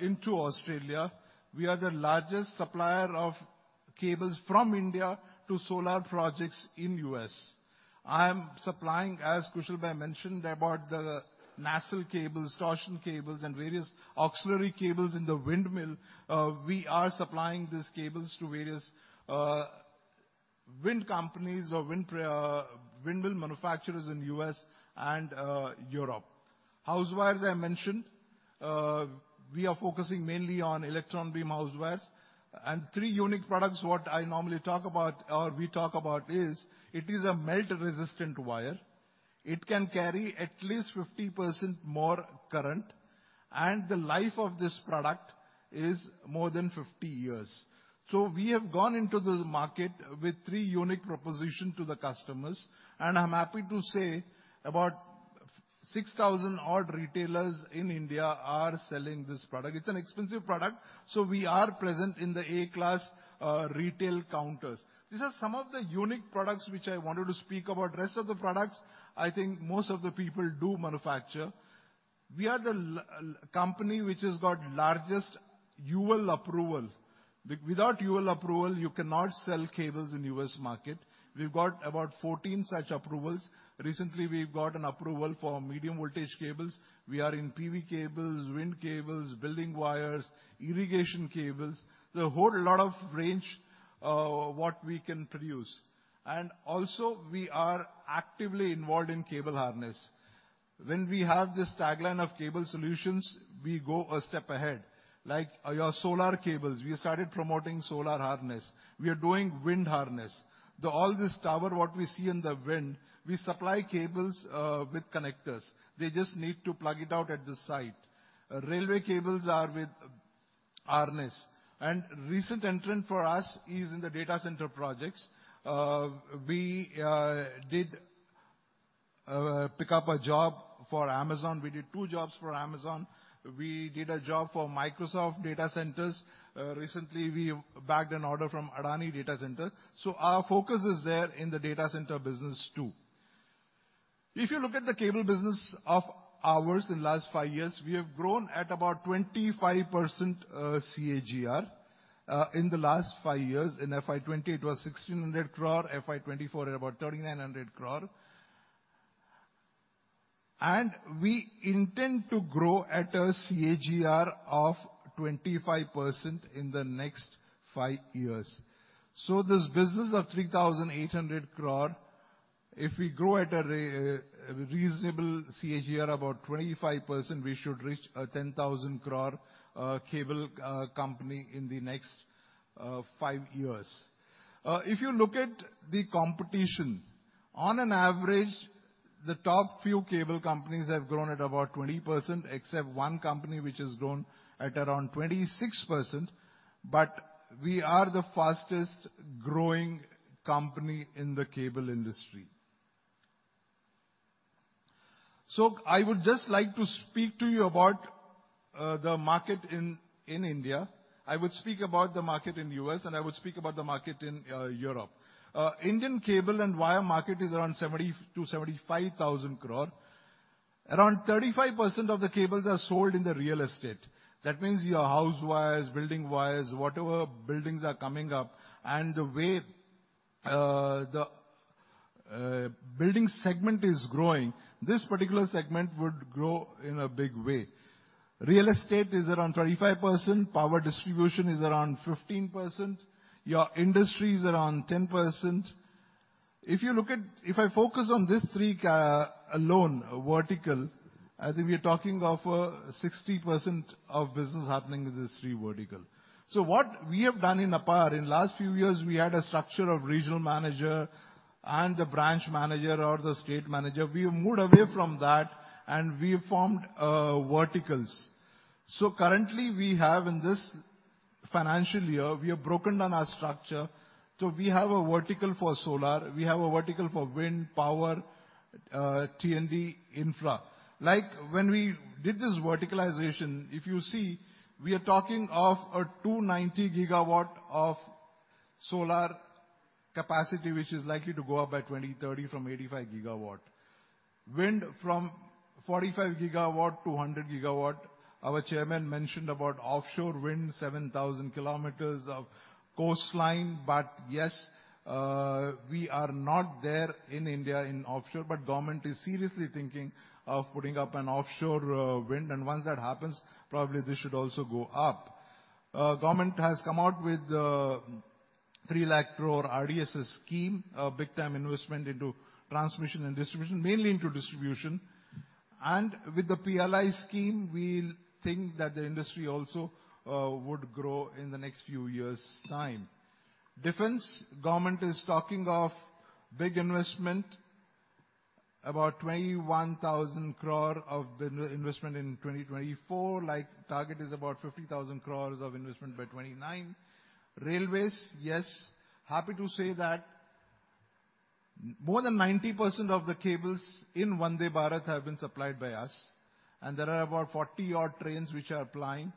into Australia. We are the largest supplier of cables from India to solar projects in U.S. I am supplying, as Kushalbhai mentioned, about the naval cables, torsion cables, and various auxiliary cables in the windmill. We are supplying these cables to various wind companies or windmill manufacturers in U.S. and Europe. House wires, I mentioned, we are focusing mainly on electron beam house wires. Three unique products, what I normally talk about, or we talk about, is it is a melt-resistant wire. It can carry at least 50% more current, and the life of this product is more than 50 years. So we have gone into this market with three unique proposition to the customers, and I'm happy to say about 6,000 odd retailers in India are selling this product. It's an expensive product, so we are present in the A-class retail counters. These are some of the unique products which I wanted to speak about. Rest of the products, I think most of the people do manufacture. We are the company which has got largest UL approval. Without UL approval, you cannot sell cables in U.S. market. We've got about 14 such approvals. Recently, we've got an approval for medium voltage cables. We are in PV cables, wind cables, building wires, irrigation cables, the whole lot of range, what we can produce. And also, we are actively involved in cable harness. When we have this tagline of cable solutions, we go a step ahead. Like your solar cables, we started promoting solar harness. We are doing wind harness. The all these towers, what we see in the wind, we supply cables with connectors. They just need to plug it out at the site. Railway cables are with harness. And recent entrant for us is in the data center projects. We did pick up a job for Amazon. We did two jobs for Amazon. We did a job for Microsoft data centers. Recently, we bagged an order from Adani data center. So our focus is there in the data center business, too. If you look at the cable business of ours in last five years, we have grown at about 25% CAGR in the last five years. In FY 2020, it was 1,600 crore. FY 2024, at about 3,900 crore. We intend to grow at a CAGR of 25% in the next five years. This business of 3,800 crore, if we grow at a reasonable CAGR, about 25%, we should reach a 10,000 crore cable company in the next five years. If you look at the competition, on an average, the top few cable companies have grown at about 20%, except one company which has grown at around 26%, but we are the fastest growing company in the cable industry. So I would just like to speak to you about the market in India. I would speak about the market in U.S., and I would speak about the market in Europe. Indian cable and wire market is around 70,000 crore-75,000 crore. Around 35% of the cables are sold in the real estate. That means your house wires, building wires, whatever buildings are coming up, and the way the building segment is growing, this particular segment would grow in a big way. Real estate is around 35%, power distribution is around 15%, your industry is around 10%. If I focus on these three alone vertical, as we are talking of 60% of business happening in this three vertical. What we have done in APAR, in last few years, we had a structure of regional manager and the branch manager or the state manager. We have moved away from that, and we have formed verticals. Currently, we have in this financial year, we have broken down our structure. We have a vertical for solar, we have a vertical for wind power, T&D, infra. Like when we did this verticalization, if you see, we are talking of a 290 gigawatt of solar capacity, which is likely to go up by 2030 from 85 gigawatt. Wind from 45 gigawatt to 100 gigawatt. Our chairman mentioned about offshore wind, 7,000 kilometers of coastline. But yes, we are not there in India in offshore, but government is seriously thinking of putting up an offshore wind, and once that happens, probably this should also go up. Government has come out with 3 lakh crore RDSS scheme, a big time investment into transmission and distribution, mainly into distribution. And with the PLI scheme, we think that the industry also would grow in the next few years' time. Defense, government is talking of big investment, about 21,000 crore of the investment in 2024, like target is about 50,000 crores of investment by 2029. Railways, yes, happy to say that more than 90% of the cables in Vande Bharat have been supplied by us, and there are about 40 odd trains which are plying,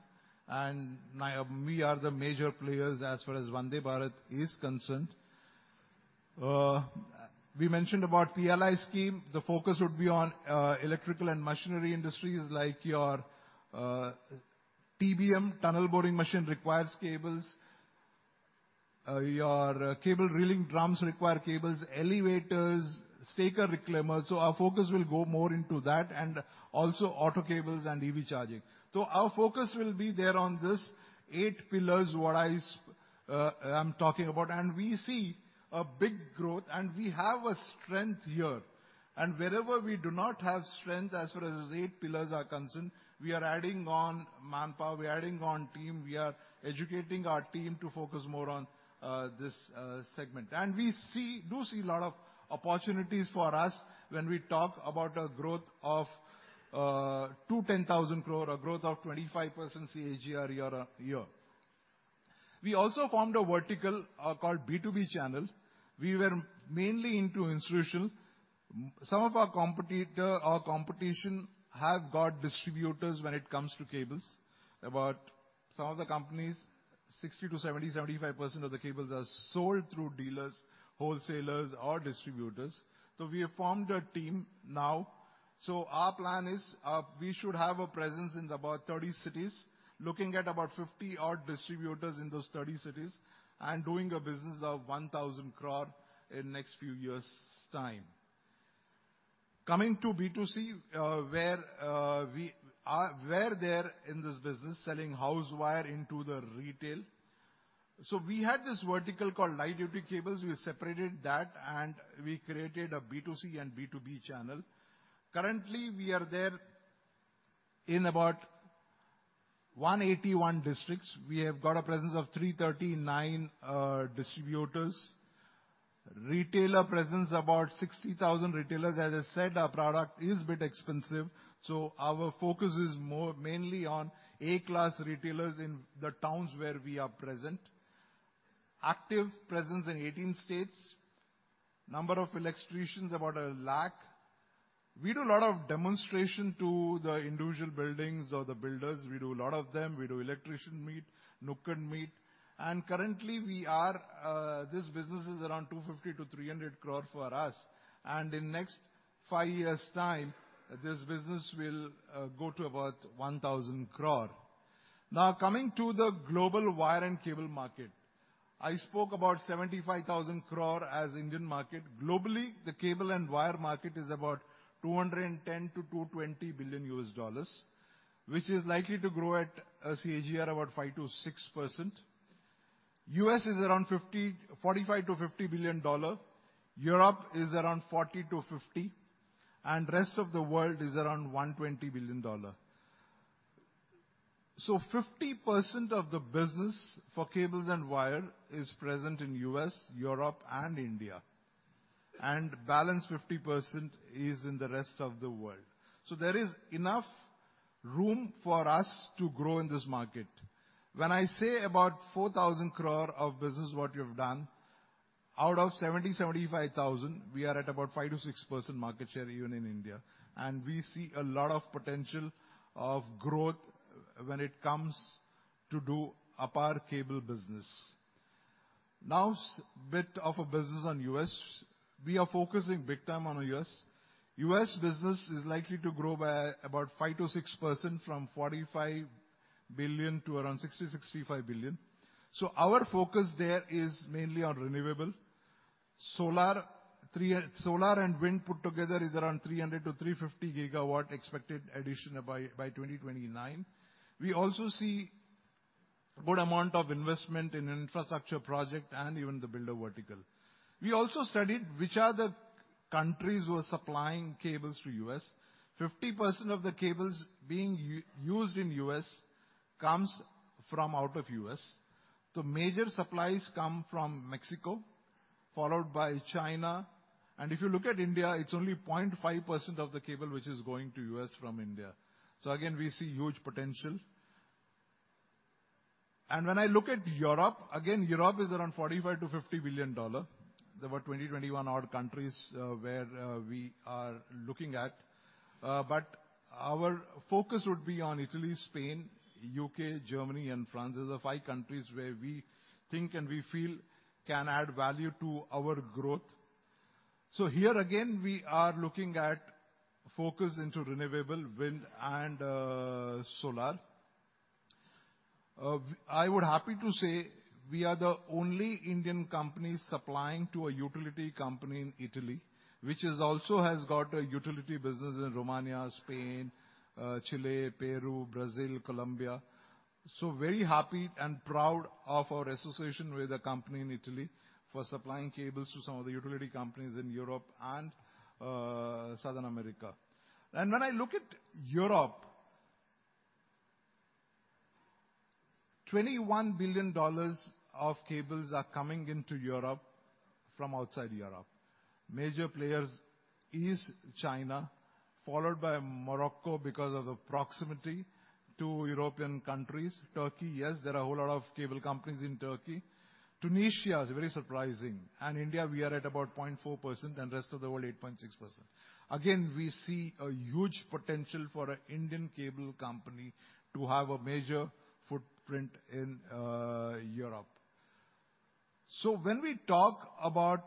and we are the major players as far as Vande Bharat is concerned. We mentioned about PLI scheme. The focus would be on electrical and machinery industries, like your TBM, tunnel boring machine, requires cables, your cable drilling drums require cables, elevators, stacker reclaimers. So our focus will go more into that, and also auto cables and EV charging. So our focus will be there on these eight pillars, what I'm talking about, and we see a big growth, and we have a strength here. And wherever we do not have strength, as far as these eight pillars are concerned, we are adding on manpower, we are adding on team, we are educating our team to focus more on this segment. And we see a lot of opportunities for us when we talk about a growth of to 10,000 crore, a growth of 25% CAGR year-on-year. We also formed a vertical called B2B channel. We were mainly into institutional. Some of our competitor, our competition, have got distributors when it comes to cables. About some of the companies, 60%-75% of the cables are sold through dealers, wholesalers, or distributors. So we have formed a team now. Our plan is we should have a presence in about 30 cities, looking at about 50-odd distributors in those 30 cities, and doing a business of 1,000 crore in next few years' time. Coming to B2C, where we were there in this business, selling house wire into the retail. So we had this vertical called light duty cables. We separated that, and we created a B2C and B2B channel. Currently, we are there in about 181 districts. We have got a presence of 339 distributors. Retailer presence, about 60,000 retailers. As I said, our product is a bit expensive, so our focus is more mainly on A-class retailers in the towns where we are present. Active presence in 18 states. Number of electricians, about a lakh. We do a lot of demonstration to the individual buildings or the builders. We do a lot of them. We do electrician meet, nukkad meet, and currently, this business is around 250 crore-300 crore for us. And in next five years' time, this business will go to about 1,000 crore. Now, coming to the global wire and cable market. I spoke about 75,000 crore as Indian market. Globally, the cable and wire market is about $210 billion-$220 billion, which is likely to grow at a CAGR about 5%-6%. The U.S. is around $45 billion-$50 billion. Europe is around $40 billion-$50 billion, and the rest of the world is around $120 billion. So 50% of the business for cables and wire is present in the U.S., Europe, and India, and the balance 50% is in the rest of the world. So there is enough room for us to grow in this market. When I say about 4,000 crore of business, what you've done, out of 70,000-75,000 crore, we are at about 5%-6% market share even in India, and we see a lot of potential of growth when it comes to do our power cable business. Now, a bit of a business on the U.S., We are focusing big time on the U.S., The U.S. business is likely to grow by about 5%-6% from $45 billion to around $60 billion-$65 billion. So our focus there is mainly on renewable. Solar and wind put together is around 300 gigawatt-350 gigawatt expected addition by 2029. We also see a good amount of investment in infrastructure project and even the builder vertical. We also studied which are the countries who are supplying cables to U.S. 50% of the cables being used in U.S. comes from out of U.S. The major suppliers come from Mexico, followed by China, and if you look at India, it's only 0.5% of the cable which is going to U.S. from India. So again, we see huge potential. And when I look at Europe, again, Europe is around $45 billion-$50 billion. There were 2021 odd countries where we are looking at, but our focus would be on Italy, Spain, UK, Germany, and France. These are the five countries where we think and we feel can add value to our growth. So here, again, we are looking at focus into renewable wind and, solar. I would happy to say we are the only Indian company supplying to a utility company in Italy, which is also has got a utility business in Romania, Spain, Chile, Peru, Brazil, Colombia. So very happy and proud of our association with a company in Italy for supplying cables to some of the utility companies in Europe and, South America. And when I look at Europe, $21 billion of cables are coming into Europe from outside Europe. Major players is China, followed by Morocco because of the proximity to European countries. Turkey, yes, there are a whole lot of cable companies in Turkey. Tunisia is very surprising. And India, we are at about 0.4%, and rest of the world, 8.6%. Again, we see a huge potential for an Indian cable company to have a major footprint in Europe. So when we talk about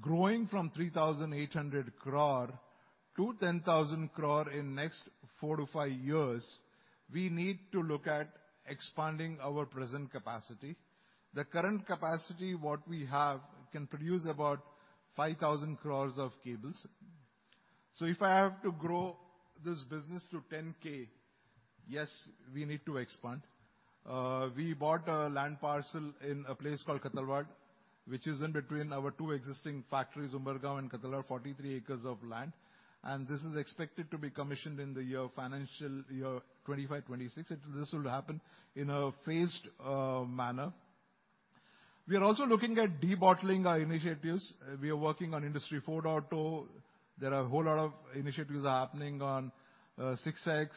growing from 3,800 crore-10,000 crore in next four to five years, we need to look at expanding our present capacity. The current capacity, what we have, can produce about 5,000 crores of cables. So if I have to grow this business to 10K, yes, we need to expand. We bought a land parcel in a place called Khatalwada, which is in between our two existing factories, Umbergaon and Khatalwada, 43 acres of land, and this is expected to be commissioned in the year financial year 2025-2026. This will happen in a phased manner. We are also looking at debottling our initiatives. We are working on Industry 4.0. There are a whole lot of initiatives are happening on, Six Sigma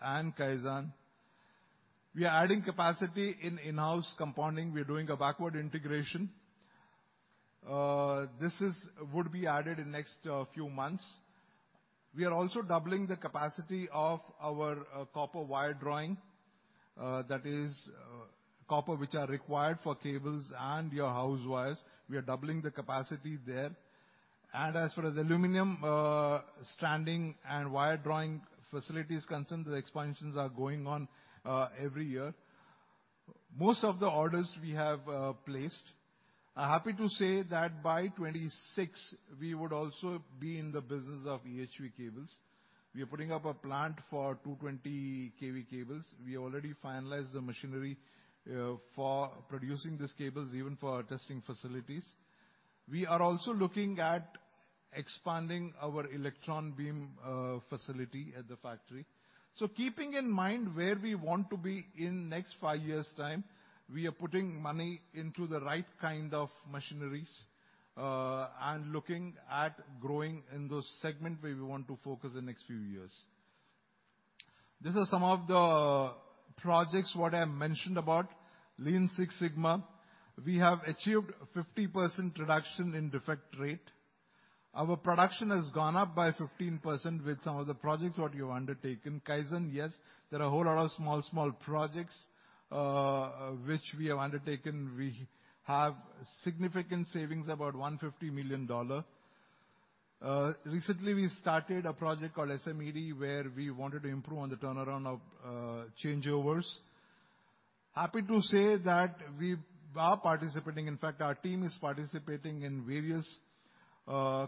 and Kaizen. We are adding capacity in in-house compounding. We are doing a backward integration. This would be added in next few months. We are also doubling the capacity of our, copper wire drawing, that is, copper, which are required for cables and your house wires. We are doubling the capacity there. And as far as aluminum, stranding and wire drawing facility is concerned, the expansions are going on, every year. Most of the orders we have placed. I'm happy to say that by 2026, we would also be in the business of EHV cables. We are putting up a plant for 220 kV cables. We already finalized the machinery for producing these cables, even for our testing facilities. We are also looking at expanding our electron beam facility at the factory. So keeping in mind where we want to be in next five years' time, we are putting money into the right kind of machineries and looking at growing in those segments where we want to focus in next few years. These are some of the projects what I mentioned about Lean Six Sigma. We have achieved 50% reduction in defect rate. Our production has gone up by 15% with some of the projects what we have undertaken. Kaizen, yes, there are a whole lot of small, small projects which we have undertaken. We have significant savings, about $150 million. Recently, we started a project called SMED, where we wanted to improve on the turnaround of changeovers. Happy to say that we are participating. In fact, our team is participating in various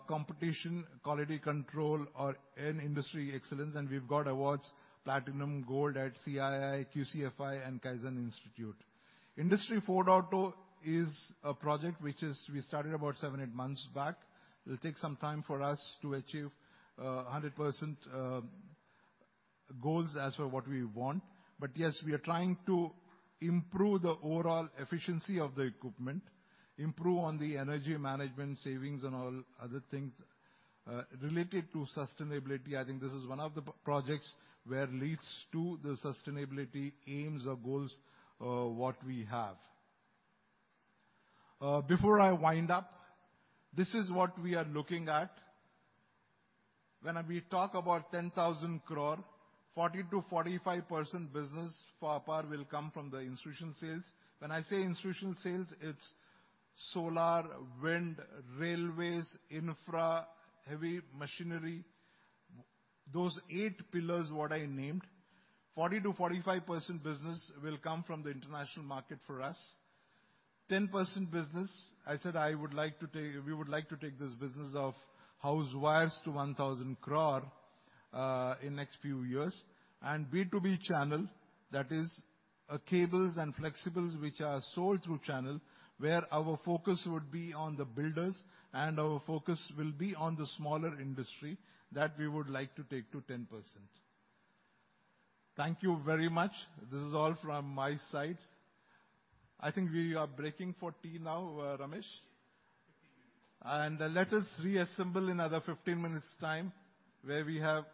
competition, quality control, or in industry excellence, and we've got awards, platinum, gold at CII, QCFI, and Kaizen Institute. Industry 4.0 is a project which we started about seven, eight months back. It'll take some time for us to achieve 100% goals as for what we want. But yes, we are trying to improve the overall efficiency of the equipment, improve on the energy management savings and all other things related to sustainability. I think this is one of the projects where leads to the sustainability aims or goals what we have. Before I wind up, this is what we are looking at. When we talk about 10,000 crore, 40%-45% business for APAR will come from the institutional sales. When I say institutional sales, it's solar, wind, railways, infra, heavy machinery, those eight pillars, what I named, 40%-45% business will come from the international market for us. 10% business, I said I would like to take, we would like to take this business of house wires to 1,000 crore in next few years. And B2B channel, that is, cables and flexibles, which are sold through channel, where our focus would be on the builders, and our focus will be on the smaller industry that we would like to take to 10%. Thank you very much. This is all from my side. I think we are breaking for tea now, Ramesh, and let us reassemble in another 15 minutes time, where we have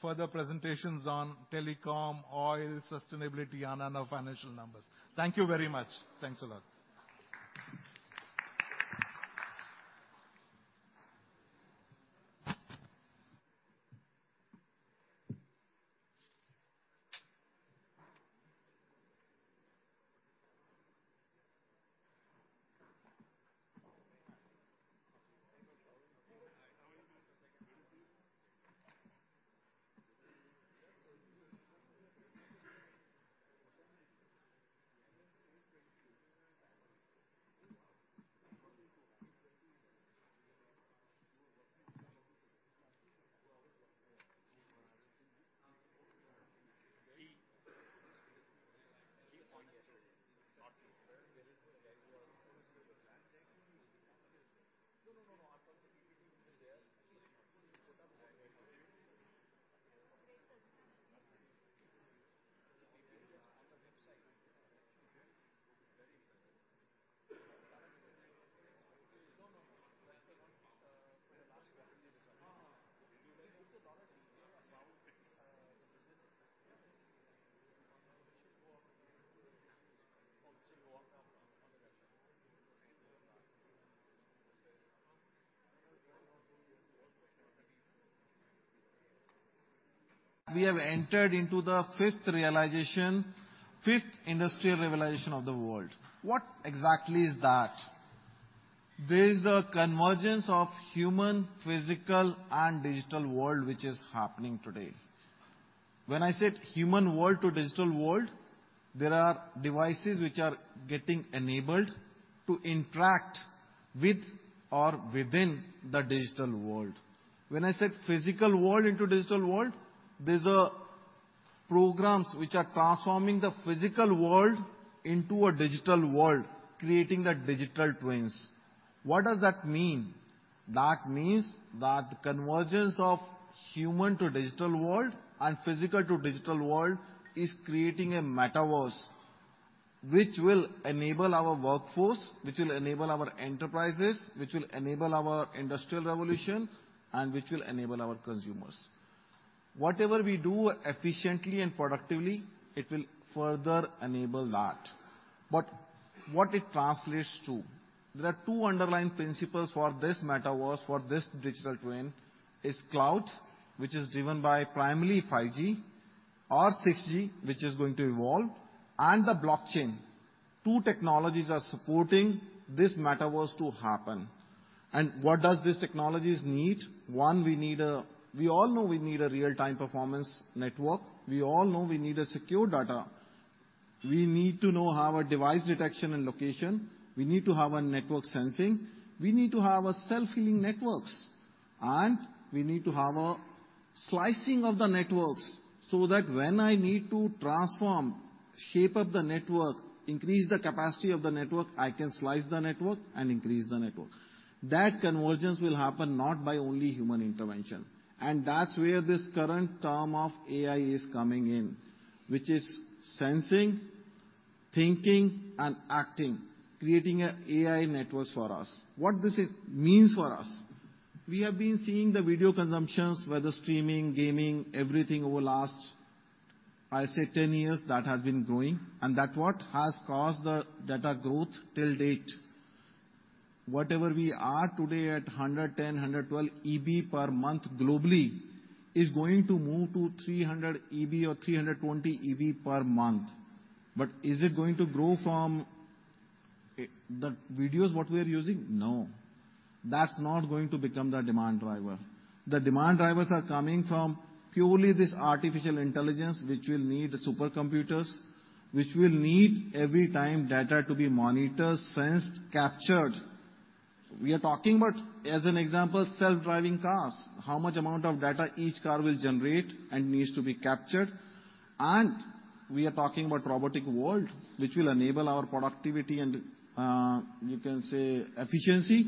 further presentations on telecom, oil, sustainability, and our financial numbers. Thank you very much. Thanks a lot. We have entered into the fifth realization, fifth industrial revolution of the world. What exactly is that? There is a convergence of human, physical, and digital world, which is happening today. When I said human world to digital world, there are devices which are getting enabled to interact with or within the digital world. When I said physical world into digital world, there's programs which are transforming the physical world into a digital world, creating the digital twins. What does that mean? That means that convergence of human to digital world and physical to digital world is creating a metaverse, which will enable our workforce, which will enable our enterprises, which will enable our industrial revolution, and which will enable our consumers. Whatever we do efficiently and productively, it will further enable that. But what it translates to, there are two underlying principles for this metaverse, for this digital twin: cloud, which is driven by primarily 5G or 6G, which is going to evolve, and the blockchain. Two technologies are supporting this metaverse to happen. And what does these technologies need? We all know we need a real-time performance network. We all know we need a secure data. We need to know how a device detection and location. We need to have a network sensing. We need to have a self-healing networks, and we need to have a slicing of the networks, so that when I need to transform, shape up the network, increase the capacity of the network, I can slice the network and increase the network. That convergence will happen not by only human intervention, and that's where this current term of AI is coming in, which is sensing, thinking, and acting, creating a AI networks for us. What does it means for us? We have been seeing the video consumptions, whether streaming, gaming, everything over the last, I say, ten years, that has been growing, and that what has caused the data growth till date. Whatever we are today at 110, 112 EB per month globally, is going to move to 300 EB or 320 EB per month. But is it going to grow from-... The videos what we are using? No, that's not going to become the demand driver. The demand drivers are coming from purely this artificial intelligence, which will need supercomputers, which will need every time data to be monitored, sensed, captured. We are talking about, as an example, self-driving cars. How much amount of data each car will generate and needs to be captured. And we are talking about robotic world, which will enable our productivity and, you can say, efficiency.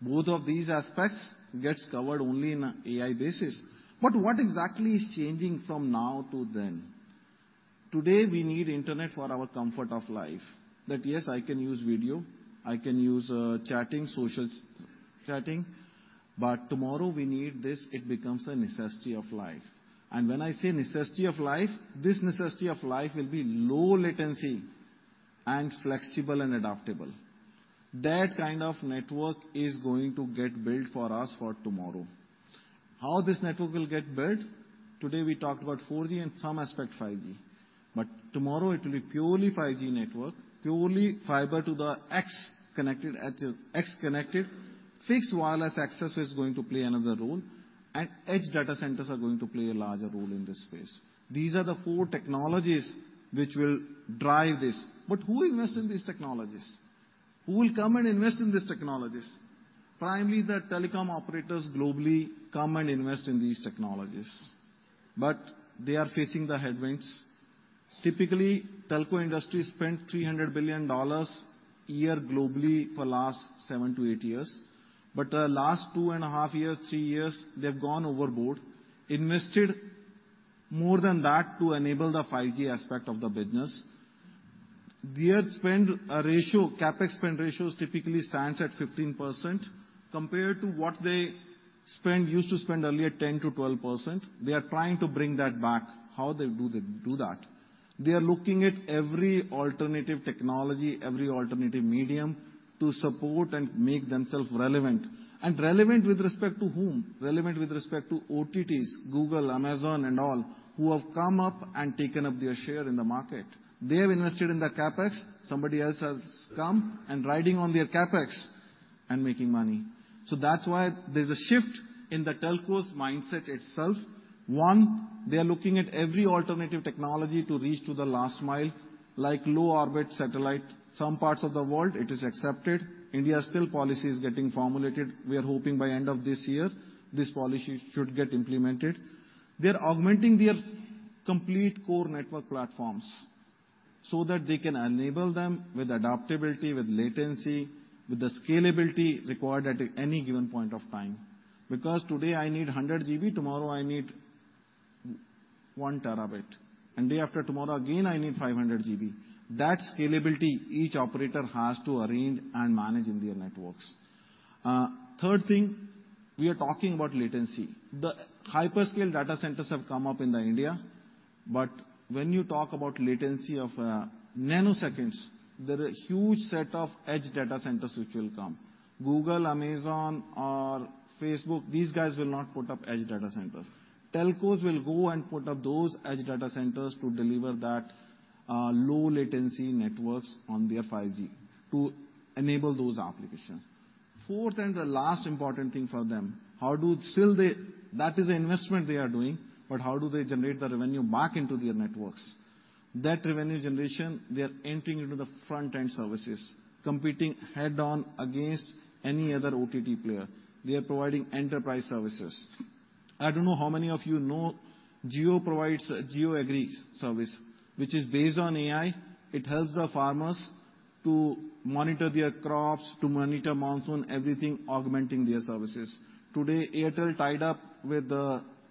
Both of these aspects gets covered only in AI basis. But what exactly is changing from now to then? Today, we need internet for our comfort of life. That, yes, I can use video, I can use, chatting, social chatting, but tomorrow we need this, it becomes a necessity of life. When I say necessity of life, this necessity of life will be low latency and flexible and adaptable. That kind of network is going to get built for us for tomorrow. How will this network get built? Today, we talked about 4G and some aspect, 5G, but tomorrow it will be purely 5G network, purely fiber to the X connected, edges, X connected. Fixed wireless access is going to play another role, and edge data centers are going to play a larger role in this space. These are the four technologies which will drive this. But who invests in these technologies? Who will come and invest in these technologies? Primarily, the telecom operators globally come and invest in these technologies, but they are facing the headwinds. Typically, telco industry spent $300 billion a year globally for the last seven to eight years. But the last two and a half years, three years, they've gone overboard, invested more than that to enable the 5G aspect of the business. Their spend ratio, CapEx spend ratios typically stands at 15% compared to what they spend, used to spend earlier, 10%-12%. They are trying to bring that back. How they do that? They are looking at every alternative technology, every alternative medium, to support and make themselves relevant, and relevant with respect to whom? Relevant with respect to OTTs, Google, Amazon, and all, who have come up and taken up their share in the market. They have invested in their CapEx, somebody else has come and riding on their CapEx and making money, so that's why there's a shift in the telcos mindset itself. One, they are looking at every alternative technology to reach to the last mile, like low orbit satellite. Some parts of the world, it is accepted. India, still policy is getting formulated. We are hoping by end of this year, this policy should get implemented. They're augmenting their complete core network platforms so that they can enable them with adaptability, with latency, with the scalability required at any given point of time. Because today I need 100 GB, tomorrow I need 1 terabyte, and day after tomorrow, again, I need 500 GB. That scalability, each operator has to arrange and manage in their networks. Third thing, we are talking about latency. The hyperscale data centers have come up in India, but when you talk about latency of nanoseconds, there are a huge set of edge data centers which will come. Google, Amazon, or Facebook, these guys will not put up edge data centers. Telcos will go and put up those edge data centers to deliver that low latency networks on their 5G to enable those applications. Fourth, and the last important thing for them. Still, that is an investment they are doing, but how do they generate the revenue back into their networks? That revenue generation, they are entering into the front-end services, competing head-on against any other OTT player. They are providing enterprise services. I don't know how many of you know, Jio provides a Jio Agri service, which is based on AI. It helps the farmers to monitor their crops, to monitor monsoon, everything, augmenting their services. Today, Airtel tied up with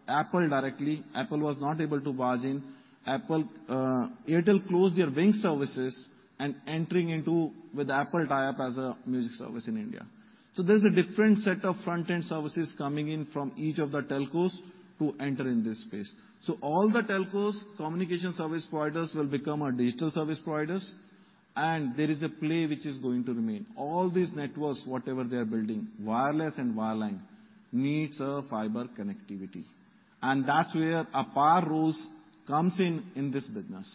Apple directly. Apple was not able to barge in. Apple, Airtel closed their Wynk services and entering into with Apple tie-up as a music service in India. So there's a different set of front-end services coming in from each of the telcos to enter in this space. So all the telcos, communication service providers, will become our digital service providers, and there is a play which is going to remain. All these networks, whatever they are building, wireless and wireline, needs a fiber connectivity, and that's where APAR role comes in, in this business.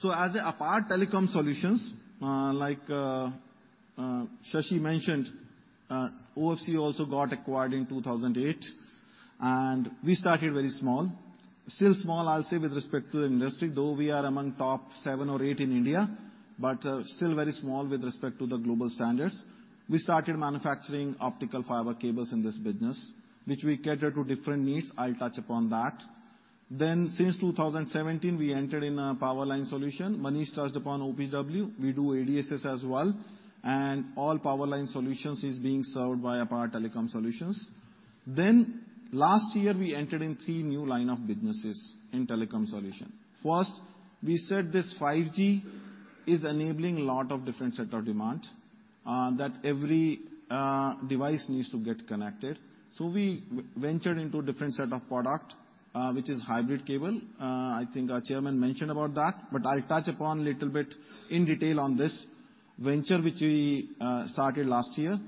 So as APAR Telecom Solutions, like, Shashi mentioned, OFC also got acquired in 2008, and we started very small. Still small, I'll say, with respect to the industry, though we are among top seven or eight in India, but, still very small with respect to the global standards. We started manufacturing optical fiber cables in this business, which we cater to different needs. I'll touch upon that. Then, since 2017, we entered in a power line solution. Manish touched upon OPGW. We do ADSS as well, and all power line solutions is being served by APAR Telecom Solutions. Then, last year, we entered in three new line of businesses in telecom solution. First, we said this 5G is enabling a lot of different set of demand, that every device needs to get connected. So we ventured into different set of product, which is hybrid cable. I think our chairman mentioned about that, but I'll touch upon a little bit in detail on this venture which we started last year.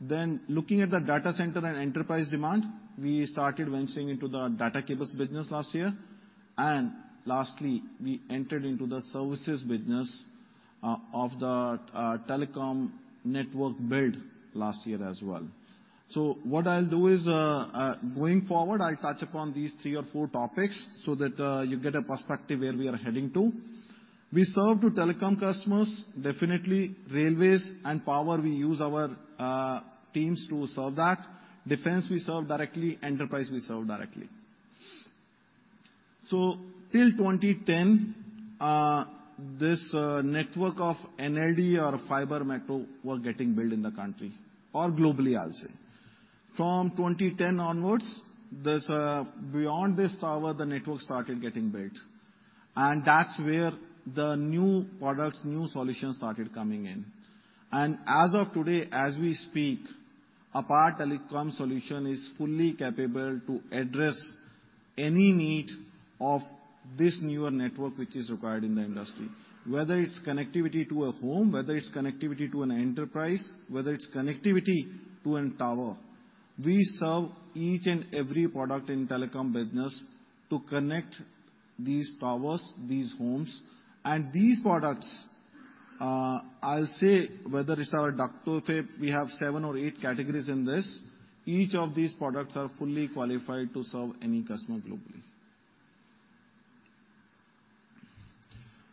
Then looking at the data center and enterprise demand, we started venturing into the data cables business last year. And lastly, we entered into the services business of the telecom network build last year as well. So what I'll do is going forward, I'll touch upon these three or four topics so that you get a perspective where we are heading to. We serve to telecom customers, definitely railways and power, we use our teams to serve that. Defense, we serve directly. Enterprise, we serve directly. So till 2010, this network of NLD or fiber metro were getting built in the country, or globally, I'll say. From 2010 onwards, this. Beyond this tower, the network started getting built, and that's where the new products, new solutions started coming in. And as of today, as we speak, APAR Telecom Solutions is fully capable to address any need of this newer network which is required in the industry. Whether it's connectivity to a home, whether it's connectivity to an enterprise, whether it's connectivity to a tower, we serve each and every product in telecom business to connect these towers, these homes. And these products, I'll say whether it's our duct types, we have seven or eight categories in this, each of these products are fully qualified to serve any customer globally.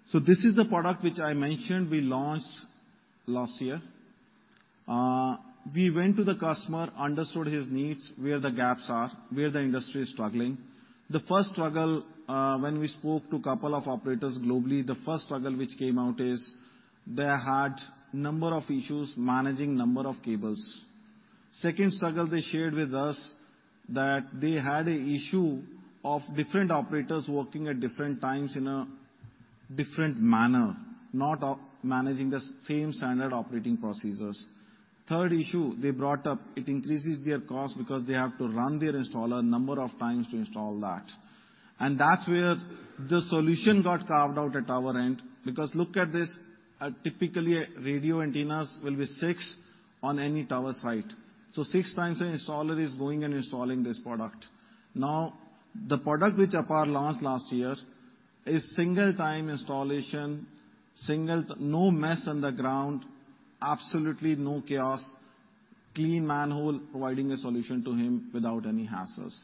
So this is the product which I mentioned we launched last year. We went to the customer, understood his needs, where the gaps are, where the industry is struggling. The first struggle, when we spoke to a couple of operators globally, the first struggle which came out is they had number of issues managing number of cables. Second struggle they shared with us, that they had an issue of different operators working at different times in a different manner, not managing the same standard operating procedures. Third issue they brought up, it increases their cost because they have to run their installer a number of times to install that. And that's where the solution got carved out at our end, because look at this, typically, radio antennas will be six on any tower site. So six times an installer is going and installing this product. Now, the product which APAR launched last year is single time installation, single... No mess on the ground, absolutely no chaos, clean manhole, providing a solution to him without any hassles.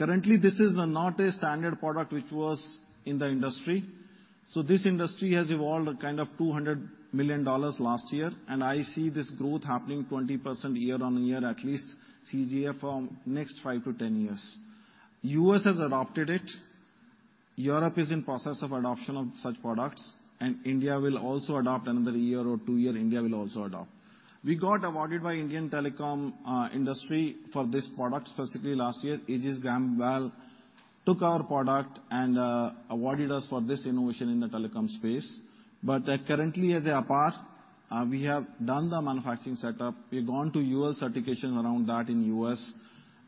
Currently, this is not a standard product which was in the industry. This industry has evolved a kind of $200 million last year, and I see this growth happening 20% year-on-year, at least CAGR, for next five to 10 years. The U.S. has adopted it, Europe is in process of adoption of such products, and India will also adopt. Another year or two years, India will also adopt. We got awarded by Indian telecom industry for this product, specifically last year. Aegis Graham Bell took our product and awarded us for this innovation in the telecom space. But currently as APAR we have done the manufacturing setup. We've gone to UL certification around that in U.S.,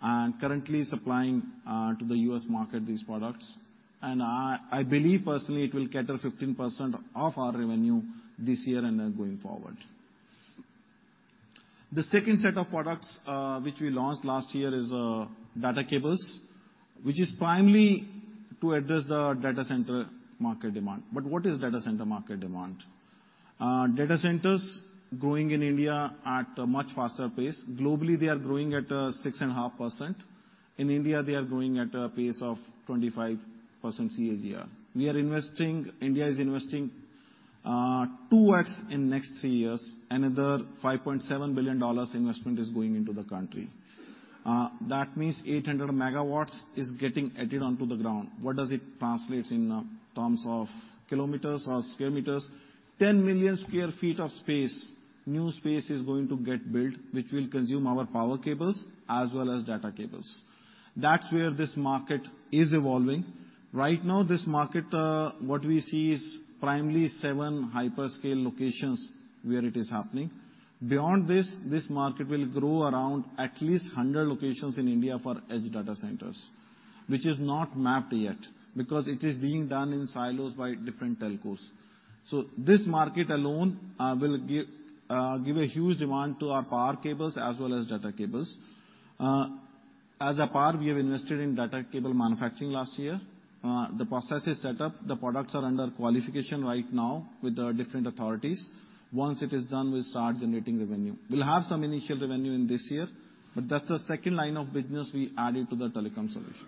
and currently supplying to the U.S. market these products. And I believe personally it will cater 15% of our revenue this year and going forward. The second set of products, which we launched last year is, data cables, which is primarily to address the data center market demand. But what is data center market demand? Data centers growing in India at a much faster pace. Globally, they are growing at 6.5%. In India, they are growing at a pace of 25% CAGR. We are investing, India is investing, 2X in next three years. Another $5.7 billion investment is going into the country. That means 800 megawatts is getting added onto the ground. What does it translate in, terms of kilometers or square meters? 10 million sq ft of space, new space, is going to get built, which will consume our power cables as well as data cables. That's where this market is evolving. Right now, this market, what we see is primarily seven hyperscale locations where it is happening. Beyond this, this market will grow around at least a 100 locations in India for edge data centers, which is not mapped yet, because it is being done in silos by different telcos. So this market alone will give a huge demand to our power cables as well as data cables. As APAR, we have invested in data cable manufacturing last year. The process is set up. The products are under qualification right now with the different authorities. Once it is done, we'll start generating revenue. We'll have some initial revenue in this year, but that's the second line of business we added to the telecom solution.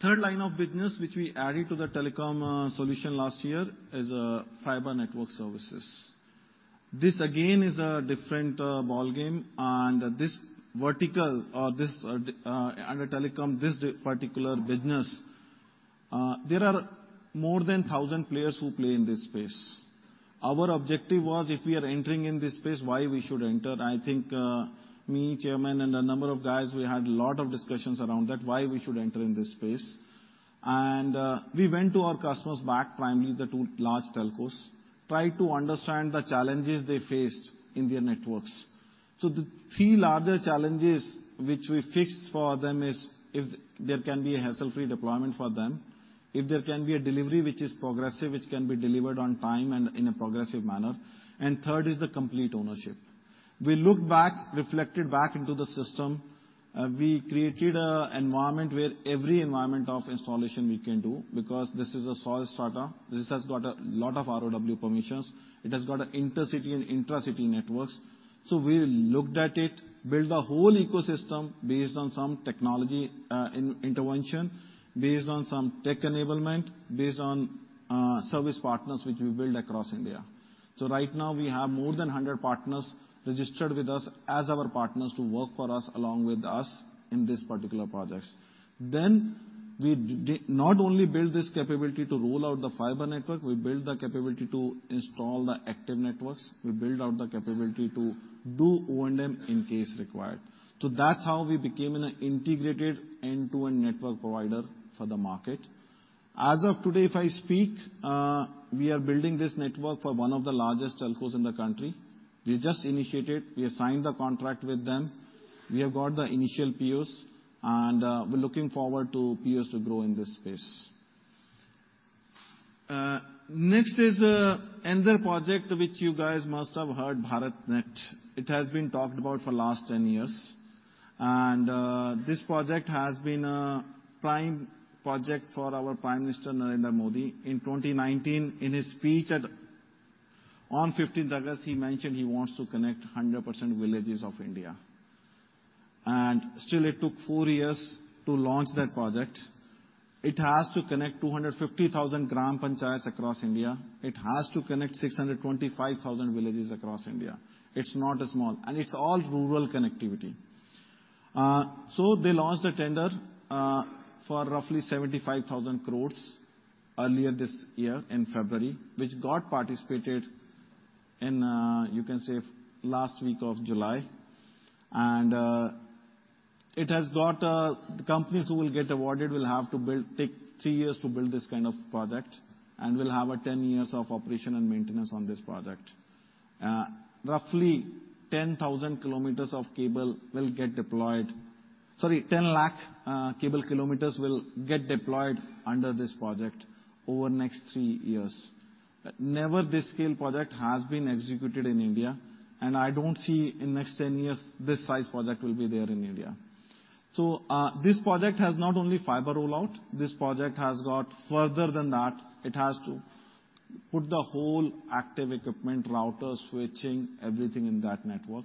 Third line of business, which we added to the telecom solution last year, is fiber network services. This, again, is a different ballgame. This vertical. Under telecom, this particular business, there are more than a 1,000 players who play in this space. Our objective was, if we are entering in this space, why we should enter? I think, me, chairman, and a number of guys, we had a lot of discussions around that, why we should enter in this space. We went back to our customers, primarily the two large telcos, tried to understand the challenges they faced in their networks. The three larger challenges which we fixed for them is, if there can be a hassle-free deployment for them, if there can be a delivery which is progressive, which can be delivered on time and in a progressive manner, and third is the complete ownership. We looked back, reflected back into the system. We created an environment where every environment of installation we can do, because this is a solid starter. This has got a lot of ROW permissions. It has got an intercity and intracity networks. So we looked at it, built a whole ecosystem based on some technology intervention, based on some tech enablement, based on service partners which we build across India. So right now we have more than 100 partners registered with us as our partners to work for us along with us in this particular projects. Then we not only build this capability to roll out the fiber network, we build the capability to install the active networks. We build out the capability to do O&M in case required. So that's how we became an integrated end-to-end network provider for the market. As of today, if I speak, we are building this network for one of the largest telcos in the country. We just initiated, we signed the contract with them. We have got the initial POs, and, we're looking forward to POs to grow in this space. Next is, another project which you guys must have heard, BharatNet. It has been talked about for last 10 years. And, this project has been a prime project for our Prime Minister, Narendra Modi. In 2019, in his speech at, on 15th August, he mentioned he wants to connect 100% villages of India. And still it took four years to launch that project. It has to connect 250,000 gram panchayats across India. It has to connect 625,000 villages across India. It's not small, and it's all rural connectivity. They launched a tender for roughly 75,000 crores earlier this year in February, which got participated in, you can say, last week of July. It has got. The companies who will get awarded will have to build-take three years to build this kind of project, and will have 10 years of operation and maintenance on this project. Roughly 10,000 kilometers of cable will get deployed. Sorry, 10 lakh cable kilometers will get deployed under this project over the next three years, but never this scale project has been executed in India, and I don't see in next 10 years, this size project will be there in India. This project has not only fiber rollout, this project has got further than that. It has to put the whole active equipment, router, switching, everything in that network.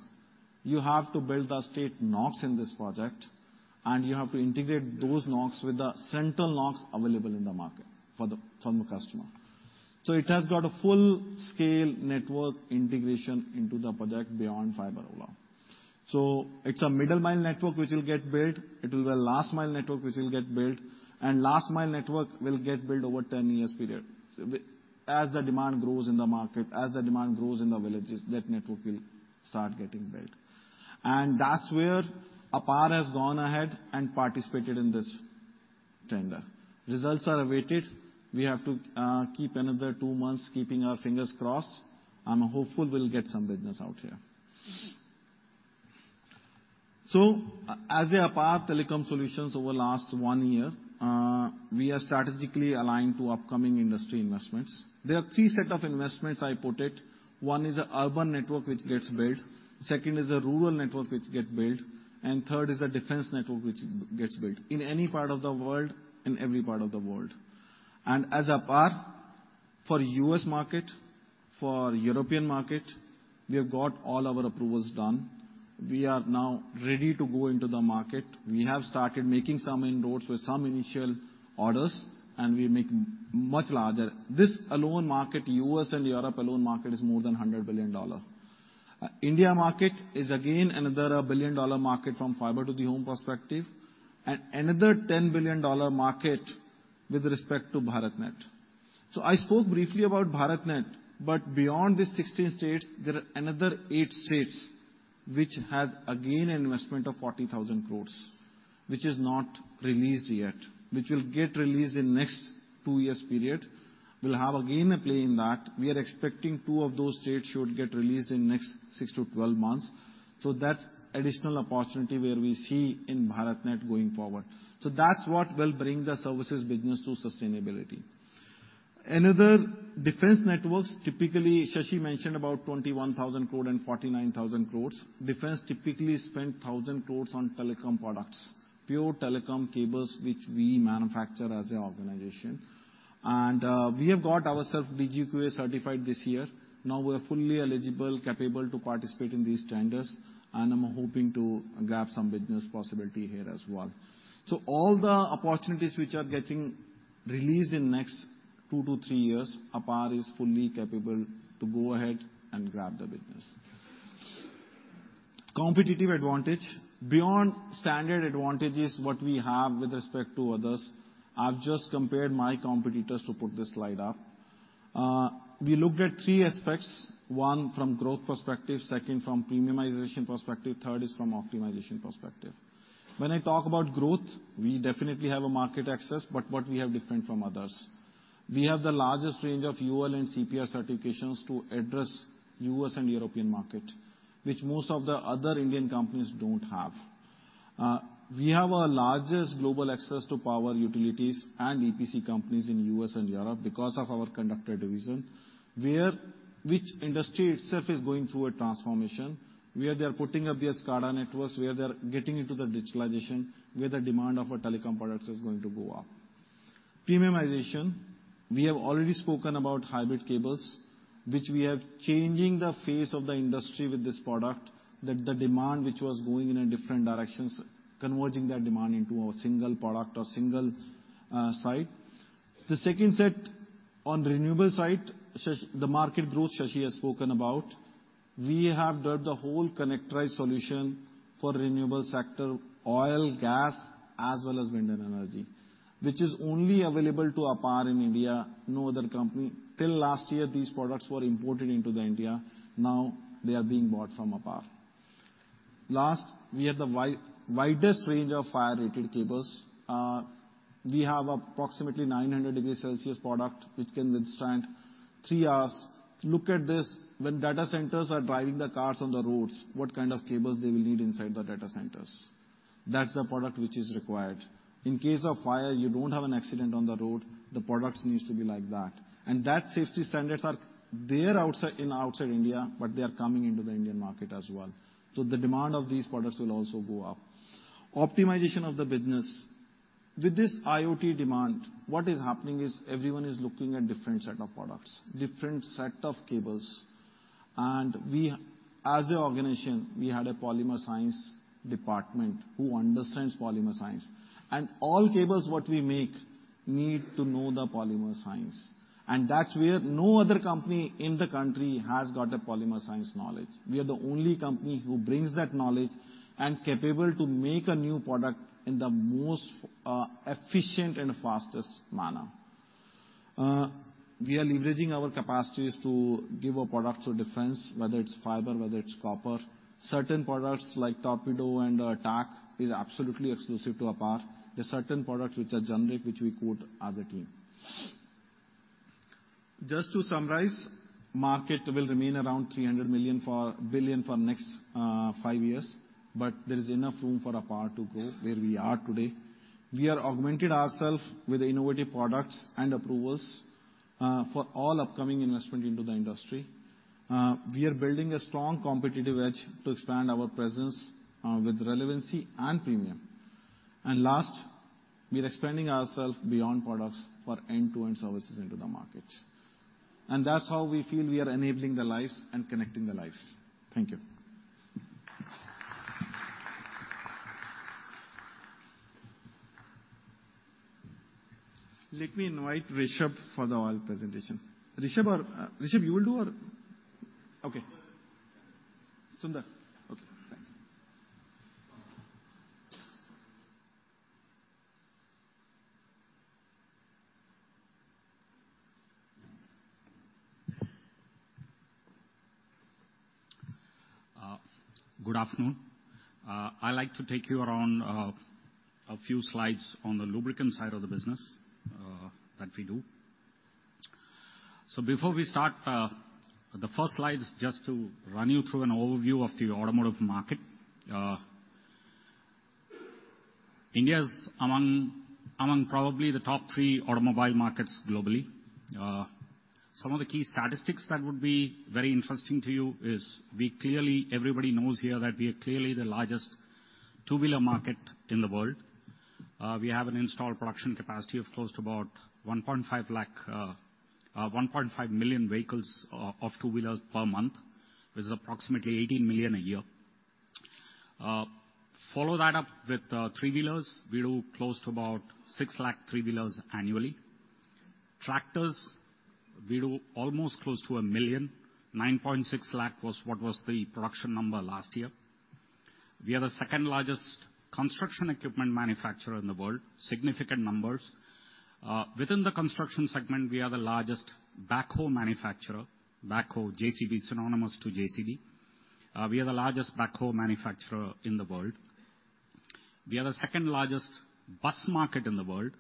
You have to build the state NOCs in this project, and you have to integrate those NOCs with the central NOCs available in the market for the, from the customer. So it has got a full-scale network integration into the project beyond fiber rollout. So it's a middle-mile network which will get built, it is a last-mile network which will get built, and last-mile network will get built over 10 years period. So as the demand grows in the market, as the demand grows in the villages, that network will start getting built. And that's where APAR has gone ahead and participated in this tender. Results are awaited. We have to keep another two months, keeping our fingers crossed. I'm hopeful we'll get some business out here. As we are APAR Telecom Solutions over last one year, we are strategically aligned to upcoming industry investments. There are three sets of investments as I put it. One is an urban network which gets built, second is a rural network which get built, and third is a defense network which gets built, in any part of the world, in every part of the world, and as APAR, for U.S. market, for European market, we have got all our approvals done. We are now ready to go into the market. We have started making some inroads with some initial orders, and we make much larger. This alone market, U.S. and Europe alone market, is more than $100 billion. India market is again another, a $1 billion-dollar market from fiber to the home perspective, and another 10 billion-dollar market with respect to BharatNet. So I spoke briefly about BharatNet, but beyond the 16 states, there are another eight states which has, again, investment of 40,000 crore, which is not released yet, which will get released in next two years period. We'll have again, a play in that. We are expecting two of those states should get released in next six to 12 months. So that's additional opportunity where we see in BharatNet going forward. So that's what will bring the services business to sustainability. Another, defense networks, typically, Shashi mentioned about 21,000 crore and 49,000 crore. Defense typically spend 1,000 crore on telecom products, pure telecom cables, which we manufacture as an organization. And we have got ourselves DGQA certified this year. Now we are fully eligible, capable to participate in these tenders, and I'm hoping to grab some business possibility here as well. So all the opportunities which are getting released in next two to three years, APAR is fully capable to go ahead and grab the business. Competitive advantage. Beyond standard advantages, what we have with respect to others, I've just compared my competitors to put this slide up. We looked at three aspects, one from growth perspective, second from premiumization perspective, third is from optimization perspective. When I talk about growth, we definitely have a market access, but what we have different from others? We have the largest range of UL and CPR certifications to address U.S. and European market, which most of the other Indian companies don't have. We have a largest global access to power utilities and EPC companies in U.S. and Europe because of our conductor division, which industry itself is going through a transformation, where they are putting up their SCADA networks, where they are getting into the digitalization, where the demand of our telecom products is going to go up. Premiumization, we have already spoken about hybrid cables, which we are changing the face of the industry with this product, that the demand which was going in a different directions, converging that demand into a single product or single site. The second set, on renewable side, the market growth Shashi has spoken about. We have built the whole connectorized solution for renewable sector, oil, gas, as well as wind and energy, which is only available to APAR in India, no other company. Till last year, these products were imported into India, now they are being bought from APAR. Last, we have the widest range of fire-rated cables. We have approximately 900 degrees Celsius product, which can withstand three hours. Look at this, when data centers are driving the cars on the roads, what kind of cables they will need inside the data centers? That's the product which is required. In case of fire, you don't have an accident on the road, the products needs to be like that. And that safety standards are there outside, in outside India, but they are coming into the Indian market as well. So the demand of these products will also go up. Optimization of the business. With this IoT demand, what is happening is everyone is looking at different set of products, different set of cables. We, as an organization, had a polymer science department who understands polymer science. All cables what we make need to know the polymer science, and that's where no other company in the country has got the polymer science knowledge. We are the only company who brings that knowledge, and capable to make a new product in the most efficient and fastest manner. We are leveraging our capacities to give our products to defense, whether it's fiber, whether it's copper. Certain products like torpedo and TAC is absolutely exclusive to APAR. There are certain products which are generic, which we quote as a team. Just to summarize, market will remain around 300 billion for next five years, but there is enough room for APAR to grow where we are today. We are augmenting ourself with innovative products and approvals for all upcoming investment into the industry. We are building a strong competitive edge to expand our presence with relevancy and premium. And last, we are expanding ourself beyond products for end-to-end services into the market. And that's how we feel we are enabling the lives and connecting the lives. Thank you. Let me invite Rishabh for the oil presentation. Rishabh, or Rishabh, you will do, or? Okay. Sundar. Okay, thanks. Good afternoon. I'd like to take you around a few slides on the lubricant side of the business that we do. So before we start, the first slide is just to run you through an overview of the automotive market. India is among probably the top three automobile markets globally. Some of the key statistics that would be very interesting to you is we clearly, everybody knows here that we are clearly the largest two-wheeler market in the world. We have an installed production capacity of close to about one point five lakh, one point five million vehicles of two-wheelers per month, which is approximately 18 million a year. Follow that up with three-wheelers. We do close to about six lakh three-wheelers annually. Tractors, we do almost close to a million. 9.6 lakh was the production number last year. We are the second largest construction equipment manufacturer in the world, significant numbers. Within the construction segment, we are the largest backhoe manufacturer. Backhoe, JCB, synonymous to JCB. We are the largest backhoe manufacturer in the world. We are the second largest bus market in the world.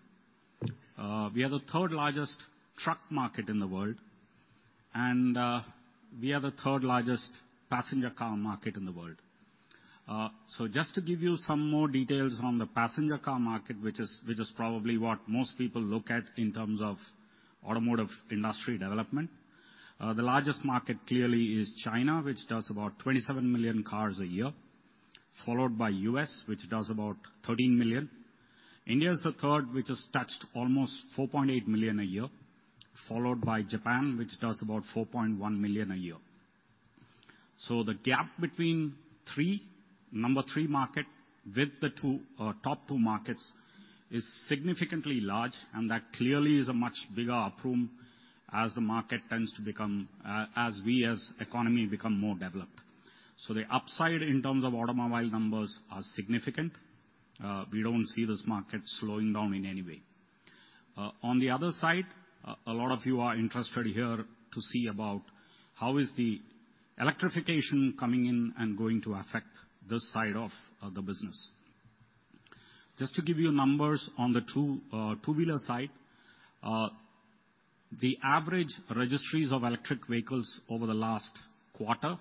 We are the third largest truck market in the world, and we are the third largest passenger car market in the world. So just to give you some more details on the passenger car market, which is probably what most people look at in terms of automotive industry development. The largest market clearly is China, which does about 27 million cars a year, followed by U.S., which does about 13 million. India is the third, which has touched almost 4.8 million a year, followed by Japan, which does about 4.1 million a year. So the gap between number three market with the two top two markets is significantly large, and that clearly is a much bigger opportunity as the market tends to become as the economy become more developed. So the upside in terms of automobile numbers are significant. We don't see this market slowing down in any way. On the other side, a lot of you are interested here to see about how is the electrification coming in and going to affect this side of the business? Just to give you numbers on the two-wheeler side, the average registrations of electric vehicles over the last quarter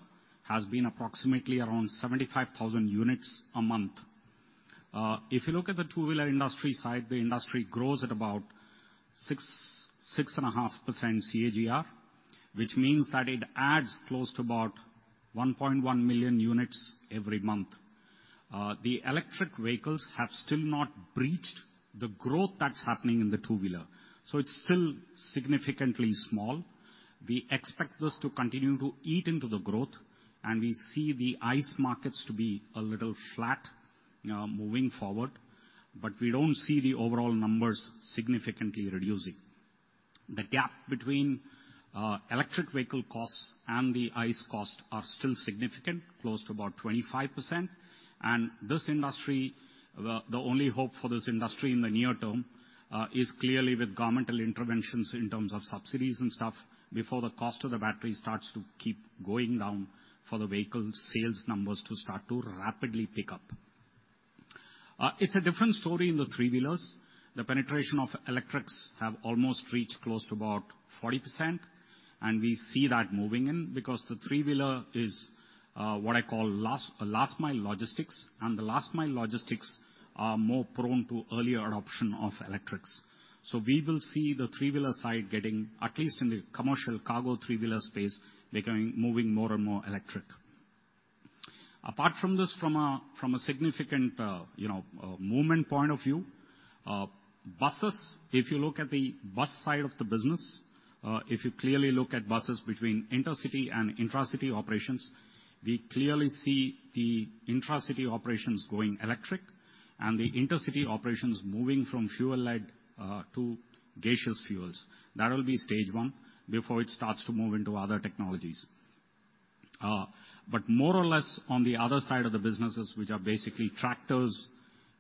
has been approximately around 75,000 units a month. If you look at the two-wheeler industry side, the industry grows at about 6%-6.5% CAGR, which means that it adds close to about 1.1 million units every month. The electric vehicles have still not breached the growth that's happening in the two-wheeler, so it's still significantly small. We expect this to continue to eat into the growth, and we see the ICE markets to be a little flat moving forward, but we don't see the overall numbers significantly reducing. The gap between electric vehicle costs and the ICE costs are still significant, close to about 25%. And this industry, well, the only hope for this industry in the near term is clearly with governmental interventions in terms of subsidies and stuff, before the cost of the battery starts to keep going down for the vehicle sales numbers to start to rapidly pick up. It's a different story in the three-wheelers. The penetration of electrics have almost reached close to about 40%, and we see that moving in, because the three-wheeler is what I call a last mile logistics, and the last mile logistics are more prone to earlier adoption of electrics. So we will see the three-wheeler side getting, at least in the commercial cargo three-wheeler space, becoming, moving more and more electric. APARt from this, from a significant, you know, movement point of view, buses, if you look at the bus side of the business, if you clearly look at buses between intercity and intracity operations, we clearly see the intracity operations going electric, and the intercity operations moving from fuel-led to gaseous fuels. That will be stage one before it starts to move into other technologies. But more or less, on the other side of the businesses, which are basically tractors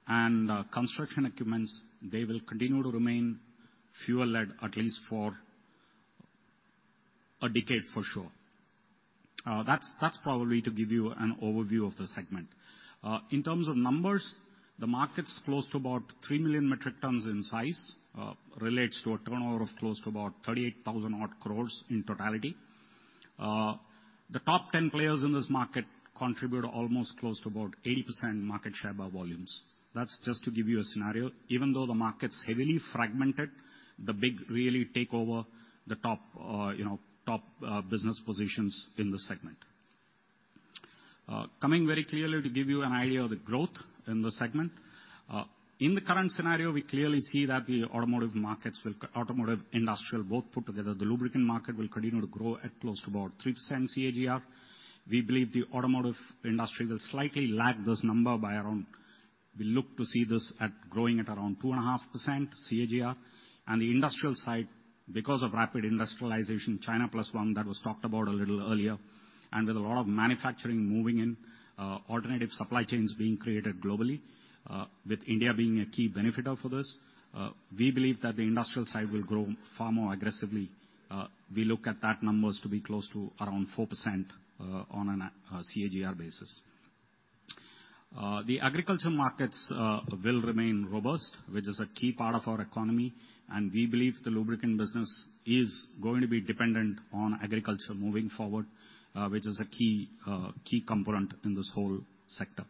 and construction equipment, they will continue to remain fuel-led, at least for a decade, for sure. That's, that's probably to give you an overview of the segment. In terms of numbers, the market's close to about three million metric tons in size, relates to a turnover of close to about 38,000-odd crores in totality. The top ten players in this market contribute almost close to about 80% market share by volumes. That's just to give you a scenario. Even though the market's heavily fragmented, the big really take over the top, you know, top business positions in the segment. Coming very clearly to give you an idea of the growth in the segment, in the current scenario, we clearly see that the automotive markets will—automotive, industrial, both put together, the lubricant market will continue to grow at close to about 3% CAGR. We believe the automotive industry will slightly lag this number by around. We look to see this at growing at around 2.5% CAGR. The industrial side, because of rapid industrialization, China plus one, that was talked about a little earlier, and with a lot of manufacturing moving in, alternative supply chains being created globally, with India being a key benefactor for this, we believe that the industrial side will grow far more aggressively. We look at that numbers to be close to around 4%, on a CAGR basis. The agriculture markets will remain robust, which is a key part of our economy, and we believe the lubricant business is going to be dependent on agriculture moving forward, which is a key component in this whole sector.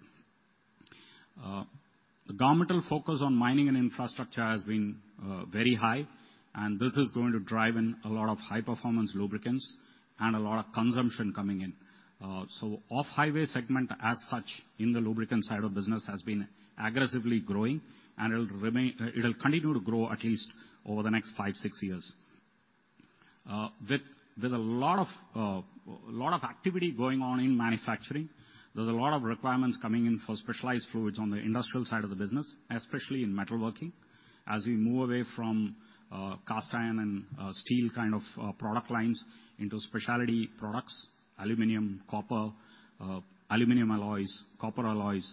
The governmental focus on mining and infrastructure has been very high, and this is going to drive in a lot of high-performance lubricants and a lot of consumption coming in. So off-highway segment, as such, in the lubricant side of business, has been aggressively growing, and it'll continue to grow at least over the next five, six years. With a lot of activity going on in manufacturing, there's a lot of requirements coming in for specialized fluids on the industrial side of the business, especially in metalworking. As we move away from cast iron and steel kind of product lines into specialty products, aluminum, copper, aluminum alloys, copper alloys,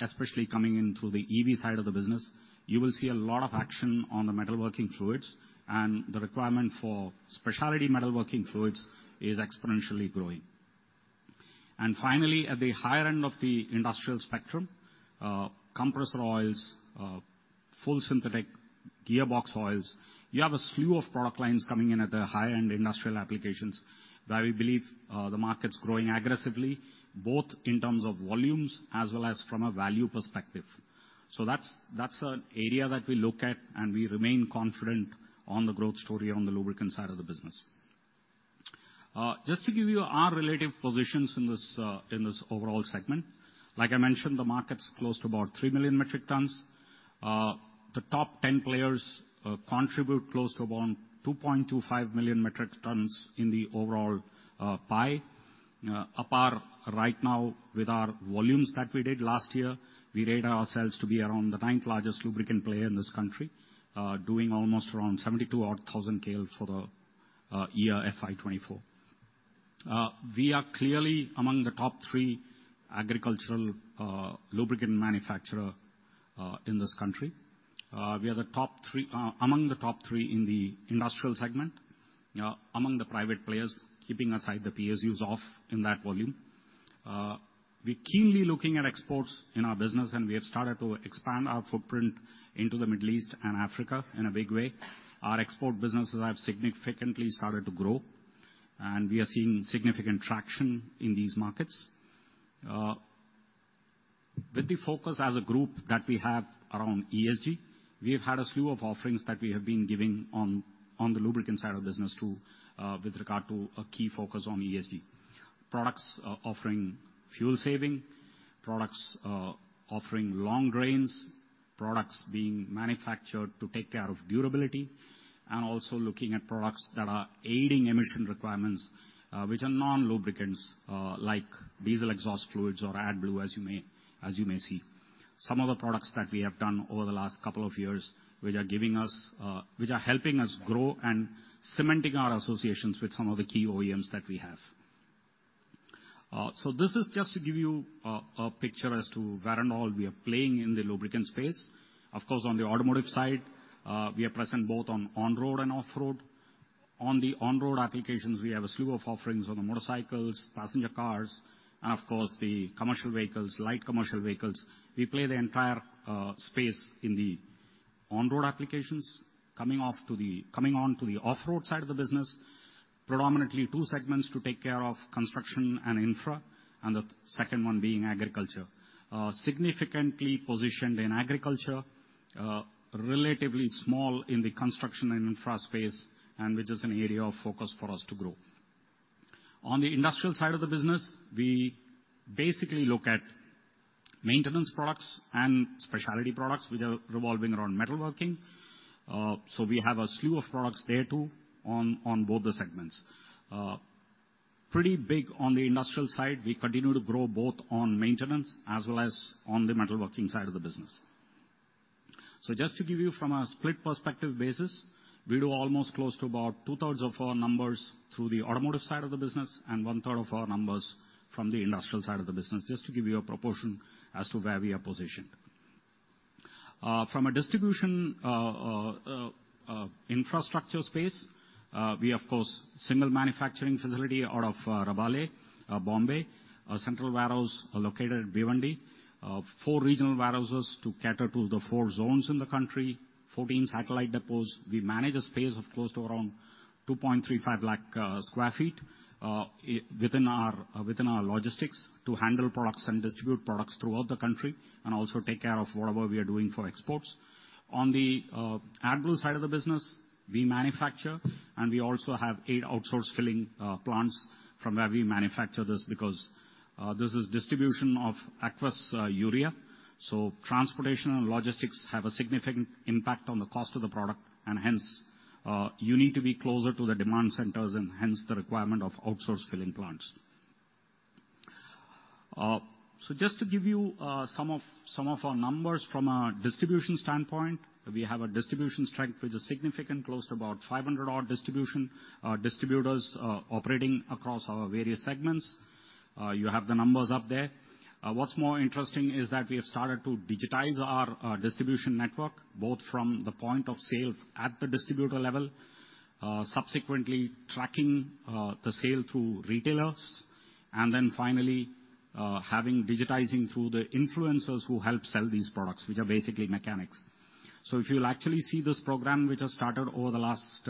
especially coming into the EV side of the business, you will see a lot of action on the metalworking fluids, and the requirement for specialty metalworking fluids is exponentially growing. And finally, at the higher end of the industrial spectrum, compressor oils, full synthetic gearbox oils, you have a slew of product lines coming in at the high-end industrial applications, where we believe the market's growing aggressively, both in terms of volumes as well as from a value perspective. So that's an area that we look at, and we remain confident on the growth story on the lubricant side of the business. Just to give you our relative positions in this overall segment, like I mentioned, the market's close to about three million metric tons. The top ten players contribute close to around 2.25 million metric tons in the overall pie. APAR, right now, with our volumes that we did last year, we rate ourselves to be around the ninth-largest lubricant player in this country, doing almost around 72,000 odd KL for the year FY 2024. We are clearly among the top three agricultural lubricant manufacturer in this country. We are the top three among the top three in the industrial segment among the private players, keeping aside the PSUs off in that volume. We're keenly looking at exports in our business, and we have started to expand our footprint into the Middle East and Africa in a big way. Our export businesses have significantly started to grow, and we are seeing significant traction in these markets. With the focus as a group that we have around ESG, we have had a slew of offerings that we have been giving on the lubricant side of the business, too, with regard to a key focus on ESG. Products offering fuel saving, products offering long drains, products being manufactured to take care of durability, and also looking at products that are aiding emission requirements, which are non-lubricants, like diesel exhaust fluids or AdBlue, as you may see. Some of the products that we have done over the last couple of years, which are helping us grow and cementing our associations with some of the key OEMs that we have. So this is just to give you a picture as to where and all we are playing in the lubricant space. Of course, on the automotive side, we are present both on-road and off-road. On the on-road applications, we have a slew of offerings on the motorcycles, passenger cars, and of course, the commercial vehicles, light commercial vehicles. We play the entire space in the on-road applications. Coming on to the off-road side of the business, predominantly two segments to take care of, construction and infra, and the second one being agriculture. Significantly positioned in agriculture, relatively small in the construction and infra space, and which is an area of focus for us to grow. On the industrial side of the business, we basically look at maintenance products and specialty products, which are revolving around metalworking. So we have a slew of products there, too, on both the segments. Pretty big on the industrial side. We continue to grow both on maintenance as well as on the metalworking side of the business. So just to give you from a split perspective basis, we do almost close to about two-thirds of our numbers through the automotive side of the business, and one-third of our numbers from the industrial side of the business, just to give you a proportion as to where we are positioned. From a distribution infrastructure space, we, of course, single manufacturing facility out of Rabale, Bombay. Our central warehouse are located at Bhiwandi. Four regional warehouses to cater to the four zones in the country, 14 satellite depots. We manage a space of close to around 2.35 lakh sq ft within our logistics to handle products and distribute products throughout the country, and also take care of whatever we are doing for exports. On the AdBlue side of the business, we manufacture, and we also have eight outsourced filling plants from where we manufacture this, because this is distribution of aqueous urea, so transportation and logistics have a significant impact on the cost of the product, and hence you need to be closer to the demand centers, and hence the requirement of outsourced filling plants. So just to give you some of our numbers from a distribution standpoint, we have a distribution strength, which is significant, close to about 500-odd distribution distributors operating across our various segments. You have the numbers up there. What's more interesting is that we have started to digitize our distribution network, both from the point of sale at the distributor level, subsequently tracking the sale through retailers, and then finally having digitizing through the influencers who help sell these products, which are basically mechanics. So if you'll actually see this program, which has started over the last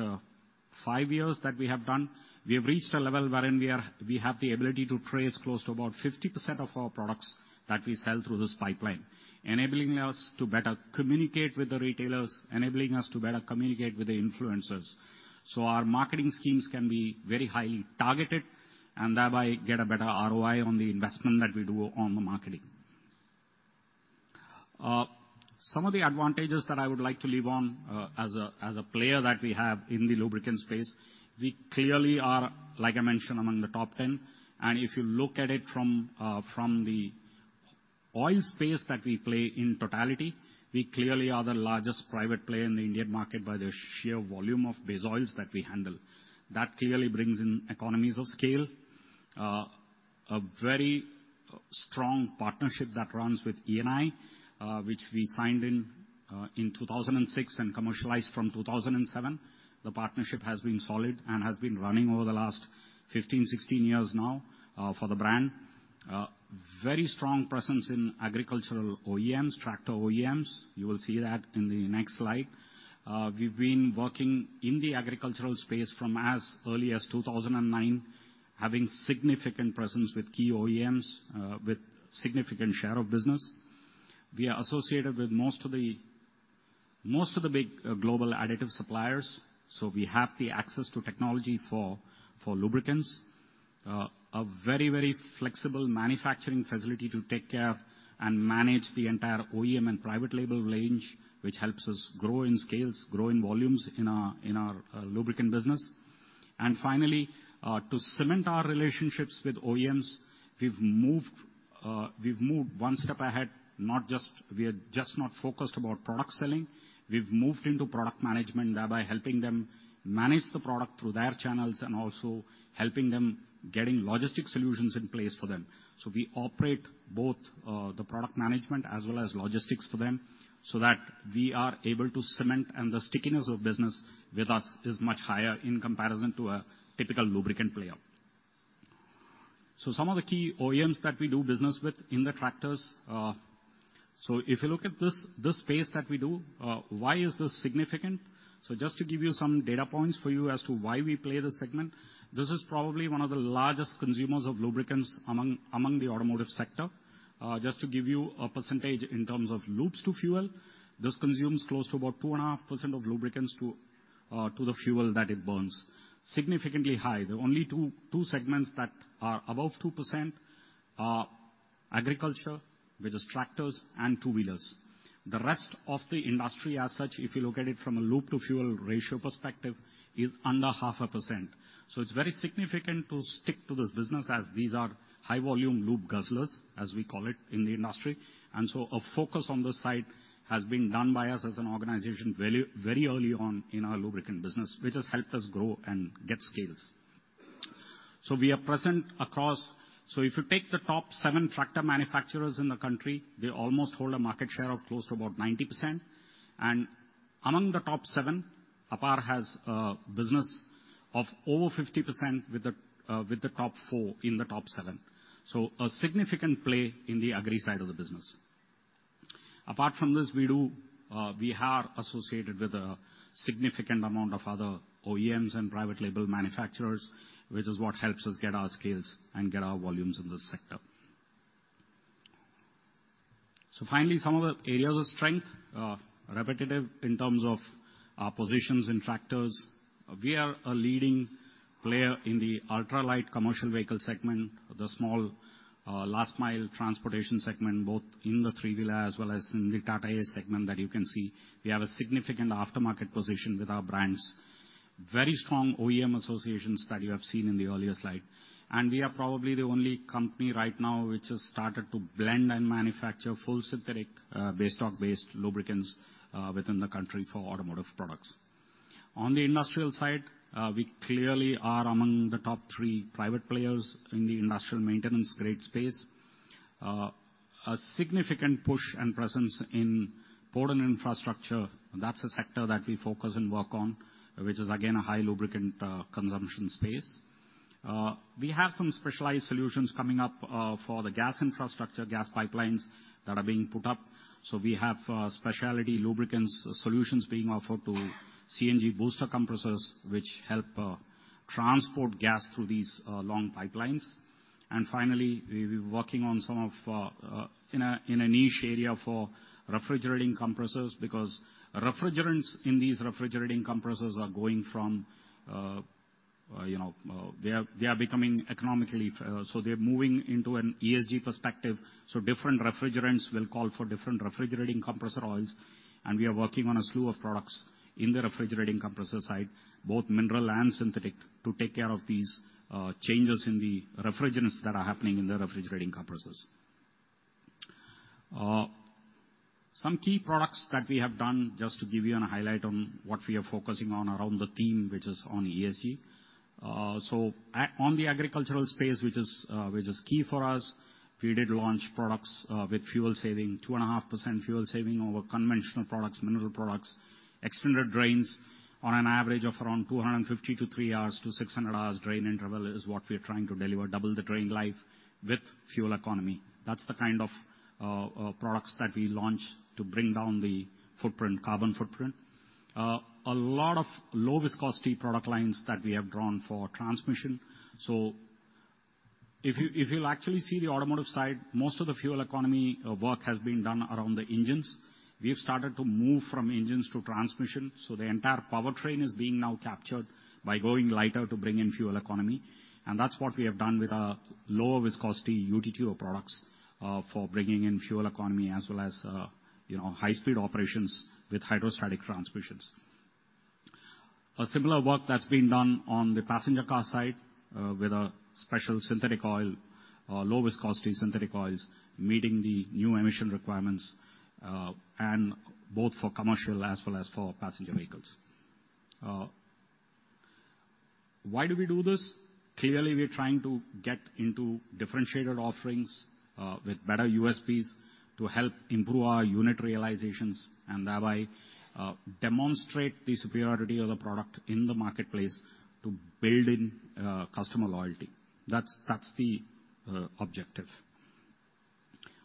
five years that we have done, we have reached a level wherein we have the ability to trace close to about 50% of our products that we sell through this pipeline, enabling us to better communicate with the retailers, enabling us to better communicate with the influencers. So our marketing schemes can be very highly targeted, and thereby get a better ROI on the investment that we do on the marketing. Some of the advantages that I would like to leave on, as a player that we have in the lubricant space, we clearly are, like I mentioned, among the top 10, and if you look at it from, from the oil space that we play in totality, we clearly are the largest private player in the Indian market by the sheer volume of base oils that we handle. That clearly brings in economies of scale. A very strong partnership that runs with Eni, which we signed in, in 2006, and commercialized from 2007. The partnership has been solid and has been running over the last 15-16 years now, for the brand. Very strong presence in agricultural OEMs, tractor OEMs. You will see that in the next slide. We've been working in the agricultural space from as early as 2009, having significant presence with key OEMs with significant share of business. We are associated with most of the big global additive suppliers, so we have the access to technology for lubricants. A very flexible manufacturing facility to take care of and manage the entire OEM and private label range, which helps us grow in scales, grow in volumes in our lubricant business. And finally, to cement our relationships with OEMs, we've moved one step ahead, not just- we are just not focused about product selling, we've moved into product management, thereby helping them manage the product through their channels, and also helping them getting logistic solutions in place for them. So we operate both, the product management as well as logistics for them, so that we are able to cement, and the stickiness of business with us is much higher in comparison to a typical lubricant player. So some of the key OEMs that we do business with in the tractors, so if you look at this, this space that we do, why is this significant? So just to give you some data points for you as to why we play this segment, this is probably one of the largest consumers of lubricants among the automotive sector. Just to give you a percentage in terms of lubes to fuel, this consumes close to about 2.5% of lubricants to the fuel that it burns. Significantly high. The only two segments that are above 2% are agriculture, which is tractors, and two-wheelers. The rest of the industry as such, if you look at it from a lube-to-fuel ratio perspective, is under 0.5%. So it's very significant to stick to this business, as these are high-volume lube guzzlers, as we call it in the industry. And so a focus on this side has been done by us as an organization very, very early on in our lubricant business, which has helped us grow and get scales. So we are present across... So if you take the top seven tractor manufacturers in the country, they almost hold a market share of close to about 90%. And among the top seven, APAR has a business of over 50% with the top four in the top seven. So a significant play in the agri side of the business. APARt from this, we do, we are associated with a significant amount of other OEMs and private label manufacturers, which is what helps us get our scales and get our volumes in this sector. So finally, some of the areas of strength. Repetitive in terms of our positions in tractors. We are a leading player in the ultra-light commercial vehicle segment, the small, last mile transportation segment, both in the three-wheeler as well as in the Tata Ace segment, that you can see. We have a significant aftermarket position with our brands. Very strong OEM associations that you have seen in the earlier slide. And we are probably the only company right now which has started to blend and manufacture full synthetic, base stock-based lubricants, within the country for automotive products. On the industrial side, we clearly are among the top three private players in the industrial maintenance grade space. A significant push and presence in port and infrastructure, that's a sector that we focus and work on, which is, again, a high lubricant consumption space. We have some specialized solutions coming up for the gas infrastructure, gas pipelines that are being put up. So we have specialty lubricants solutions being offered to CNG booster compressors, which help transport gas through these long pipelines. And finally, we're working on some of in a niche area for refrigerating compressors, because refrigerants in these refrigerating compressors are going from, you know. They are becoming economically, so they're moving into an ESG perspective. Different refrigerants will call for different refrigerating compressor oils, and we are working on a slew of products in the refrigerating compressor side, both mineral and synthetic, to take care of these changes in the refrigerants that are happening in the refrigerating compressors. Some key products that we have done, just to give you a highlight on what we are focusing on around the theme, which is on ESG. On the agricultural space, which is key for us, we did launch products with fuel saving, 2.5% fuel saving over conventional products, mineral products. Extended drains on an average of around 250-300 hours to 600 hours drain interval is what we are trying to deliver, double the drain life with fuel economy. That's the kind of products that we launched to bring down the footprint, carbon footprint. A lot of low viscosity product lines that we have drawn for transmission. So if you'll actually see the automotive side, most of the fuel economy work has been done around the engines. We've started to move from engines to transmission, so the entire powertrain is being now captured by going lighter to bring in fuel economy. And that's what we have done with our lower viscosity UTTO products for bringing in fuel economy, as well as you know, high speed operations with hydrostatic transmissions. A similar work that's been done on the passenger car side with a special synthetic oil, low viscosity synthetic oils, meeting the new emission requirements, and both for commercial as well as for passenger vehicles. Why do we do this? Clearly, we are trying to get into differentiated offerings with better USPs, to help improve our unit realizations, and thereby demonstrate the superiority of the product in the marketplace to build in customer loyalty. That's the objective.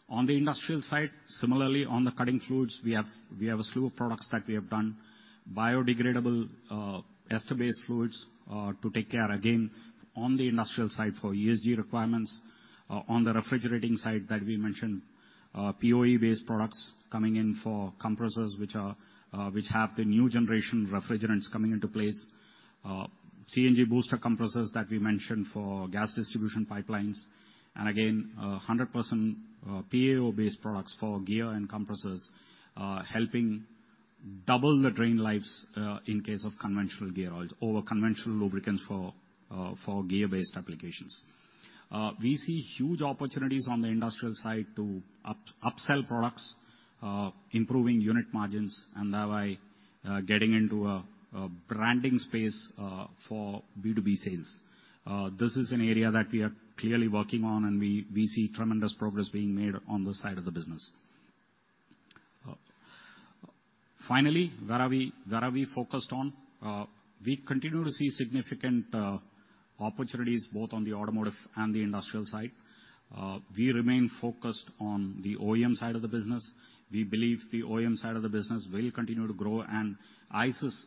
On the industrial side, similarly, on the cutting fluids, we have a slew of products that we have done. Biodegradable ester-based fluids to take care, again, on the industrial side, for ESG requirements. On the refrigerating side that we mentioned, POE-based products coming in for compressors, which have the new generation refrigerants coming into place. CNG booster compressors that we mentioned for gas distribution pipelines. And again, 100% PAO-based products for gear and compressors, helping-... Double the drain lives in case of conventional gear oils over conventional lubricants for gear-based applications. We see huge opportunities on the industrial side to upsell products, improving unit margins, and thereby getting into a branding space for B2B sales. This is an area that we are clearly working on, and we see tremendous progress being made on this side of the business. Finally, where are we focused on? We continue to see significant opportunities both on the automotive and the industrial side. We remain focused on the OEM side of the business. We believe the OEM side of the business will continue to grow, and ICEs,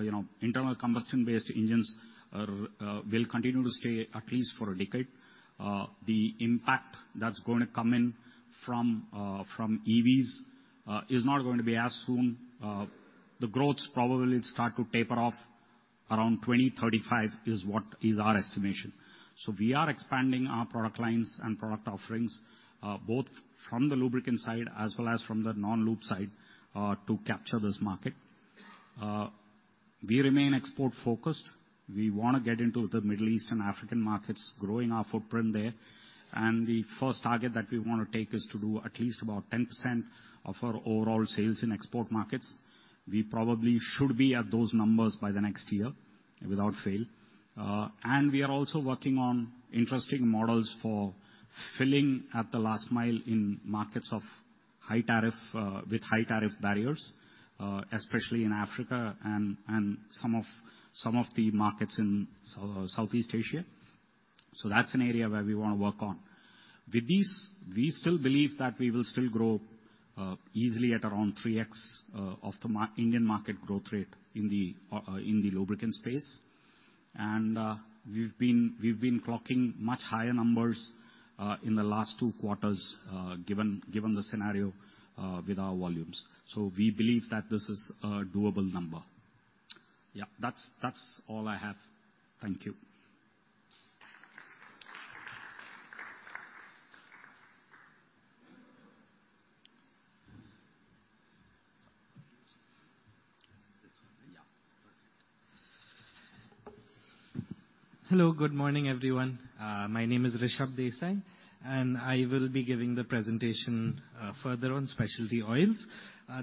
you know, internal combustion-based engines will continue to stay at least for a decade. The impact that's going to come in from EVs is not going to be as soon. The growth probably will start to taper off around 2035, is what is our estimation. So we are expanding our product lines and product offerings, both from the lubricant side as well as from the non-lube side, to capture this market. We remain export-focused. We wanna get into the Middle East and African markets, growing our footprint there, and the first target that we wanna take is to do at least about 10% of our overall sales in export markets. We probably should be at those numbers by the next year, without fail. And we are also working on interesting models for filling at the last mile in markets of high tariff with high tariff barriers, especially in Africa and some of the markets in Southeast Asia. That's an area where we wanna work on. With these, we still believe that we will still grow easily at around 3X of the Indian market growth rate in the lubricant space. And we've been clocking much higher numbers in the last two quarters, given the scenario with our volumes. We believe that this is a doable number. Yeah, that's all I have. Thank you. Hello, good morning, everyone. My name is Rishabh Desai, and I will be giving the presentation further on specialty oils.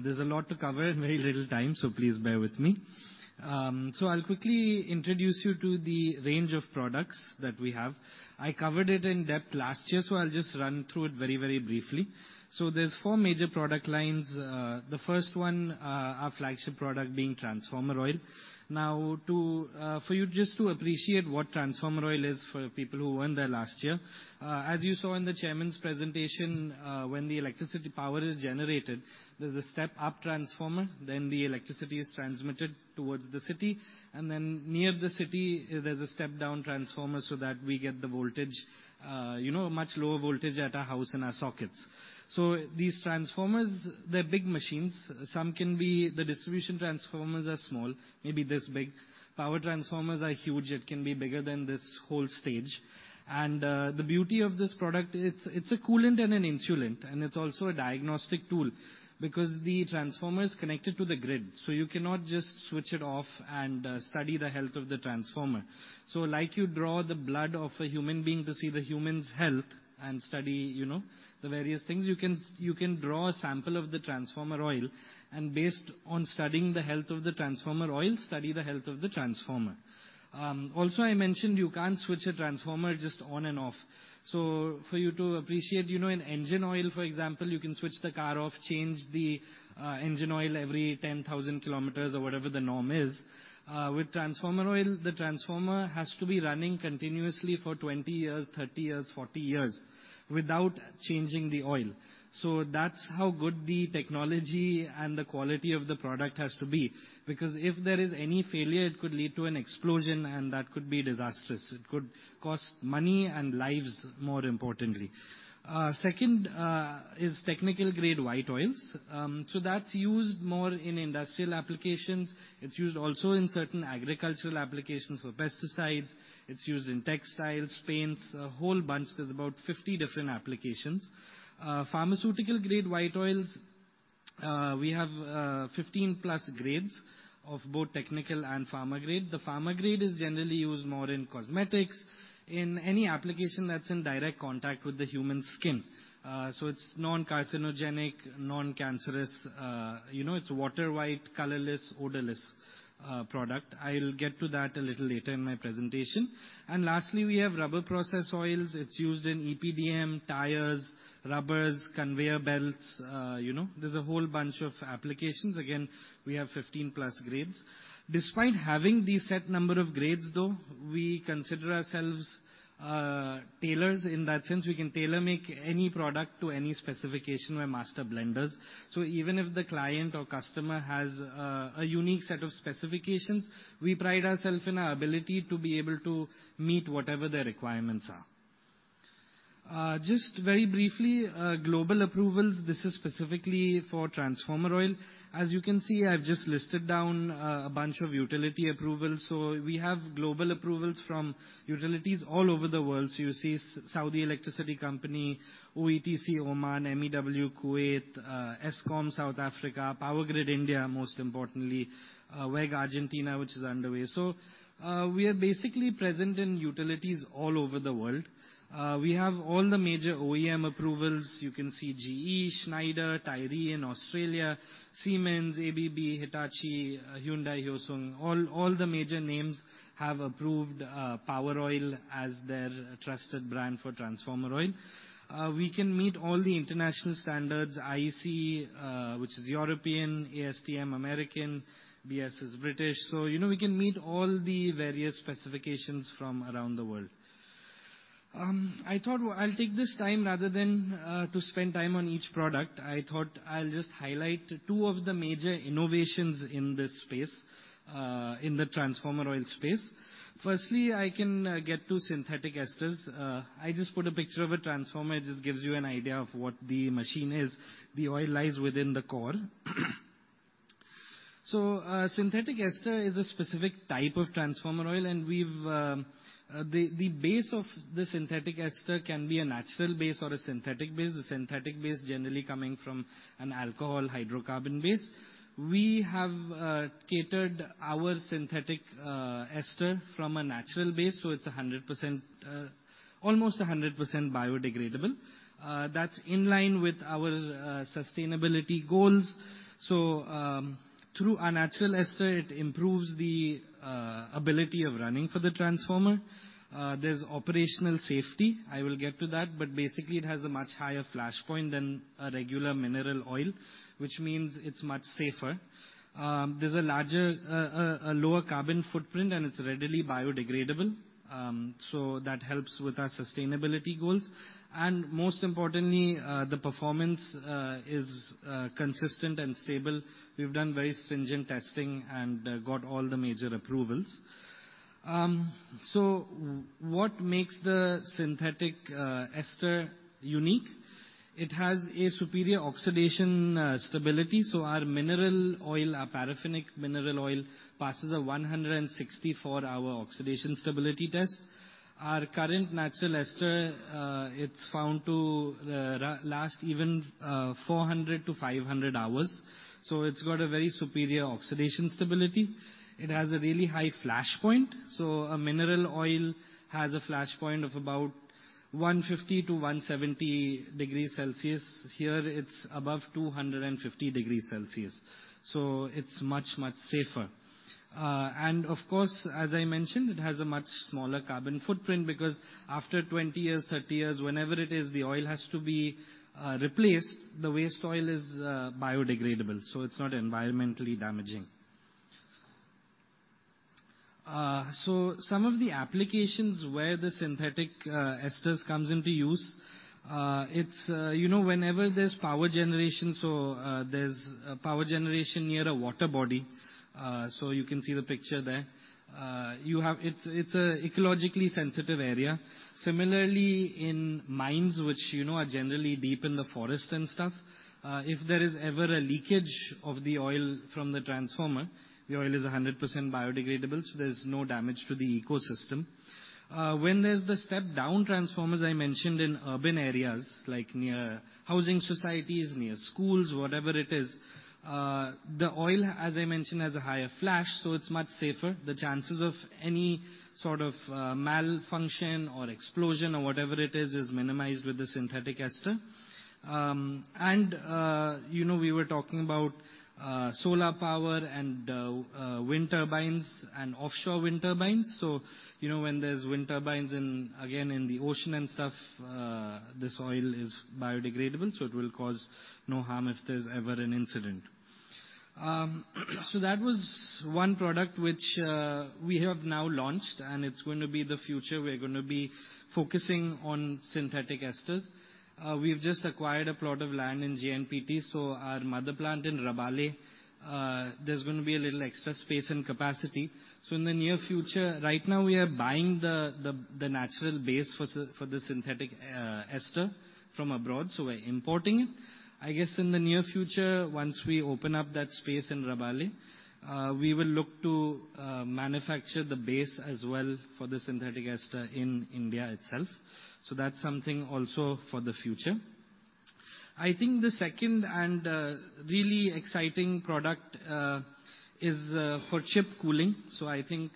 There's a lot to cover and very little time, so please bear with me, so I'll quickly introduce you to the range of products that we have. I covered it in depth last year, so I'll just run through it very, very briefly, so there's four major product lines. The first one, our flagship product being transformer oil. Now, for you just to appreciate what transformer oil is, for people who weren't there last year. As you saw in the chairman's presentation, when the electricity power is generated, there's a step-up transformer, then the electricity is transmitted towards the city, and then near the city, there's a step-down transformer so that we get the voltage, you know, a much lower voltage at our house in our sockets. So these transformers, they're big machines. Some can be... The distribution transformers are small, maybe this big. Power transformers are huge. It can be bigger than this whole stage, and the beauty of this product, it's a coolant and an insulant, and it's also a diagnostic tool, because the transformer is connected to the grid, so you cannot just switch it off and study the health of the transformer. So like you draw the blood of a human being to see the human's health and study, you know, the various things, you can, you can draw a sample of the transformer oil, and based on studying the health of the transformer oil, study the health of the transformer. Also, I mentioned you can't switch a transformer just on and off. So for you to appreciate, you know, in engine oil, for example, you can switch the car off, change the engine oil every 10,000 kilometers or whatever the norm is. With transformer oil, the transformer has to be running continuously for 20 years, 30 years, 40 years, without changing the oil. So that's how good the technology and the quality of the product has to be, because if there is any failure, it could lead to an explosion, and that could be disastrous. It could cost money and lives, more importantly. Second is technical grade white oils. So that's used more in industrial applications. It's used also in certain agricultural applications for pesticides. It's used in textiles, paints, a whole bunch. There's about 50 different applications. Pharmaceutical-grade white oils, we have 15-plus grades of both technical and pharma grade. The pharma grade is generally used more in cosmetics, in any application that's in direct contact with the human skin. So it's non-carcinogenic, non-cancerous, you know, it's water-white, colorless, odorless product. I'll get to that a little later in my presentation. And lastly, we have rubber process oils. It's used in EPDM, tires, rubbers, conveyor belts, you know, there's a whole bunch of applications. Again, we have 15-plus grades. Despite having these set number of grades, though, we consider ourselves tailors. In that sense, we can tailor-make any product to any specification by master blenders. So even if the client or customer has a unique set of specifications, we pride ourself in our ability to be able to meet whatever their requirements are.... Just very briefly, global approvals, this is specifically for transformer oil. As you can see, I've just listed down a bunch of utility approvals. So we have global approvals from utilities all over the world. So you see Saudi Electricity Company, OETC Oman, MEW Kuwait, Eskom South Africa, Power Grid India, most importantly, WEG Argentina, which is underway. So, we are basically present in utilities all over the world. We have all the major OEM approvals. You can see GE, Schneider, Tyree in Australia, Siemens, ABB, Hitachi, Hyundai, Hyosung. All, all the major names have approved, Power Oil as their trusted brand for transformer oil. We can meet all the international standards, IEC, which is European, ASTM, American, BS is British, so, you know, we can meet all the various specifications from around the world. I thought I'll take this time, rather than, to spend time on each product, I thought I'll just highlight two of the major innovations in this space, in the transformer oil space. Firstly, I can get to synthetic esters. I just put a picture of a transformer. It just gives you an idea of what the machine is. The oil lies within the core. So, synthetic ester is a specific type of transformer oil, and we've... The base of the synthetic ester can be a natural base or a synthetic base, the synthetic base generally coming from an alcohol hydrocarbon base. We have catered our synthetic ester from a natural base, so it's 100%, almost 100% biodegradable. That's in line with our sustainability goals. So through our natural ester, it improves the ability of running for the transformer. There's operational safety. I will get to that, but basically, it has a much higher flashpoint than a regular mineral oil, which means it's much safer. There's a lower carbon footprint, and it's readily biodegradable, so that helps with our sustainability goals. And most importantly, the performance is consistent and stable. We've done very stringent testing and got all the major approvals. So what makes the synthetic ester unique? It has a superior oxidation stability. So our mineral oil, our paraffinic mineral oil, passes a 164 hour oxidation stability test. Our current natural ester, it's found to last even 400-500 hours, so it's got a very superior oxidation stability. It has a really high flashpoint, so a mineral oil has a flashpoint of about 150-170 degrees Celsius. Here, it's above 250 degrees Celsius, so it's much, much safer. And of course, as I mentioned, it has a much smaller carbon footprint because after 20 years, 30 years, whenever it is, the oil has to be replaced, the waste oil is biodegradable, so it's not environmentally damaging. So some of the applications where the synthetic esters comes into use, it's, you know, whenever there's power generation, so, there's a power generation near a water body. So you can see the picture there. It's an ecologically sensitive area. Similarly, in mines, which you know, are generally deep in the forest and stuff, if there is ever a leakage of the oil from the transformer, the oil is 100% biodegradable, so there's no damage to the ecosystem. When there's the step-down transformers I mentioned in urban areas, like near housing societies, near schools, whatever it is, the oil, as I mentioned, has a higher flash, so it's much safer. The chances of any sort of malfunction or explosion or whatever it is, is minimized with the synthetic ester. You know, we were talking about solar power and wind turbines and offshore wind turbines. So you know, when there's wind turbines in, again, in the ocean and stuff, this oil is biodegradable, so it will cause no harm if there's ever an incident. So that was one product, which we have now launched, and it's going to be the future. We're gonna be focusing on synthetic esters. We've just acquired a plot of land in JNPT, so our mother plant in Rabale, there's going to be a little extra space and capacity. So in the near future... Right now, we are buying the natural base for the synthetic ester from abroad, so we're importing it. I guess in the near future, once we open up that space in Rabale, we will look to manufacture the base as well for the synthetic ester in India itself. So that's something also for the future. I think the second and really exciting product is for chip cooling. So I think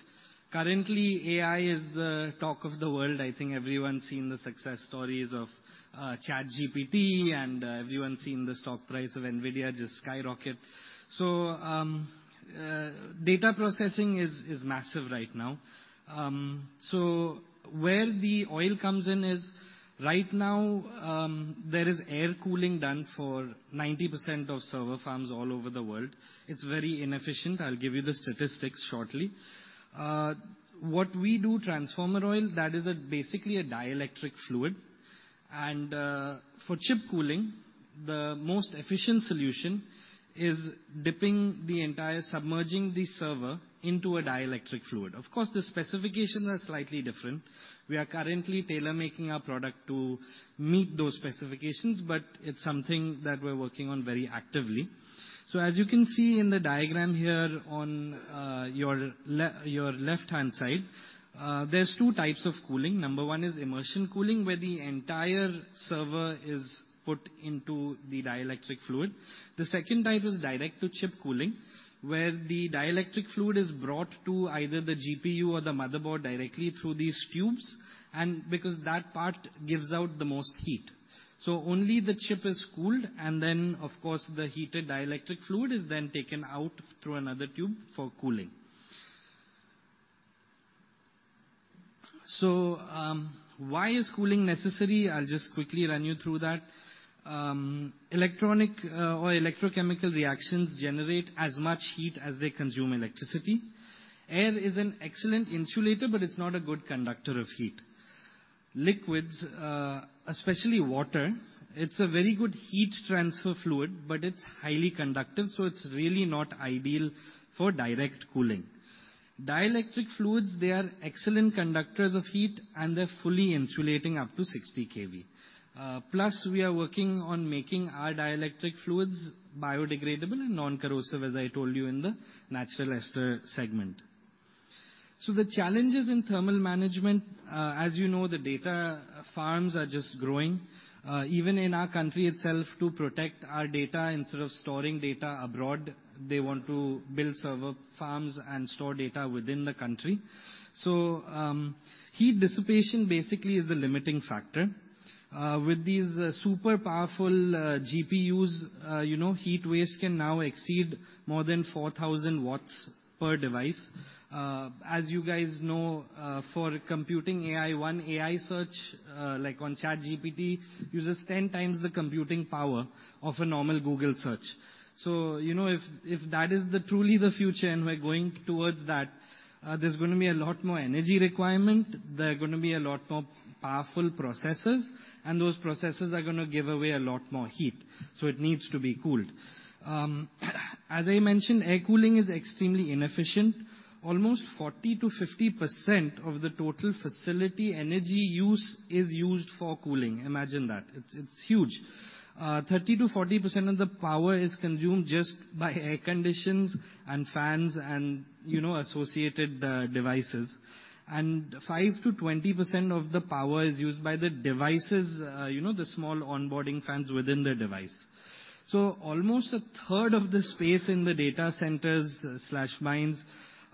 currently, AI is the talk of the world. I think everyone's seen the success stories of ChatGPT, and everyone's seen the stock price of NVIDIA just skyrocket. So data processing is massive right now. So where the oil comes in is, right now, there is air cooling done for 90% of server farms all over the world. It's very inefficient. I'll give you the statistics shortly. What we do, transformer oil, that is basically a dielectric fluid, and... For chip cooling, the most efficient solution is submerging the server into a dielectric fluid. Of course, the specifications are slightly different. We are currently tailor-making our product to meet those specifications, but it's something that we're working on very actively. So as you can see in the diagram here on your left-hand side, there's two types of cooling. Number one is immersion cooling, where the entire server is put into the dielectric fluid. The second type is direct-to-chip cooling, where the dielectric fluid is brought to either the GPU or the motherboard directly through these tubes, and because that part gives out the most heat. So only the chip is cooled, and then, of course, the heated dielectric fluid is then taken out through another tube for cooling. So why is cooling necessary? I'll just quickly run you through that. Electronic or electrochemical reactions generate as much heat as they consume electricity. Air is an excellent insulator, but it's not a good conductor of heat. Liquids, especially water, it's a very good heat transfer fluid, but it's highly conductive, so it's really not ideal for direct cooling. Dielectric fluids, they are excellent conductors of heat, and they're fully insulating up to 60 kV. Plus, we are working on making our dielectric fluids biodegradable and non-corrosive, as I told you, in the natural ester segment. So the challenges in thermal management, as you know, the data farms are just growing, even in our country itself, to protect our data. Instead of storing data abroad, they want to build server farms and store data within the country. So, heat dissipation basically is the limiting factor. With these super powerful GPUs, you know, heat waste can now exceed more than 4,000 watts per device. As you guys know, for computing AI, one AI search, like on ChatGPT, uses 10 times the computing power of a normal Google search. So, you know, if that is truly the future, and we're going towards that, there's gonna be a lot more energy requirement. There are gonna be a lot more powerful processors, and those processors are gonna give away a lot more heat, so it needs to be cooled. As I mentioned, air cooling is extremely inefficient. Almost 40%-50% of the total facility energy use is used for cooling. Imagine that. It's huge. 30%-40% of the power is consumed just by air conditioners and fans and, you know, associated devices, and 5%-20% of the power is used by the devices, you know, the small onboard fans within the device, so almost a third of the space in the data centers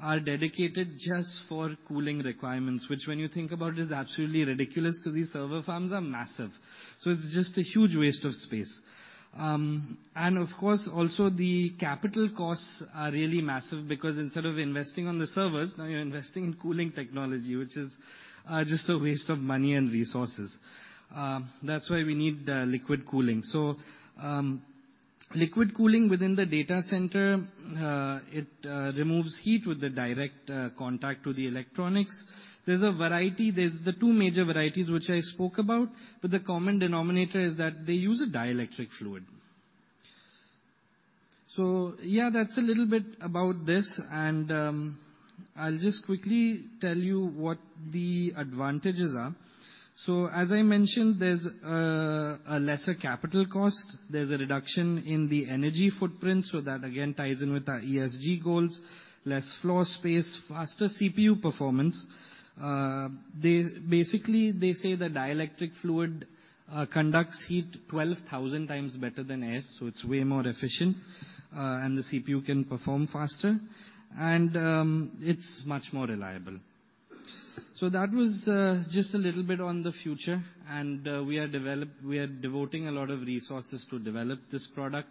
are dedicated just for cooling requirements, which, when you think about it, is absolutely ridiculous, 'cause these server farms are massive, so it's just a huge waste of space. And of course, also the capital costs are really massive because instead of investing in the servers, now you're investing in cooling technology, which is just a waste of money and resources. That's why we need liquid cooling. Liquid cooling within the data center removes heat with the direct contact to the electronics. There's a variety. There's the two major varieties which I spoke about, but the common denominator is that they use a dielectric fluid. So yeah, that's a little bit about this, and I'll just quickly tell you what the advantages are. So as I mentioned, there's a lesser capital cost. There's a reduction in the energy footprint, so that again ties in with our ESG goals, less floor space, faster CPU performance. They basically say the dielectric fluid conducts heat 12,000 times better than air, so it's way more efficient, and the CPU can perform faster, and it's much more reliable. So that was just a little bit on the future, and we are devoting a lot of resources to develop this product.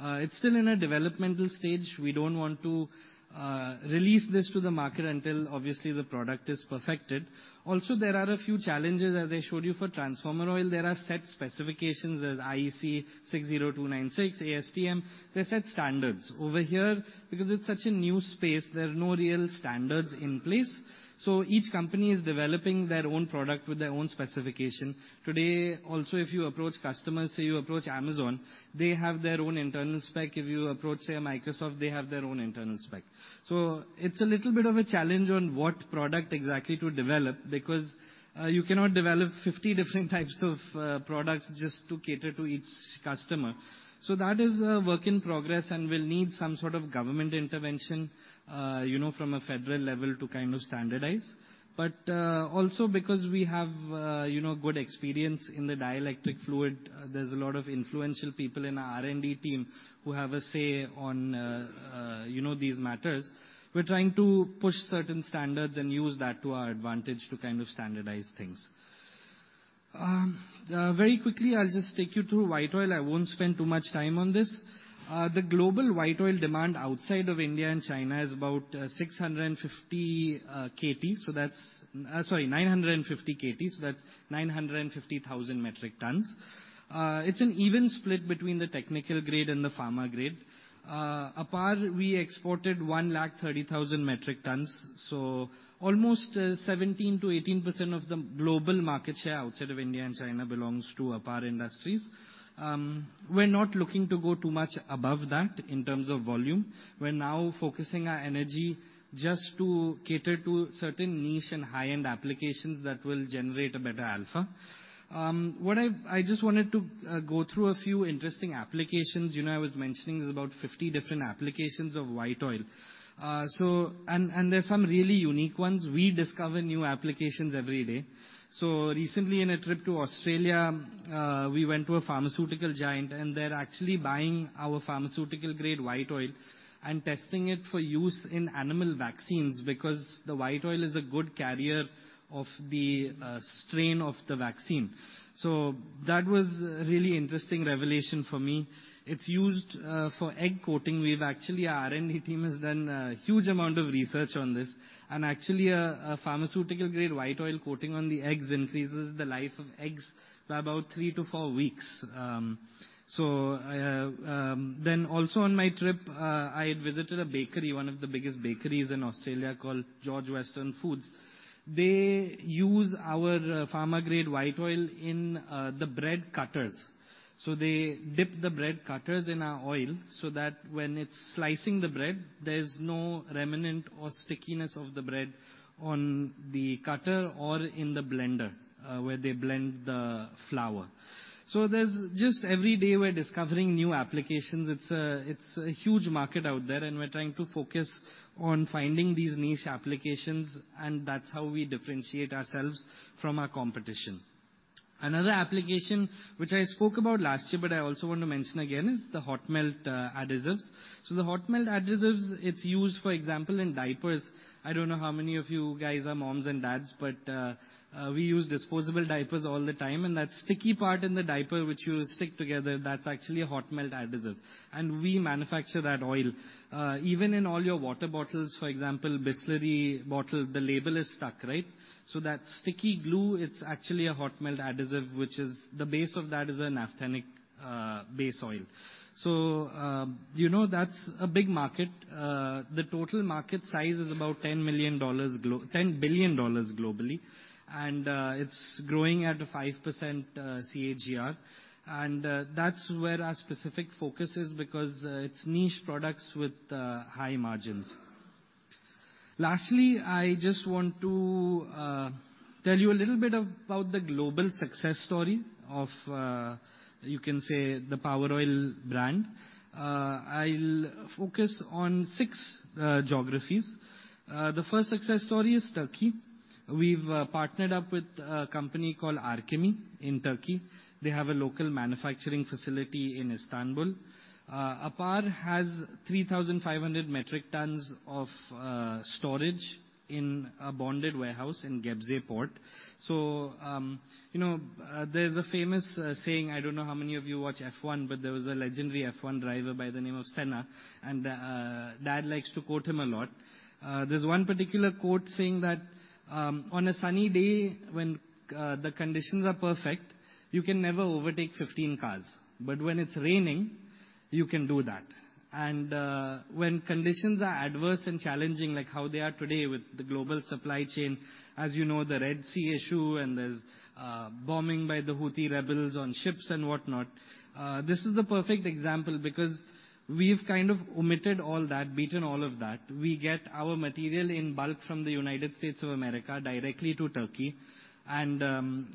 It's still in a developmental stage. We don't want to release this to the market until obviously the product is perfected. Also, there are a few challenges, as I showed you, for transformer oil. There are set specifications. There's IEC 60296, ASTM. They set standards. Over here, because it's such a new space, there are no real standards in place, so each company is developing their own product with their own specification. Today, also, if you approach customers, say you approach Amazon, they have their own internal spec. If you approach, say, a Microsoft, they have their own internal spec. So it's a little bit of a challenge on what product exactly to develop, because you cannot develop 50 different types of products just to cater to each customer. That is a work in progress and will need some sort of government intervention, you know, from a federal level to kind of standardize. But, also because we have, you know, good experience in the dielectric fluid, there's a lot of influential people in our R&D team who have a say on, you know, these matters. We're trying to push certain standards and use that to our advantage to kind of standardize things. Very quickly, I'll just take you through white oil. I won't spend too much time on this. The global white oil demand outside of India and China is about 650 KT. So that's 950 KT, so that's 950,000 metric tons. It's an even split between the technical grade and the pharma grade. APAR, we exported 130,000 metric tons, so almost 17%-18% of the global market share outside of India and China belongs to APAR Industries. We're not looking to go too much above that in terms of volume. We're now focusing our energy just to cater to certain niche and high-end applications that will generate a better alpha. What I just wanted to go through a few interesting applications. You know, I was mentioning there's about 50 different applications of white oil. So, and there's some really unique ones. We discover new applications every day. Recently, in a trip to Australia, we went to a pharmaceutical giant, and they're actually buying our pharmaceutical-grade white oil and testing it for use in animal vaccines, because the white oil is a good carrier of the strain of the vaccine. That was a really interesting revelation for me. It's used for egg coating. We've actually, our R&D team has done a huge amount of research on this, and actually, a pharmaceutical-grade white oil coating on the eggs increases the life of eggs by about three to four weeks. Also on my trip, I had visited a bakery, one of the biggest bakeries in Australia called George Weston Foods. They use our pharma-grade white oil in the bread cutters. They dip the bread cutters in our oil so that when it's slicing the bread, there's no remnant or stickiness of the bread on the cutter or in the blender where they blend the flour. Every day we're discovering new applications. It's a huge market out there, and we're trying to focus on finding these niche applications, and that's how we differentiate ourselves from our competition. Another application, which I spoke about last year, but I also want to mention again, is the hot melt adhesives. The hot melt adhesives are used, for example, in diapers. I don't know how many of you guys are moms and dads, but we use disposable diapers all the time, and that sticky part in the diaper, which you stick together, that's actually a hot melt adhesive, and we manufacture that oil. Even in all your water bottles, for example, Bisleri bottle, the label is stuck, right? So that sticky glue, it's actually a hot melt adhesive, which is the base of that is a naphthenic base oil. So, you know, that's a big market. The total market size is about $10 billion globally, and it's growing at a 5% CAGR. And that's where our specific focus is, because it's niche products with high margins. Lastly, I just want to tell you a little bit about the global success story of, you can say, the Power Oil brand. I'll focus on six geographies. The first success story is Turkey. We've partnered up with a company called Arkem in Turkey. They have a local manufacturing facility in Istanbul. APAR has 3,500 metric tons of storage in a bonded warehouse in Gebze Port. So, you know, there's a famous saying. I don't know how many of you watch F1, but there was a legendary F1 driver by the name of Senna, and Dad likes to quote him a lot. There's one particular quote saying that, "On a sunny day, when the conditions are perfect, you can never overtake 15 cars, but when it's raining, you can do that." When conditions are adverse and challenging, like how they are today with the global supply chain, as you know, the Red Sea issue, and there's bombing by the Houthi rebels on ships and whatnot, this is the perfect example, because we've kind of omitted all that, beaten all of that. We get our material in bulk from the United States of America directly to Turkey, and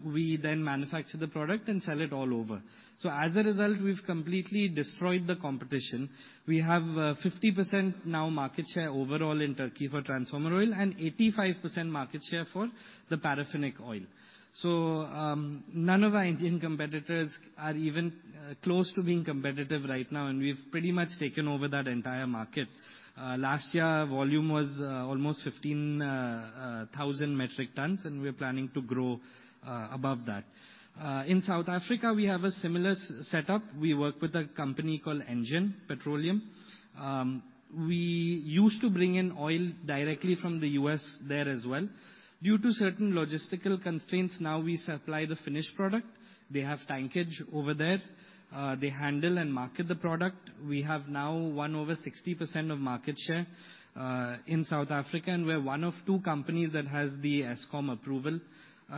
we then manufacture the product and sell it all over. So as a result, we've completely destroyed the competition. We have 50% now market share overall in Turkey for transformer oil and 85% market share for the paraffinic oil. So none of our Indian competitors are even close to being competitive right now, and we've pretty much taken over that entire market. Last year, volume was almost 15,000 metric tons, and we're planning to grow above that. In South Africa, we have a similar setup. We work with a company called Engen Petroleum. We used to bring in oil directly from the U.S. there as well. Due to certain logistical constraints, now we supply the finished product. They have tankage over there. They handle and market the product. We have now won over 60% of market share in South Africa, and we're one of two companies that has the Eskom approval.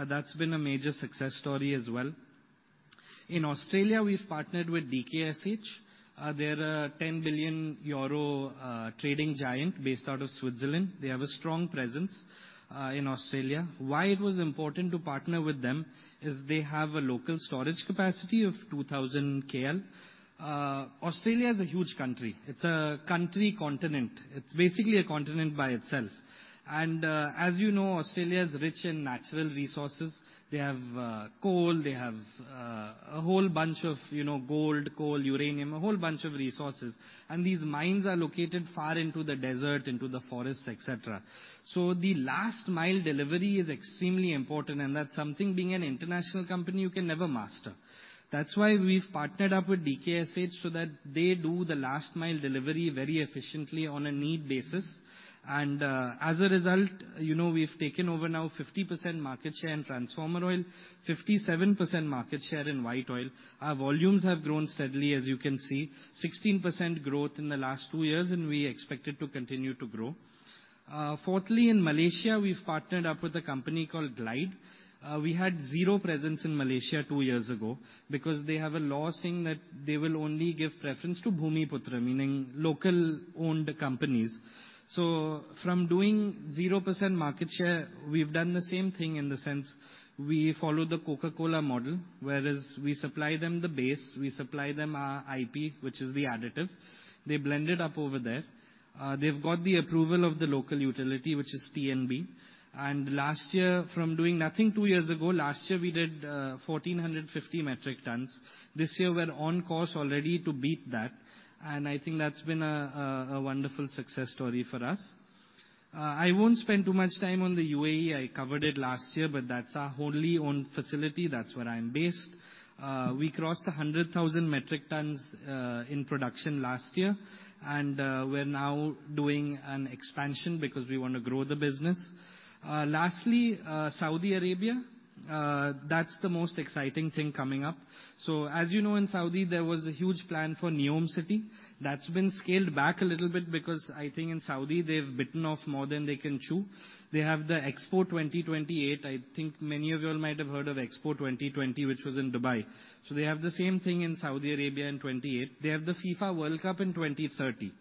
That's been a major success story as well. In Australia, we've partnered with DKSH. They're a 10 billion euro trading giant based out of Switzerland. They have a strong presence in Australia. Why it was important to partner with them is they have a local storage capacity of 2,000 KL. Australia is a huge country. It's a country continent. It's basically a continent by itself, and as you know, Australia is rich in natural resources. They have coal, they have a whole bunch of, you know, gold, coal, uranium, a whole bunch of resources. These mines are located far into the desert, into the forests, et cetera. So the last mile delivery is extremely important, and that's something, being an international company, you can never master. That's why we've partnered up with DKSH, so that they do the last mile delivery very efficiently on a need basis. As a result, you know, we've taken over now 50% market share in transformer oil, 57% market share in white oil. Our volumes have grown steadily, as you can see, 16% growth in the last two years, and we expect it to continue to grow. Fourthly, in Malaysia, we've partnered up with a company called Glide. We had zero presence in Malaysia two years ago because they have a law saying that they will only give preference to Bumiputera, meaning local-owned companies. From doing 0% market share, we've done the same thing in the sense we follow the Coca-Cola model, whereas we supply them the base, we supply them our IP, which is the additive. They blend it up over there. They've got the approval of the local utility, which is TNB. Last year, from doing nothing two years ago, last year we did 1,450 metric tons. This year, we're on course already to beat that, and I think that's been a wonderful success story for us. I won't spend too much time on the UAE. I covered it last year, but that's our wholly owned facility. That's where I'm based. We crossed 100,000 metric tons in production last year, and we're now doing an expansion because we want to grow the business. Lastly, Saudi Arabia, that's the most exciting thing coming up. So as you know, in Saudi, there was a huge plan for NEOM City. That's been scaled back a little bit because I think in Saudi, they've bitten off more than they can chew. They have the Expo 2028. I think many of you all might have heard of Expo 2020, which was in Dubai. So they have the same thing in Saudi Arabia in 2028. They have the FIFA World Cup in 2030.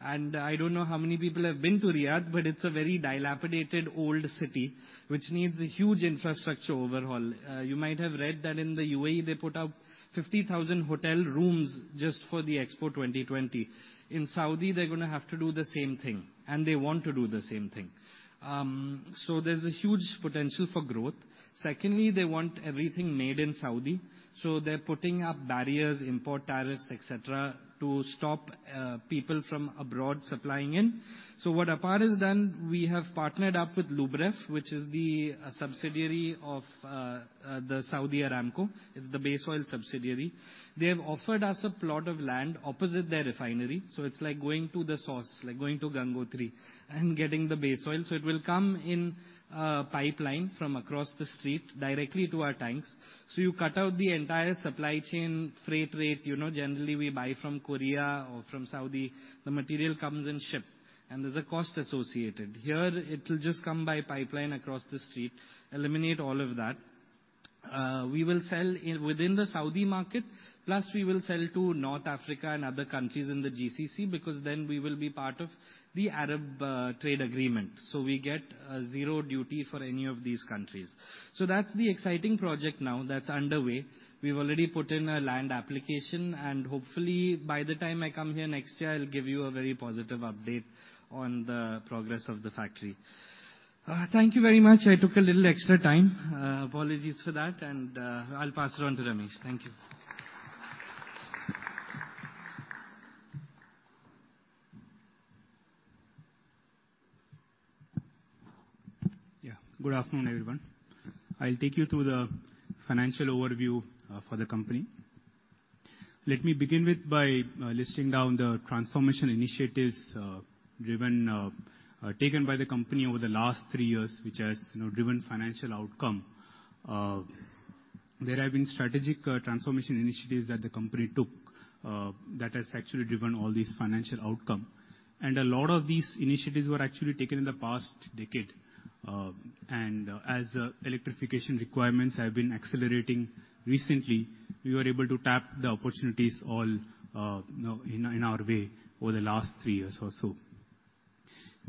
And I don't know how many people have been to Riyadh, but it's a very dilapidated, old city, which needs a huge infrastructure overhaul. You might have read that in the UAE, they put up 50,000 hotel rooms just for the Expo 2020. In Saudi, they're gonna have to do the same thing, and they want to do the same thing. So there's a huge potential for growth. Secondly, they want everything made in Saudi, so they're putting up barriers, import tariffs, et cetera, to stop people from abroad supplying in. So what APAR has done, we have partnered up with Lubref, which is a subsidiary of the Saudi Aramco, it's the base oil subsidiary. They have offered us a plot of land opposite their refinery, so it's like going to the source, like going to Gangotri and getting the base oil. So it will come in a pipeline from across the street directly to our tanks. So you cut out the entire supply chain, freight rate. You know, generally, we buy from Korea or from Saudi. The material comes in ship, and there's a cost associated. Here, it'll just come by pipeline across the street, eliminate all of that. We will sell in within the Saudi market, plus we will sell to North Africa and other countries in the GCC, because then we will be part of the Arab Trade Agreement, so we get a zero duty for any of these countries, so that's the exciting project now that's underway. We've already put in a land application, and hopefully, by the time I come here next year, I'll give you a very positive update on the progress of the factory. Thank you very much. I took a little extra time. Apologies for that, and I'll pass it on to Ramesh. Thank you. Yeah. Good afternoon, everyone. I'll take you through the financial overview for the company. Let me begin by listing down the transformation initiatives taken by the company over the last three years, which has, you know, driven financial outcome. There have been strategic transformation initiatives that the company took that has actually driven all these financial outcome. And a lot of these initiatives were actually taken in the past decade. And as electrification requirements have been accelerating recently, we were able to tap the opportunities all, you know, in our way over the last three years or so.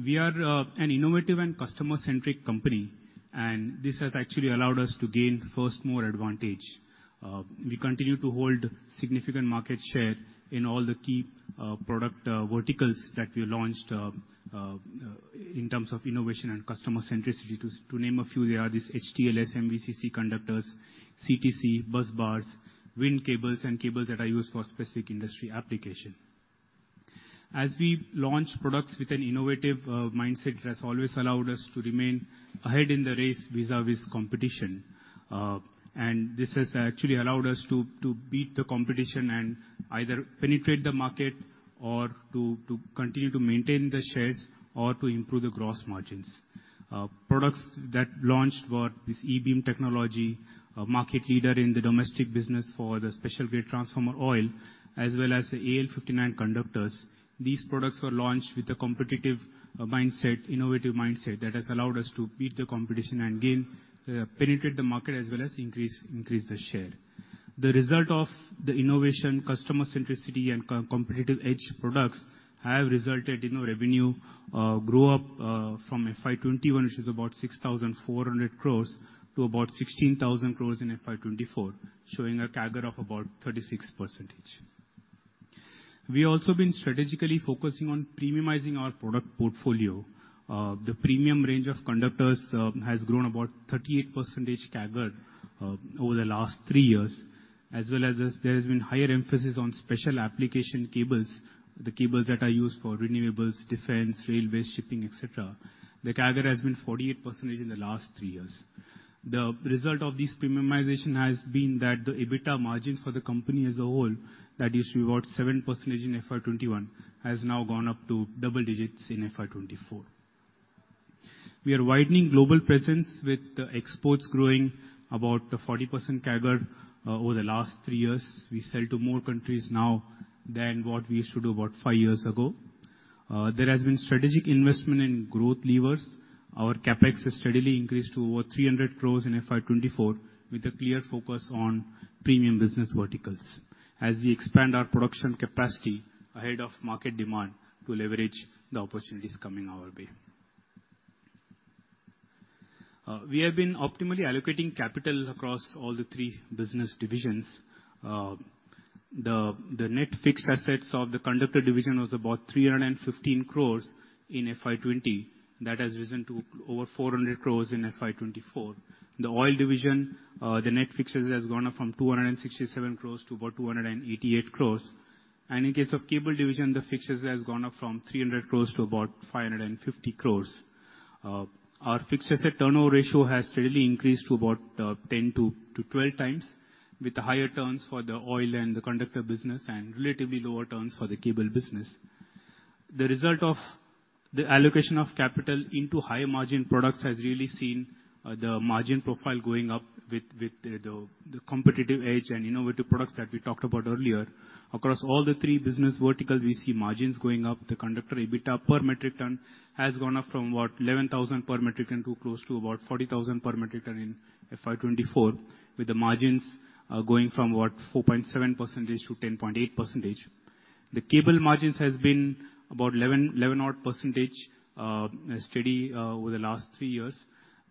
We are an innovative and customer-centric company, and this has actually allowed us to gain first-mover advantage. We continue to hold significant market share in all the key product verticals that we launched in terms of innovation and customer centricity. To name a few, there are these HTLS and VCC conductors, CTC, busbars, wind cables, and cables that are used for specific industry application. As we launch products with an innovative mindset, it has always allowed us to remain ahead in the race vis-à-vis competition. And this has actually allowed us to beat the competition and either penetrate the market or to continue to maintain the shares or to improve the gross margins. Products that launched were this E-beam technology, a market leader in the domestic business for the special grade transformer oil, as well as the AL-59 conductors. These products were launched with a competitive mindset, innovative mindset, that has allowed us to beat the competition and gain, penetrate the market, as well as increase the share. The result of the innovation, customer centricity, and competitive edge products have resulted in our revenue grow up from FY 2021, which is about 6,400 crores, to about 16,000 crores in FY 2024, showing a CAGR of about 36%. We also been strategically focusing on premiumizing our product portfolio. The premium range of conductors has grown about 38% CAGR over the last three years, as well as there has been higher emphasis on special application cables, the cables that are used for renewables, defense, railway, shipping, et cetera. The CAGR has been 48% in the last three years. The result of this premiumization has been that the EBITDA margins for the company as a whole, that is about 7% in FY 2021, has now gone up to double digits in FY 2024. We are widening global presence, with exports growing about 40% CAGR over the last three years. We sell to more countries now than what we used to about five years ago. There has been strategic investment in growth levers. Our CapEx has steadily increased to over 300 crores in FY 2024, with a clear focus on premium business verticals, as we expand our production capacity ahead of market demand to leverage the opportunities coming our way. We have been optimally allocating capital across all the three business divisions. The net fixed assets of the conductor division was about 315 crores in FY 2020. That has risen to over 400 crores in FY 2024. The oil division, the net fixed assets has gone up from 267 crores to about 288 crores. And in case of cable division, the fixed assets has gone up from 300 crores to about 550 crores. Our fixed asset turnover ratio has steadily increased to about 10-12 times, with the higher turns for the oil and the conductor business and relatively lower turns for the cable business. The result of the allocation of capital into higher margin products has really seen the margin profile going up with the competitive edge and innovative products that we talked about earlier. Across all three business verticals, we see margins going up. The conductor EBITDA per metric ton has gone up from what? 11,000 per metric ton to close to about 40,000 per metric ton in FY 2024, with the margins going from, what, 4.7%-10.8%. The cable margins has been about eleven, 11 odd percentage, steady over the last three years.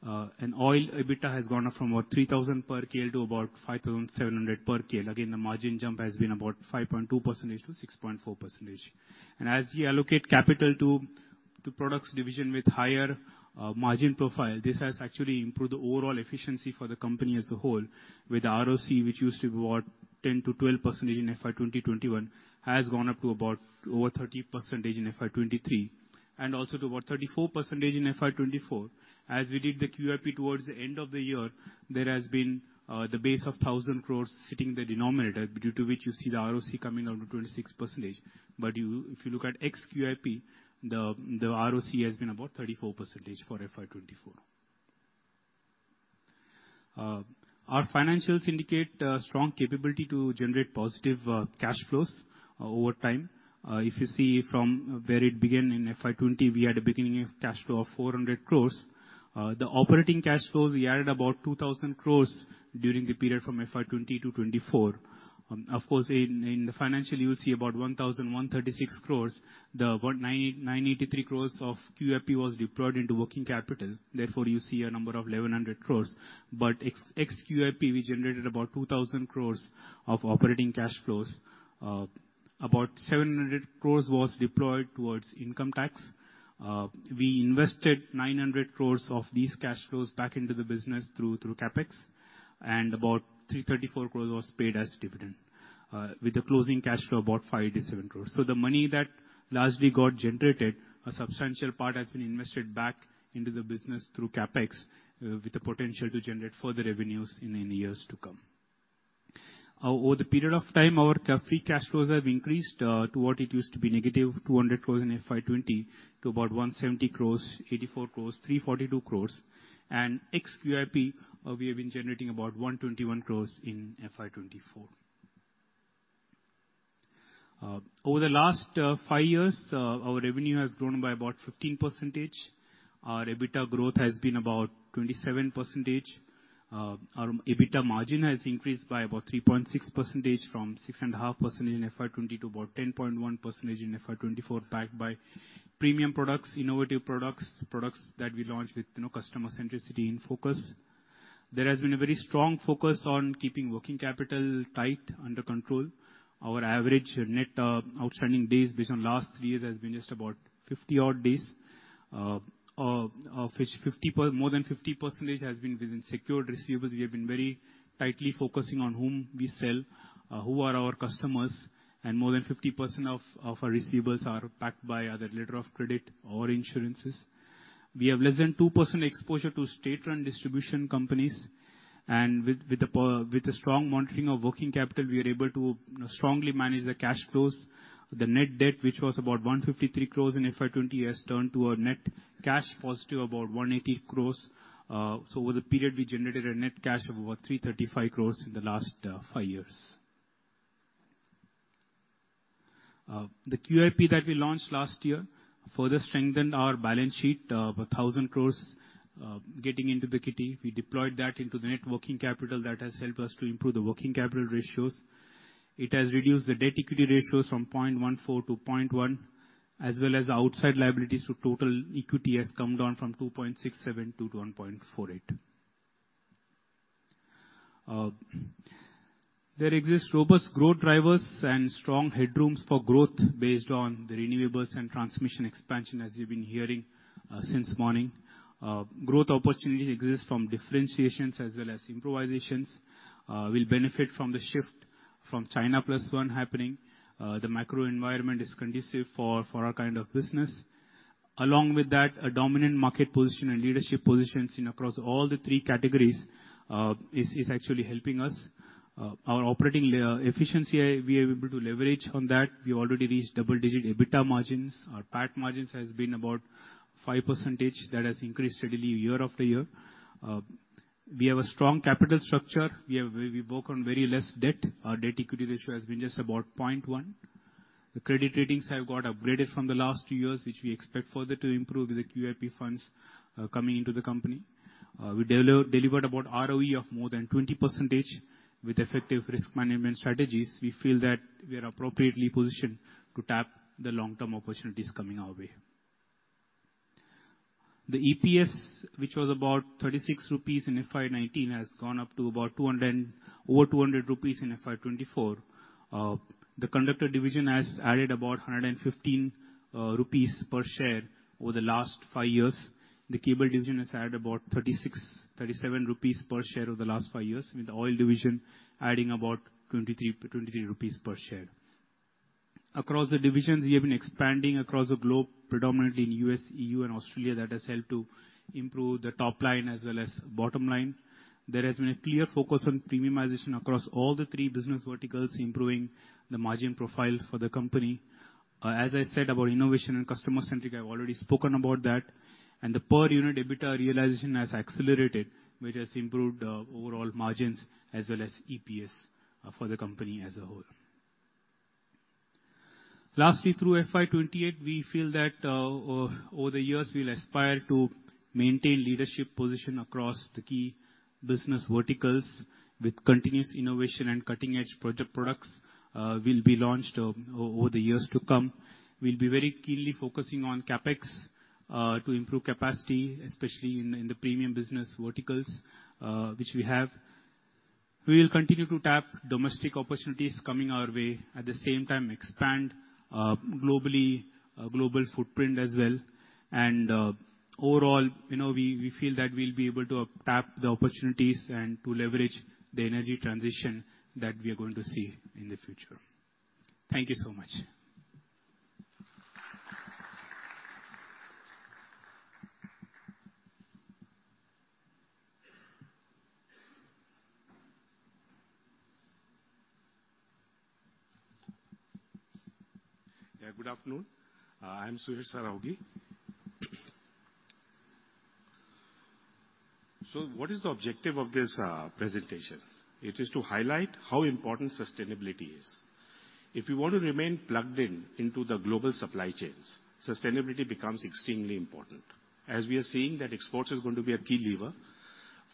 And oil EBITDA has gone up from, what, 3,000 per KL to about 5,700 per KL. Again, the margin jump has been about 5.2%-6.4%. And as we allocate capital to products division with higher margin profile, this has actually improved the overall efficiency for the company as a whole, with ROC, which used to be, what, 10%-12% in FY 2021, has gone up to about over 30% in FY 2023, and also to about 34% in FY 2024. As we did the QIP towards the end of the year, there has been the base of 1,000 crores sitting in the denominator, due to which you see the ROC coming down to 26%. But if you look at ex QIP, the ROC has been about 34% for FY 2024. Our financials indicate strong capability to generate positive cash flows over time. If you see from where it began in FY 2020, we had a beginning of cash flow of 400 crores. The operating cash flows, we added about 2,000 crores during the period from FY 2020-FY 2024. Of course, in the financial, you will see about 1,136 crores. The 983 crores of QIP was deployed into working capital. Therefore, you see a number of 1,100 crores. But ex QIP, we generated about 2,000 crores of operating cash flows. About 700 crores was deployed towards income tax. We invested 900 crores of these cash flows back into the business through CapEx, and about 334 crores was paid as dividend, with the closing cash flow about 5-7 crores. So the money that largely got generated, a substantial part has been invested back into the business through CapEx, with the potential to generate further revenues in years to come. Over the period of time, our free cash flows have increased to what it used to be, negative 200 crores in FY 2020 to about 170 crores, 84 crores, 342 crores. And ex QIP, we have been generating about 121 crores in FY 2024. Over the last five years, our revenue has grown by about 15%. Our EBITDA growth has been about 27%. Our EBITDA margin has increased by about 3.6%, from 6.5% in FY 2020 to about 10.1% in FY 2024, backed by premium products, innovative products, products that we launched with, you know, customer centricity in focus. There has been a very strong focus on keeping working capital tight under control. Our average net outstanding days based on last three years has been just about 50-odd days. Of which, more than 50% has been within secured receivables. We have been very tightly focusing on whom we sell, who are our customers, and more than 50% of our receivables are backed by either letter of credit or insurances. We have less than 2% exposure to state-run distribution companies, and with the strong monitoring of working capital, we are able to strongly manage the cash flows. The net debt, which was about 153 crores in FY 2020, has turned to a net cash positive, about 180 crores. So over the period, we generated a net cash of about 335 crores in the last five years. The QIP that we launched last year further strengthened our balance sheet by 1,000 crores, getting into the kitty. We deployed that into the net working capital. That has helped us to improve the working capital ratios. It has reduced the debt equity ratios from 0.14-0.1, as well as outside liabilities to total equity has come down from 2.67-1.48. There exists robust growth drivers and strong headrooms for growth based on the renewables and transmission expansion, as you've been hearing, since morning. Growth opportunity exists from differentiations as well as improvisations. We'll benefit from the shift from China plus one happening. The macro environment is conducive for our kind of business. Along with that, a dominant market position and leadership positions in across all the three categories is actually helping us. Our operating efficiency, we are able to leverage on that. We already reached double-digit EBITDA margins. Our PAT margins has been about 5%. That has increased steadily year after year. We have a strong capital structure. We work on very less debt. Our debt equity ratio has been just about point one. The credit ratings have got upgraded from the last two years, which we expect further to improve the QIP funds coming into the company. We delivered about ROE of more than 20%. With effective risk management strategies, we feel that we are appropriately positioned to tap the long-term opportunities coming our way. The EPS, which was about 36 rupees in FY 2019, has gone up to about 200 over 200 rupees in FY 2024. The conductor division has added about 115 rupees per share over the last five years. The cable division has added about 36-37 rupees per share over the last five years, with the oil division adding about 23-23 rupees per share. Across the divisions, we have been expanding across the globe, predominantly in U.S., EU, and Australia. That has helped to improve the top line as well as bottom line. There has been a clear focus on premiumization across all the three business verticals, improving the margin profile for the company. As I said, about innovation and customer centric, I've already spoken about that, and the per unit EBITDA realization has accelerated, which has improved, overall margins as well as EPS, for the company as a whole. Lastly, through FY 2028, we feel that over the years, we'll aspire to maintain leadership position across the key business verticals with continuous innovation and cutting-edge project products will be launched over the years to come. We'll be very keenly focusing on CapEx to improve capacity, especially in the premium business verticals which we have. We will continue to tap domestic opportunities coming our way, at the same time, expand globally, global footprint as well. Overall, you know, we feel that we'll be able to tap the opportunities and to leverage the energy transition that we are going to see in the future. Thank you so much. Yeah, good afternoon. I'm Suyash Saraogi. So what is the objective of this presentation? It is to highlight how important sustainability is. If you want to remain plugged in into the global supply chains, sustainability becomes extremely important, as we are seeing that exports is going to be a key lever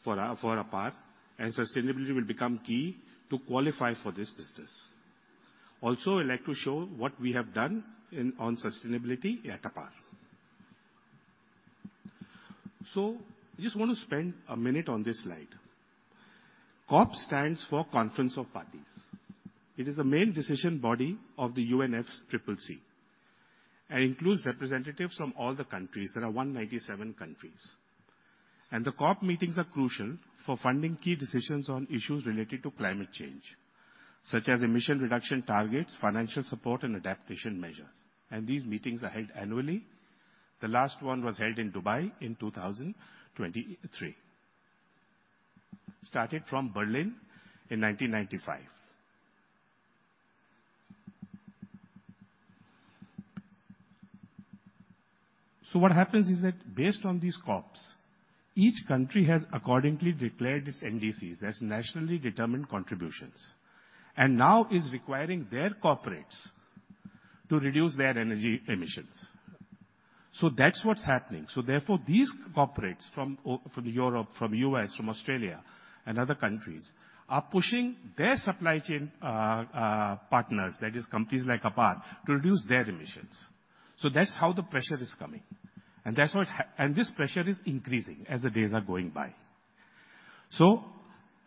for APAR, and sustainability will become key to qualify for this business. Also, I'd like to show what we have done in, on sustainability at APAR. So I just want to spend a minute on this slide. COP stands for Conference of Parties. It is the main decision body of the UNFCCC, and includes representatives from all the countries. There are 197 countries. And the COP meetings are crucial for funding key decisions on issues related to climate change, such as emission reduction targets, financial support, and adaptation measures. These meetings are held annually. The last one was held in Dubai in 2023. These meetings started from Berlin in 1995. What happens is that based on these COPs, each country has accordingly declared its NDCs, that's Nationally Determined Contributions, and now is requiring their corporates to reduce their energy emissions. That's what's happening. Therefore, these corporates from Europe, from U.S., from Australia and other countries, are pushing their supply chain partners, that is companies like APAR, to reduce their emissions. That's how the pressure is coming. This pressure is increasing as the days are going by.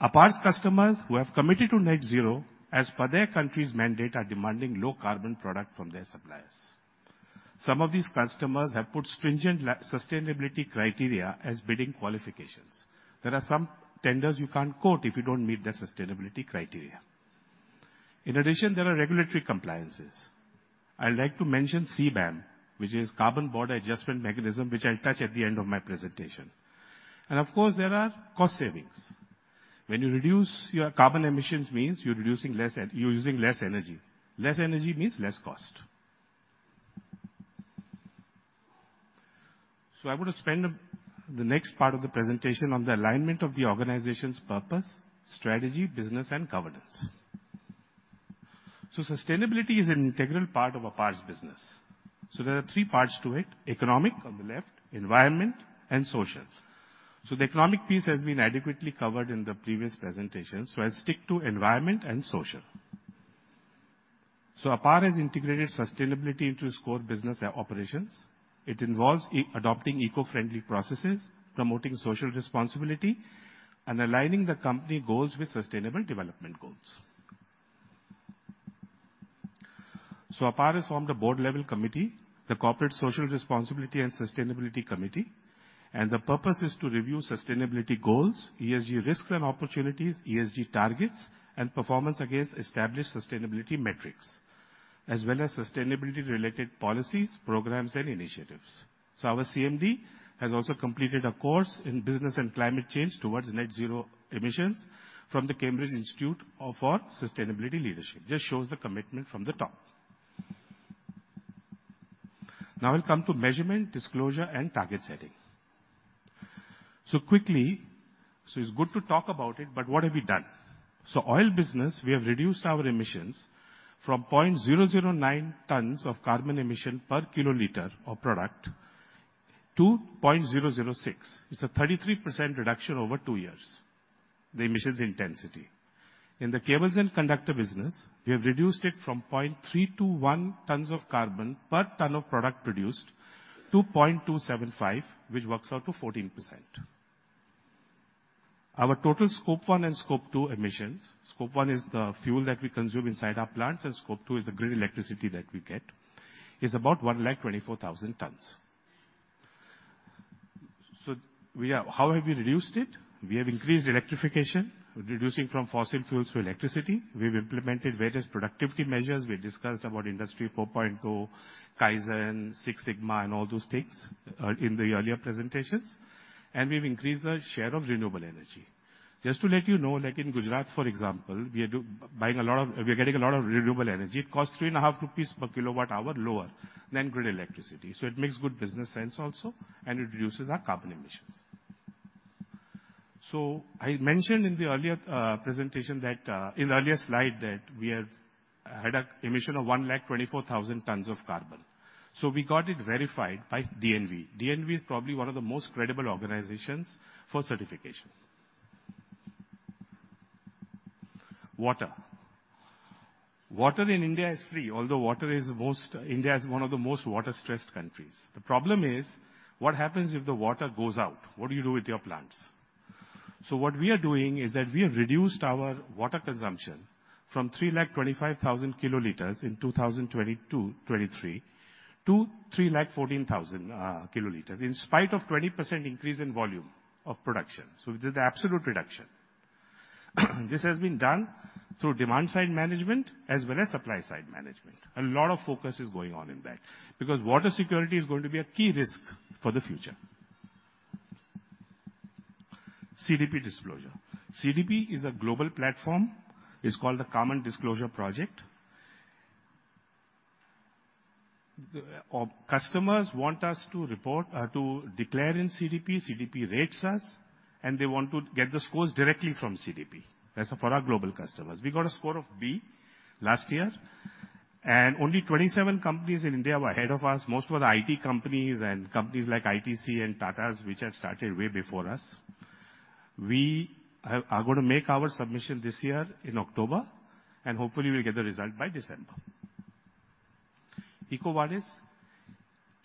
APAR's customers who have committed to net zero, as per their country's mandate, are demanding low carbon product from their suppliers. Some of these customers have put stringent sustainability criteria as bidding qualifications. There are some tenders you can't quote if you don't meet their sustainability criteria. In addition, there are regulatory compliances. I'd like to mention CBAM, which is Carbon Border Adjustment Mechanism, which I'll touch at the end of my presentation. And of course, there are cost savings. When you reduce your carbon emissions means you're reducing you're using less energy. Less energy means less cost. So I'm going to spend the next part of the presentation on the alignment of the organization's purpose, strategy, business, and governance. So sustainability is an integral part of APAR's business. So there are three parts to it: economic on the left, environment and social. So the economic piece has been adequately covered in the previous presentation, so I'll stick to environment and social. So APAR has integrated sustainability into its core business operations. It involves adopting eco-friendly processes, promoting social responsibility, and aligning the company goals with sustainable development goals. APAR has formed a board-level committee, the Corporate Social Responsibility and Sustainability Committee, and the purpose is to review sustainability goals, ESG risks and opportunities, ESG targets, and performance against established sustainability metrics, as well as sustainability-related policies, programs, and initiatives. Our CMD has also completed a course in business and climate change towards net zero emissions from the Cambridge Institute for Sustainability Leadership. Just shows the commitment from the top. Now we'll come to measurement, disclosure, and target setting. Quickly, it's good to talk about it, but what have we done? In the oil business, we have reduced our emissions from 0.009 tons of carbon emission per kiloliter of product to 0.006. It's a 33% reduction over two years, the emissions intensity. In the cables and conductor business, we have reduced it from 0.321 tons of carbon per ton of product produced to 0.275, which works out to 14%. Our total Scope 1 and Scope 2 emissions. Scope 1 is the fuel that we consume inside our plants, and Scope 2 is the grid electricity that we get, is about 124,000 tons. So we are. How have we reduced it? We have increased electrification, reducing from fossil fuels to electricity. We've implemented various productivity measures. We discussed about Industry 4.0, Kaizen, Six Sigma, and all those things, in the earlier presentations, and we've increased the share of renewable energy. Just to let you know, like in Gujarat, for example, we are buying a lot of... We are getting a lot of renewable energy. It costs 3.5 rupees per kilowatt hour lower than grid electricity, so it makes good business sense also, and it reduces our carbon emissions. So I mentioned in the earlier presentation that in the earlier slide, that we have had an emission of 124,000 tons of carbon. So we got it verified by DNV. DNV is probably one of the most credible organizations for certification. Water. Water in India is free, although water is the most India is one of the most water-stressed countries. The problem is, what happens if the water goes out? What do you do with your plants? What we are doing is that we have reduced our water consumption from 325,000 kiloliters in 2020-2023, to 314,000 kiloliters, in spite of 20% increase in volume of production. So this is the absolute reduction. This has been done through demand side management as well as supply side management. A lot of focus is going on in that, because water security is going to be a key risk for the future. CDP disclosure. CDP is a global platform. It's called the Carbon Disclosure Project. The customers want us to report to declare in CDP. CDP rates us, and they want to get the scores directly from CDP. That's for our global customers. We got a score of B last year, and only 27 companies in India were ahead of us. Most were the IT companies and companies like ITC and Tatas, which had started way before us. We are going to make our submission this year in October, and hopefully we'll get the result by December. EcoVadis.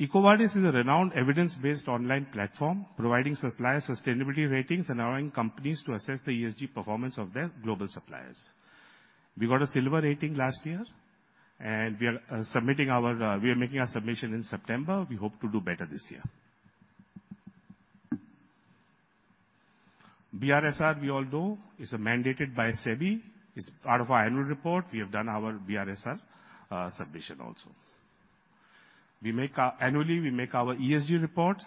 EcoVadis is a renowned, evidence-based online platform, providing supplier sustainability ratings and allowing companies to assess the ESG performance of their global suppliers. We got a silver rating last year, and we are submitting our, we are making our submission in September. We hope to do better this year. BRSR, we all know, is mandated by SEBI. It's part of our annual report. We have done our BRSR submission also. Annually, we make our ESG reports,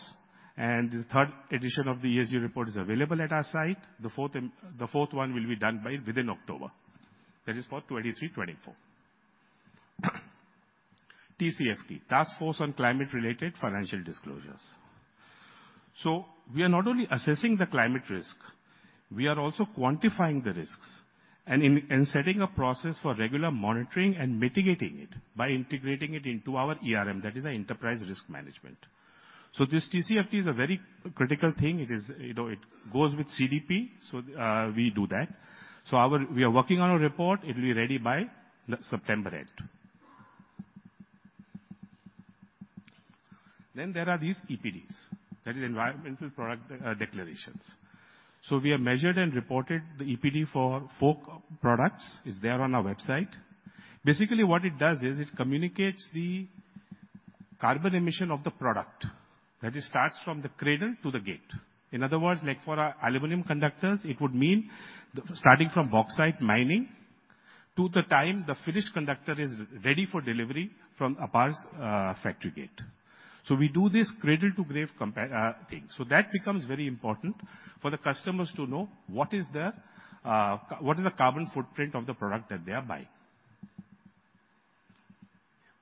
and the third edition of the ESG report is available at our site. The fourth one will be done within October. That is for 2023-2024. TCFD, Task Force on Climate-related Financial Disclosures. So we are not only assessing the climate risk, we are also quantifying the risks and setting a process for regular monitoring and mitigating it by integrating it into our ERM, that is our enterprise risk management. So this TCFD is a very critical thing. It is, you know, it goes with CDP, so we do that. So we are working on a report. It will be ready by September end. Then there are these EPDs, that is environmental product declarations. So we have measured and reported the EPD for four products, is there on our website. Basically, what it does is, it communicates the carbon emission of the product. That it starts from the cradle to the gate. In other words, like for our aluminum conductors, it would mean starting from bauxite mining, to the time the finished conductor is ready for delivery from APAR's factory gate. So we do this cradle-to-grave compare thing. So that becomes very important for the customers to know what is the carbon footprint of the product that they are buying?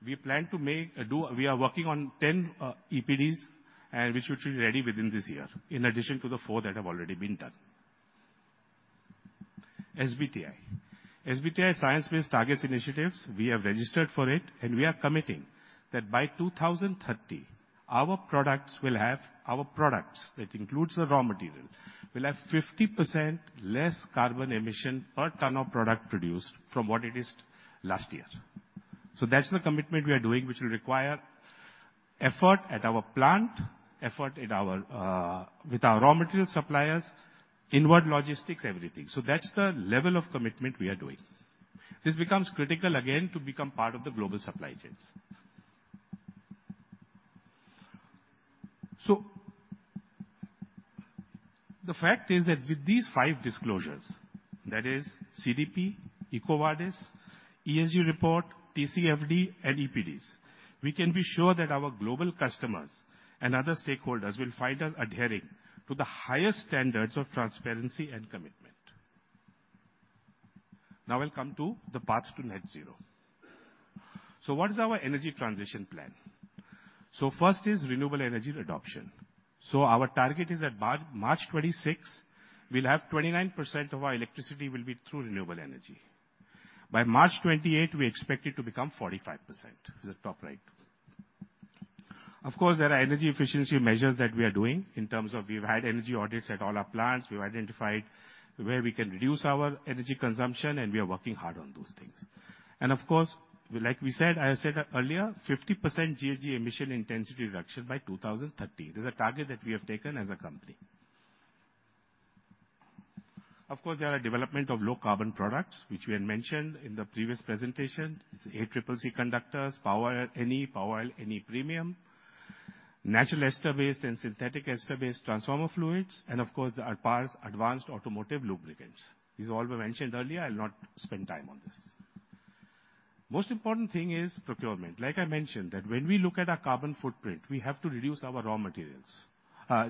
We are working on 10 EPDs, and which should be ready within this year, in addition to the four that have already been done. SBTi. SBTi, Science Based Targets initiative, we have registered for it, and we are committing that by 2030, our products will have, our products, that includes the raw material, will have 50% less carbon emission per ton of product produced from what it is last year. So that's the commitment we are doing, which will require effort at our plant, effort in our, with our raw material suppliers, inward logistics, everything. So that's the level of commitment we are doing. This becomes critical again, to become part of the global supply chains. So the fact is that with these five disclosures, that is CDP, EcoVadis, ESG report, TCFD, and EPDs, we can be sure that our global customers and other stakeholders will find us adhering to the highest standards of transparency and commitment. Now we'll come to the path to net zero. So what is our energy transition plan? So first is renewable energy adoption. So our target is at March 2026, we'll have 29% of our electricity will be through renewable energy. By March 2028, we expect it to become 45%, is at top right. Of course, there are energy efficiency measures that we are doing in terms of we've had energy audits at all our plants. We've identified where we can reduce our energy consumption, and we are working hard on those things. Of course, like we said, I said earlier, 50% GHG emission intensity reduction by 2030. This is a target that we have taken as a company. Of course, there are development of low carbon products, which we had mentioned in the previous presentation. It's ACCC conductors, PowerNE, PowerNE Premium, natural ester-based and synthetic ester-based transformer fluids, and of course, the APAR's advanced automotive lubricants. These all were mentioned earlier. I'll not spend time on this. Most important thing is procurement. Like I mentioned, that when we look at our carbon footprint, we have to reduce our raw materials,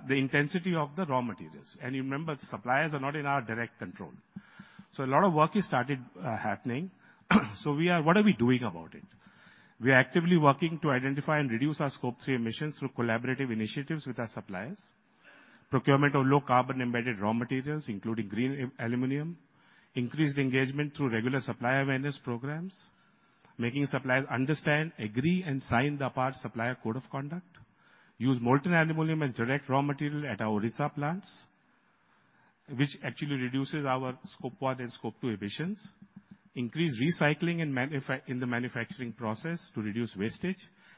the intensity of the raw materials. Remember, the suppliers are not in our direct control. A lot of work is started, happening. We are. What are we doing about it? We are actively working to identify and reduce our Scope Three emissions through collaborative initiatives with our suppliers, procurement of low carbon embedded raw materials, including green aluminum, increased engagement through regular supplier awareness programs, making suppliers understand, agree, and sign the APAR Supplier Code of Conduct, use molten aluminum as direct raw material at our Odisha plants, which actually reduces our Scope One and Scope Two emissions, increase recycling in the manufacturing process to reduce wastage,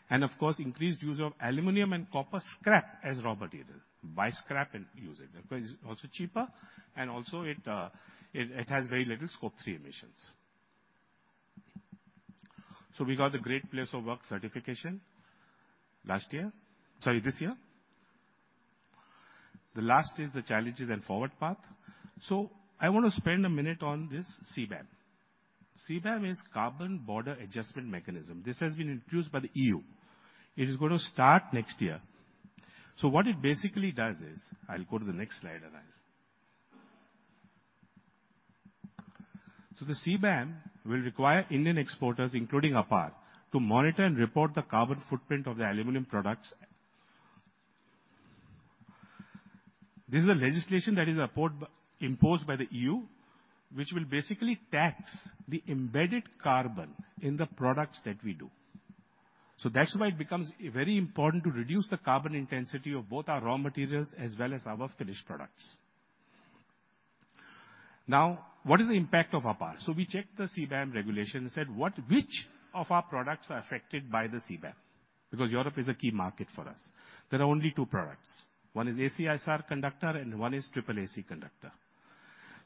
and of course, increased use of aluminum and copper scrap as raw material. Buy scrap and use it, because it's also cheaper, and also it has very little Scope Three emissions. So we got the Great Place to Work certification last year, sorry, this year. The last is the challenges and forward path. So I want to spend a minute on this CBAM. CBAM is Carbon Border Adjustment Mechanism. This has been introduced by the EU. It is going to start next year. So what it basically does is I'll go to the next slide, and I'll. So the CBAM will require Indian exporters, including APAR, to monitor and report the carbon footprint of their aluminum products. This is a legislation that is imposed by the EU, which will basically tax the embedded carbon in the products that we do. So that's why it becomes very important to reduce the carbon intensity of both our raw materials as well as our finished products. Now, what is the impact of APAR? So we checked the CBAM regulation and said, which of our products are affected by the CBAM? Because Europe is a key market for us. There are only two products. One is ACSR conductor, and one is ACCC conductor.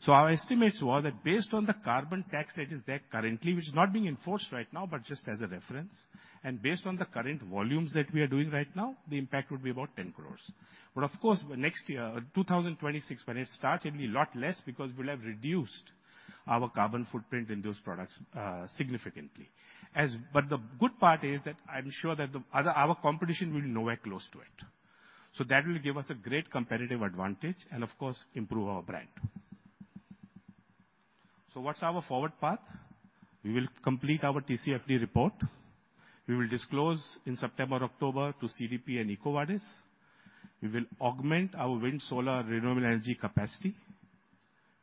So our estimates were that based on the carbon tax that is there currently, which is not being enforced right now, but just as a reference, and based on the current volumes that we are doing right now, the impact would be about 10 crores. But of course, by next year, 2026, when it starts, it will be a lot less because we'll have reduced our carbon footprint in those products significantly. But the good part is that I'm sure that the other, our competition will be nowhere close to it. That will give us a great competitive advantage and of course, improve our brand. What's our forward path? We will complete our TCFD report. We will disclose in September or October to CDP and EcoVadis. We will augment our wind, solar, renewable energy capacity.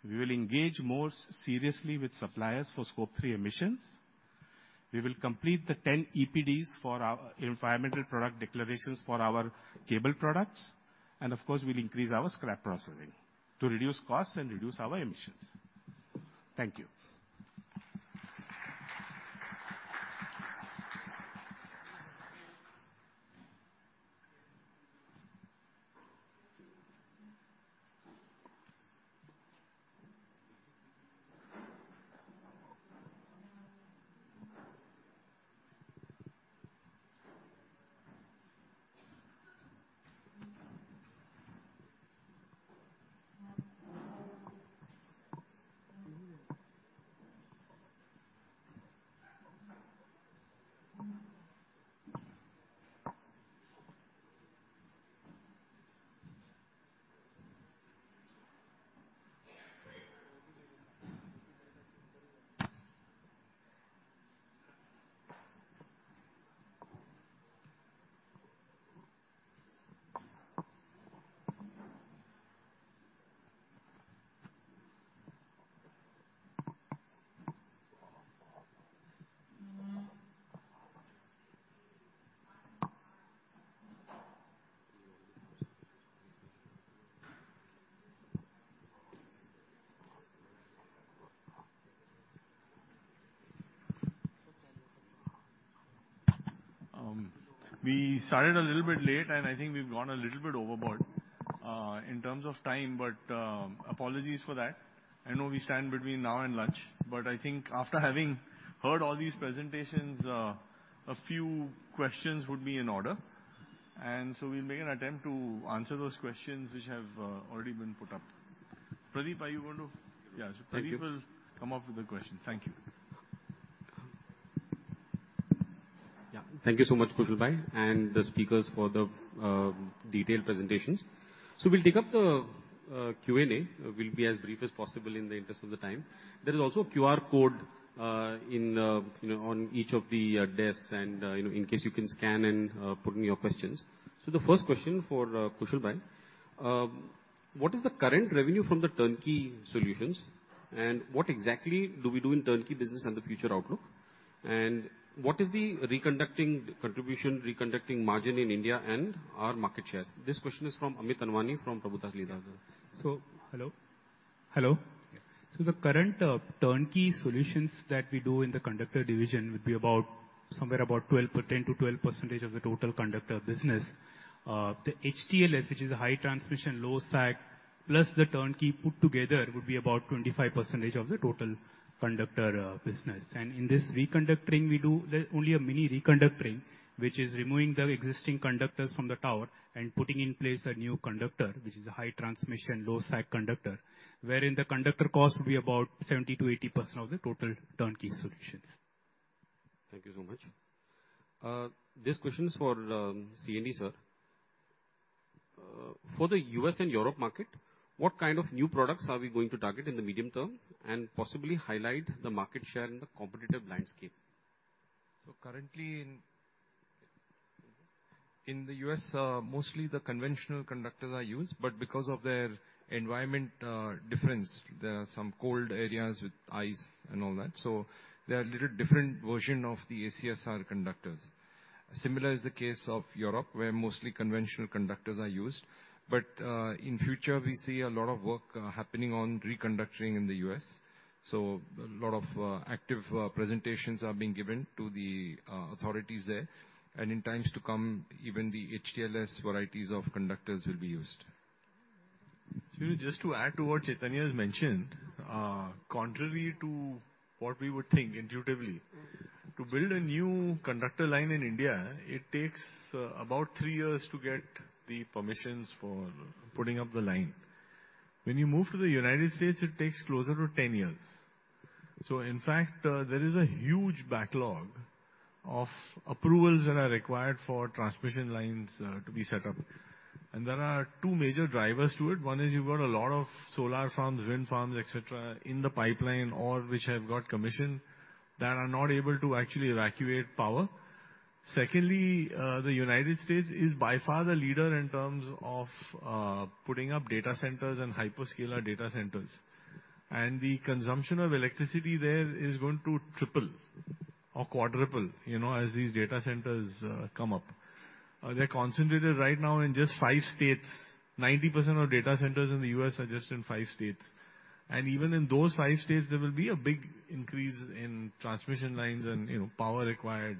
We will engage more seriously with suppliers for Scope Three emissions. We will complete the 10 EPDs for our environmental product declarations for our cable products, and of course, we'll increase our scrap processing to reduce costs and reduce our emissions. Thank you. ... We started a little bit late, and I think we've gone a little bit overboard in terms of time, but apologies for that. I know we stand between now and lunch, but I think after having heard all these presentations, a few questions would be in order. And so we'll make an attempt to answer those questions which have already been put up. Pradeep, are you going to- Yeah. Yeah. So Pradeep will come up with the question. Thank you. Yeah. Thank you so much, Kushal bhai, and the speakers for the detailed presentations. So we'll take up the Q&A. We'll be as brief as possible in the interest of the time. There is also a QR code, you know, on each of the desks and, you know, in case you can scan and put in your questions. So the first question for Kushal bhai. What is the current revenue from the turnkey solutions, and what exactly do we do in turnkey business and the future outlook? And what is the reconductoring contribution, reconductoring margin in India and our market share? This question is from Amit Anwani from Prabhudas Lilladher. Hello. Hello? Yeah. The current turnkey solutions that we do in the conductor division would be about somewhere about 10%-12% of the total conductor business. The HTLS, which is a high temperature low sag, plus the turnkey put together, would be about 25% of the total conductor business. In this reconductoring, we do only a mini reconductoring, which is removing the existing conductors from the tower and putting in place a new conductor, which is a high temperature low sag conductor, wherein the conductor cost will be about 70%-80% of the total turnkey solutions. Thank you so much. This question is for, CMD, sir. For the U.S. and Europe market, what kind of new products are we going to target in the medium term, and possibly highlight the market share in the competitive landscape? So currently in the U.S., mostly the conventional conductors are used, but because of their environment difference, there are some cold areas with ice and all that, so there are little different version of the ACSR conductors. Similar is the case of Europe, where mostly conventional conductors are used, but in future, we see a lot of work happening on reconducting in the U.S., so a lot of active presentations are being given to the authorities there. And in times to come, even the HTLS varieties of conductors will be used. Just to add to what Chaitanya has mentioned, contrary to what we would think intuitively, to build a new conductor line in India, it takes about three years to get the permissions for putting up the line. When you move to the United States, it takes closer to ten years. So in fact, there is a huge backlog of approvals that are required for transmission lines to be set up. And there are two major drivers to it. One is you've got a lot of solar farms, wind farms, et cetera, in the pipeline or which have got commission, that are not able to actually evacuate power. Secondly, the United States is by far the leader in terms of putting up data centers and hyperscaler data centers. The consumption of electricity there is going to triple or quadruple, you know, as these data centers come up. They're concentrated right now in just five states. 90% of data centers in the U.S. are just in five states, and even in those five states, there will be a big increase in transmission lines and, you know, power required,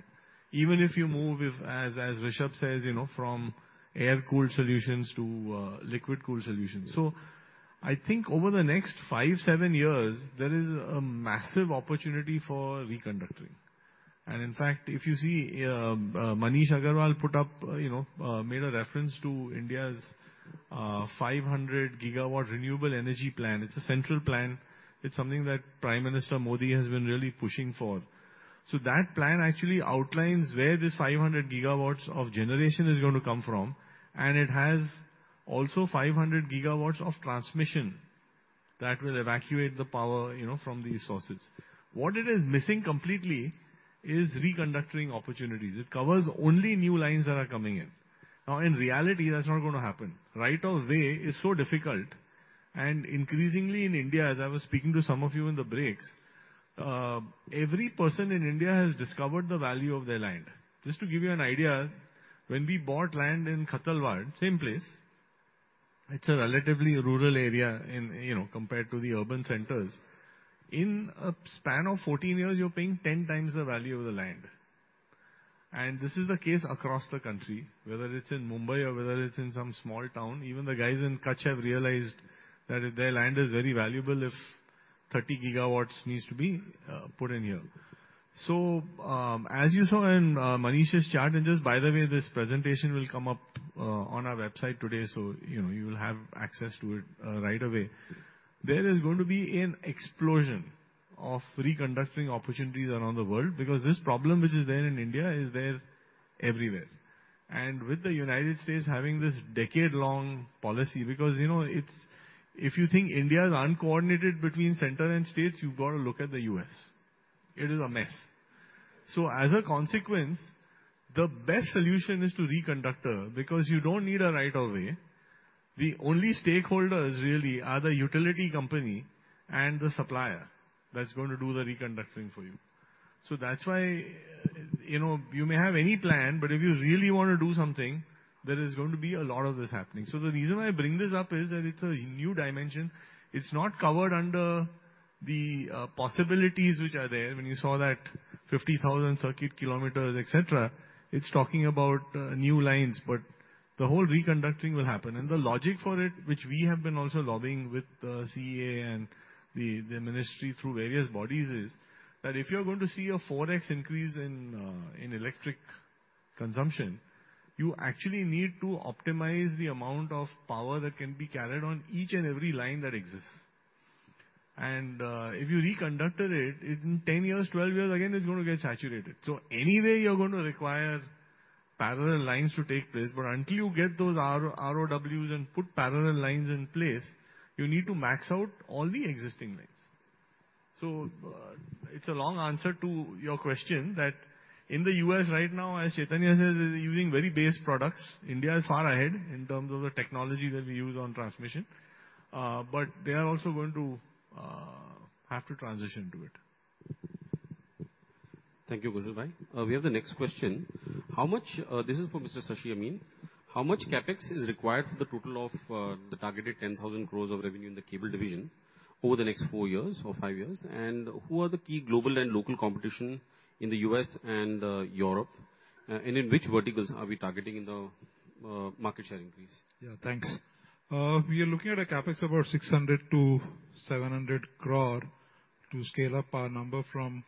even if you move, as Rishabh Desai says, you know, from air-cooled solutions to liquid-cooled solutions. I think over the next five, seven years, there is a massive opportunity for reconductoring. In fact, if you see, Manish Agarwal put up, you know, made a reference to India's 500 gigawatt renewable energy plan. It's a central plan. It's something that Prime Minister Modi has been really pushing for. So that plan actually outlines where this 500 gigawatts of generation is going to come from, and it has also 500 gigawatts of transmission that will evacuate the power, you know, from these sources. What it is missing completely is reconducting opportunities. It covers only new lines that are coming in. Now, in reality, that's not going to happen. Right of way is so difficult, and increasingly in India, as I was speaking to some of you in the breaks, every person in India has discovered the value of their land. Just to give you an idea, when we bought land in Khatalwada, same place, it's a relatively rural area in, you know, compared to the urban centers. In a span of 14 years, you're paying 10 times the value of the land. And this is the case across the country, whether it's in Mumbai or whether it's in some small town. Even the guys in Kachchh have realized that their land is very valuable if 30 gigawatts needs to be put in here. So, as you saw in Manish's chart, and just by the way, this presentation will come up on our website today, so, you know, you will have access to it right away. There is going to be an explosion of reconductoring opportunities around the world because this problem, which is there in India, is there everywhere. And with the United States having this decade-long policy, because, you know, it's if you think India is uncoordinated between center and states, you've got to look at the U.S. It is a mess. So as a consequence, the best solution is to reconductor, because you don't need a right of way. The only stakeholders really are the utility company and the supplier that's going to do the reconducting for you. So that's why, you know, you may have any plan, but if you really want to do something, there is going to be a lot of this happening. So the reason why I bring this up is that it's a new dimension. It's not covered under the possibilities which are there. When you saw that 50,000 circuit kilometers, et cetera, it's talking about new lines, but the whole reconducting will happen. The logic for it, which we have been also lobbying with the CEA and the ministry through various bodies, is that if you're going to see a four X increase in electric consumption, you actually need to optimize the amount of power that can be carried on each and every line that exists. If you reconducted it in 10 years, 12 years, again, it's going to get saturated. Anyway, you're going to require parallel lines to take place, but until you get those RoWs and put parallel lines in place, you need to max out all the existing lines. It's a long answer to your question, that in the U.S. right now, as Chaitanya says, is using very base products. India is far ahead in terms of the technology that we use on transmission, but they are also going to have to transition to it. Thank you, Kushal bhai. We have the next question. How much... this is for Mr. Shashi Amin. How much CapEx is required for the total of, the targeted 10,000 crores of revenue in the cable division over the next four years or five years? And who are the key global and local competition in the U.S. and, Europe? And in which verticals are we targeting in the, market share increase? Yeah, thanks. We are looking at a CapEx about 600 crore-700 crore to scale up our number from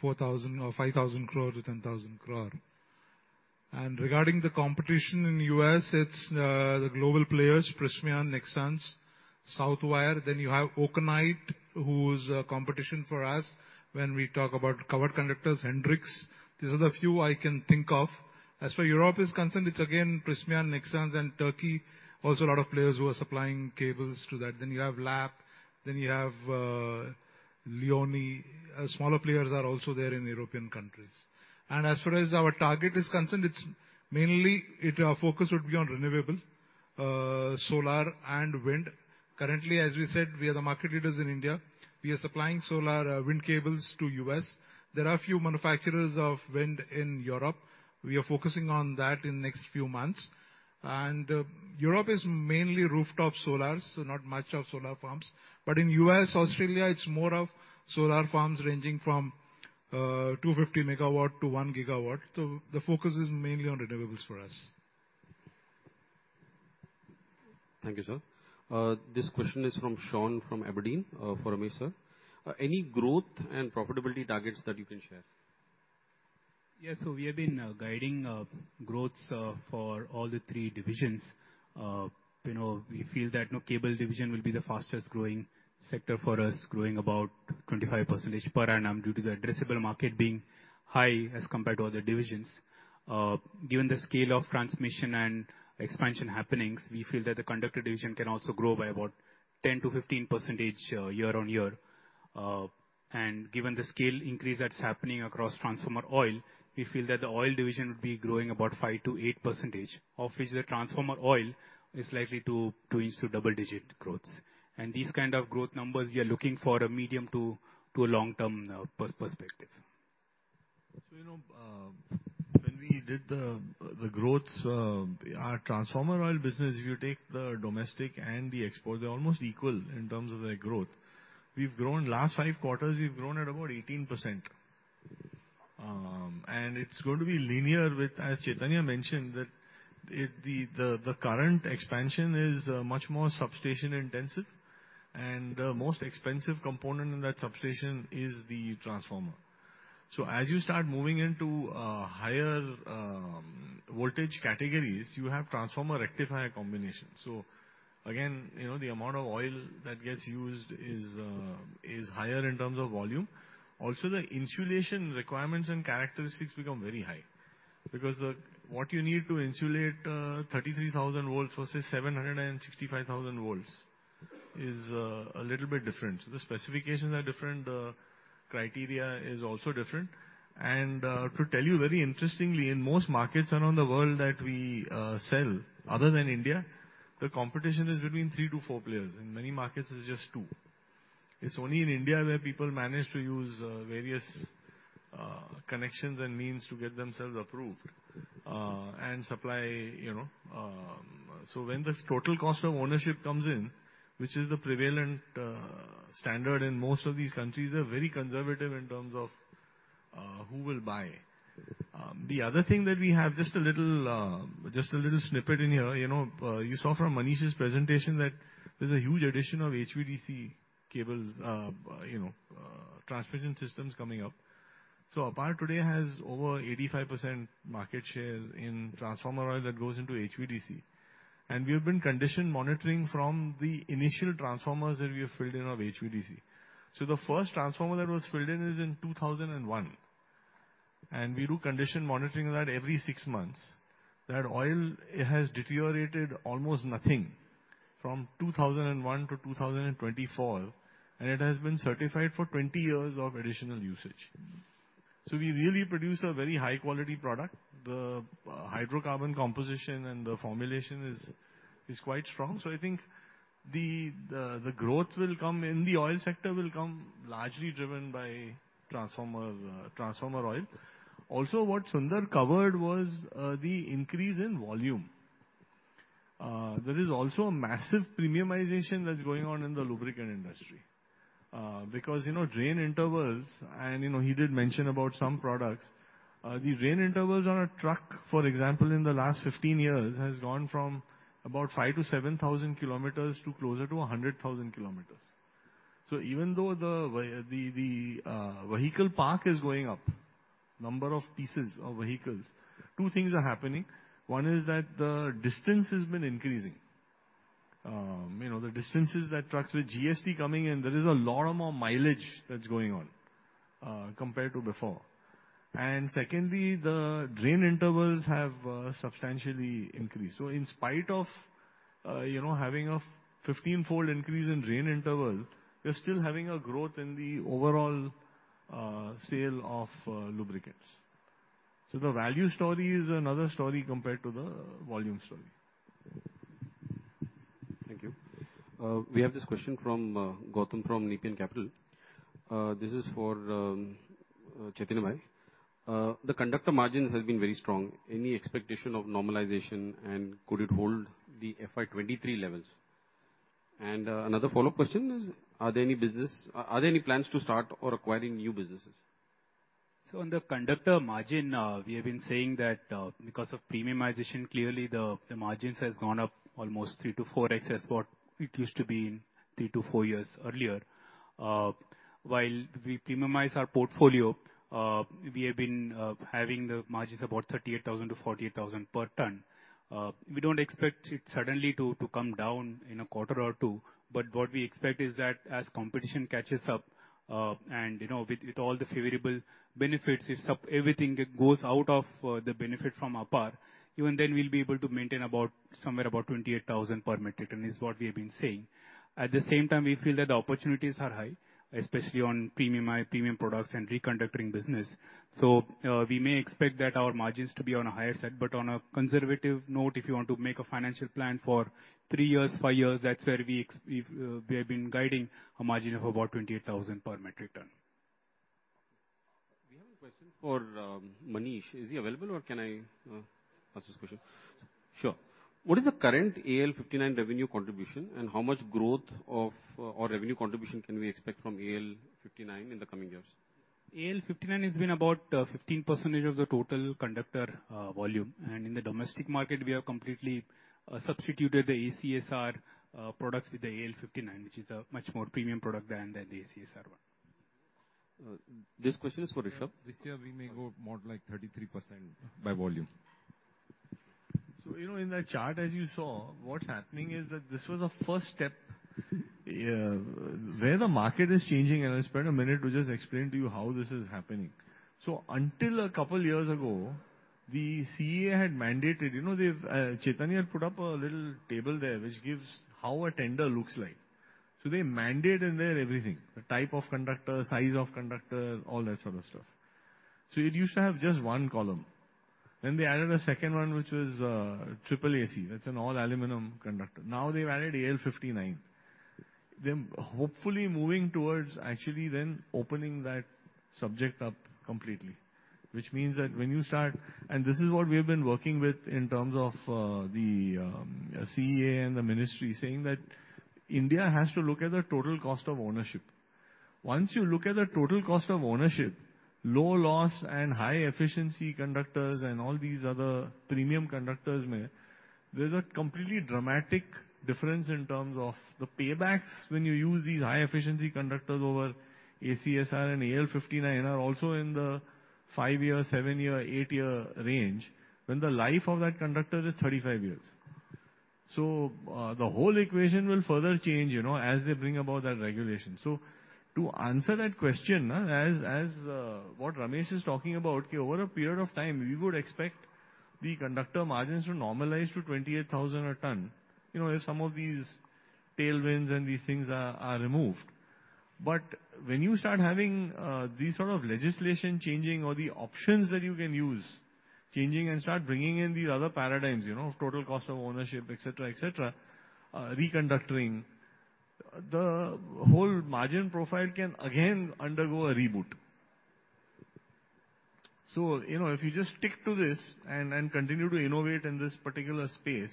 4,000 crore or 5,000 crore-10,000 crore. And regarding the competition in the U.S., it's the global players, Prysmian, Nexans, Southwire, then you have Okonite, who's a competition for us when we talk about covered conductors, Hendrix. These are the few I can think of. As for Europe is concerned, it's again, Prysmian, Nexans, and Turkey. Also, a lot of players who are supplying cables to that. Then you have Lapp, then you have Leoni. Smaller players are also there in European countries. And as far as our target is concerned, it's mainly our focus would be on renewable, solar and wind. Currently, as we said, we are the market leaders in India. We are supplying solar, wind cables to U.S., There are a few manufacturers of wind in Europe. We are focusing on that in next few months. And Europe is mainly rooftop solars, so not much of solar farms. But in U.S., Australia, it's more of solar farms ranging from 250 megawatt to 1 gigawatt. So the focus is mainly on renewables for us. Thank you, sir. This question is from Sean, from Aberdeen, for Amit, sir. Any growth and profitability targets that you can share? Yes, so we have been guiding growths for all the three divisions. You know, we feel that, you know, cable division will be the fastest growing sector for us, growing about 25% per annum, due to the addressable market being high as compared to other divisions. Given the scale of transmission and expansion happenings, we feel that the conductor division can also grow by about 10%-15%, year-on-year. And given the scale increase that's happening across transformer oil, we feel that the oil division would be growing about 5%-8%, of which the transformer oil is likely to reach to double-digit growths. And these kind of growth numbers, we are looking for a medium to a long-term perspective. So, you know, when we did the growths, our transformer oil business, if you take the domestic and the export, they're almost equal in terms of their growth. We've grown last five quarters, we've grown at about 18%. And it's going to be linear with, as Chaitanya mentioned, that it, the current expansion is much more substation intensive, and the most expensive component in that substation is the transformer. So as you start moving into higher voltage categories, you have transformer rectifier combination. So again, you know, the amount of oil that gets used is higher in terms of volume. Also, the insulation requirements and characteristics become very high, because what you need to insulate, 33,000 volts versus 765,000 volts is a little bit different. So the specifications are different, the criteria is also different. And, to tell you very interestingly, in most markets around the world that we sell, other than India, the competition is between three to four players. In many markets, it's just two. It's only in India, where people manage to use various connections and means to get themselves approved and supply, you know. So when this total cost of ownership comes in, which is the prevalent standard in most of these countries, they're very conservative in terms of who will buy. The other thing that we have, just a little snippet in here, you know, you saw from Manish's presentation that there's a huge addition of HVDC cables, you know, transmission systems coming up. APAR today has over 85% market share in transformer oil that goes into HVDC. We have been condition monitoring from the initial transformers that we have filled in of HVDC. The first transformer that was filled in is in 2001, and we do condition monitoring of that every six months. That oil, it has deteriorated almost nothing from 2001-2024, and it has been certified for 20 years of additional usage. We really produce a very high quality product. The hydrocarbon composition and the formulation is quite strong. I think the growth will come in the oil sector largely driven by transformer transformer oil. Also, what Sundar covered was the increase in volume. There is also a massive premiumization that's going on in the lubricant industry, because, you know, drain intervals, and, you know, he did mention about some products. The drain intervals on a truck, for example, in the last 15 years, has gone from about 5,000-7,000 kilometers to closer to a 100,000 kilometers. So even though the vehicle park is going up, number of pieces of vehicles, two things are happening. One is that the distance has been increasing. You know, the distances that trucks with GST coming in, there is a lot more mileage that's going on, compared to before. And secondly, the drain intervals have substantially increased. So in spite of, you know, having a 15-fold increase in drain interval, we're still having a growth in the overall, sale of, lubricants. The value story is another story compared to the volume story. Thank you. We have this question from Gautam from Nepean Capital. This is for Chaitanya Bhai. The conductor margins have been very strong. Any expectation of normalization, and could it hold the FY 2023 levels? And another follow-up question is, are there any plans to start or acquiring new businesses? So on the conductor margin, we have been saying that because of premiumization, clearly, the margins has gone up almost three to four X as what it used to be three to four years earlier. While we premiumize our portfolio, we have been having the margins about 38,000-48,000 per ton. We don't expect it suddenly to come down in a quarter or two, but what we expect is that as competition catches up, and you know, with all the favorable benefits, if everything goes out of the benefit from our part, even then we'll be able to maintain about somewhere about 28,000 per metric ton, is what we have been saying. At the same time, we feel that the opportunities are high, especially on premium products and reconductoring business. We may expect that our margins to be on a higher side, but on a conservative note, if you want to make a financial plan for three years, five years, that's where we have been guiding a margin of about 28,000 per metric ton. We have a question for Manish. Is he available, or can I ask this question? Sure. What is the current AL-59 revenue contribution, and how much growth of or revenue contribution can we expect from AL-59 in the coming years? AL-59 has been about 15% of the total conductor volume, and in the domestic market, we have completely substituted the ACSR products with the AL-59, which is a much more premium product than the ACSR one. This question is for Rishabh. This year, we may go more like 33% by volume. So, you know, in that chart, as you saw, what's happening is that this was a first step, where the market is changing, and I'll spend a minute to just explain to you how this is happening. So until a couple years ago, the CEA had mandated. You know, they've, Chaitanya put up a little table there, which gives how a tender looks like. So they mandate in there everything, the type of conductor, size of conductor, all that sort of stuff. So it used to have just one column. Then they added a second one, which was, triple AC. That's an all aluminum conductor. Now they've added AL-59. They're hopefully moving towards actually then opening that subject up completely. Which means that when you start and this is what we have been working with in terms of the CEA and the ministry, saying that India has to look at the total cost of ownership. Once you look at the total cost of ownership, low loss and high efficiency conductors and all these other premium conductors, there's a completely dramatic difference in terms of the paybacks when you use these high efficiency conductors over ACSR and AL-59 are also in the five-year, seven-year, eight-year range, when the life of that conductor is 35 years. So, the whole equation will further change, you know, as they bring about that regulation. To answer that question, as what Ramesh is talking about, over a period of time, we would expect the conductor margins to normalize to 28,000 a ton, you know, if some of these tailwinds and these things are removed. But when you start having these sort of legislation changing or the options that you can use, changing and start bringing in these other paradigms, you know, of total cost of ownership, et cetera, et cetera, reconductoring, the whole margin profile can again undergo a reboot. You know, if you just stick to this and continue to innovate in this particular space,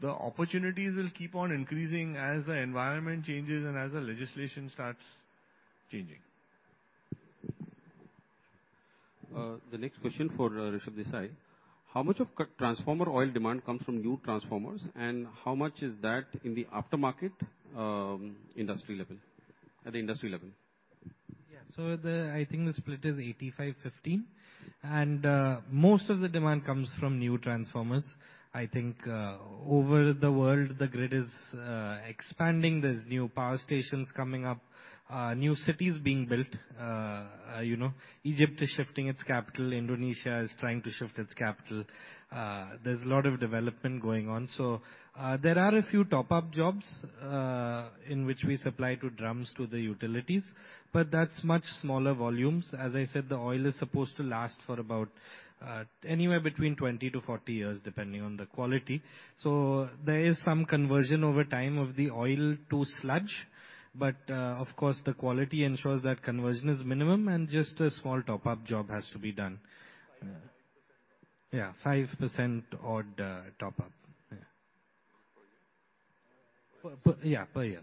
the opportunities will keep on increasing as the environment changes and as the legislation starts changing. The next question for Rishabh Desai: How much of transformer oil demand comes from new transformers, and how much is that in the aftermarket, industry level, at the industry level?... So I think the split is 85-15, and most of the demand comes from new transformers. I think over the world, the grid is expanding. There's new power stations coming up, new cities being built. You know, Egypt is shifting its capital, Indonesia is trying to shift its capital. There's a lot of development going on. So there are a few top-up jobs in which we supply in drums to the utilities, but that's much smaller volumes. As I said, the oil is supposed to last for about anywhere between 20-40 years, depending on the quality. So there is some conversion over time of the oil to sludge, but of course, the quality ensures that conversion is minimum and just a small top-up job has to be done. 5%. Yeah, 5% odd, top up. Yeah. Per year? Yeah, per year.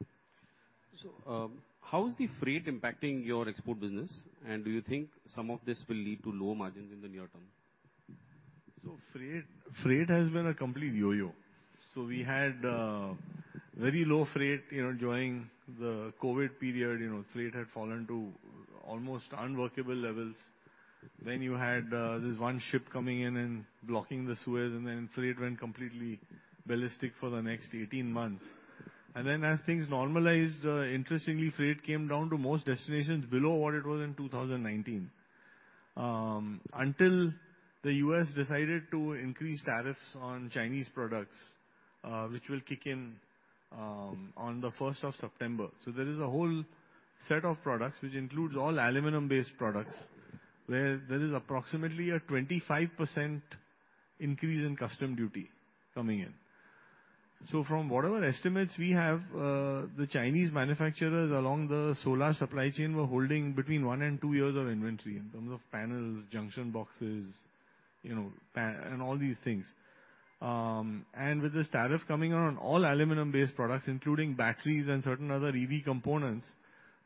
Yeah. How is the freight impacting your export business? And do you think some of this will lead to lower margins in the near term? Freight, freight has been a complete yo-yo. We had very low freight, you know, during the COVID period. You know, freight had fallen to almost unworkable levels. Then you had this one ship coming in and blocking the Suez, and then freight went completely ballistic for the next 18 months. As things normalized, interestingly, freight came down to most destinations below what it was in 2019. Until the U.S. decided to increase tariffs on Chinese products, which will kick in on the first of September. There is a whole set of products, which includes all aluminum-based products, where there is approximately a 25% increase in customs duty coming in. So from whatever estimates we have, the Chinese manufacturers along the solar supply chain were holding between one and two years of inventory in terms of panels, junction boxes, you know, and all these things, and with this tariff coming on, all aluminum-based products, including batteries and certain other EV components,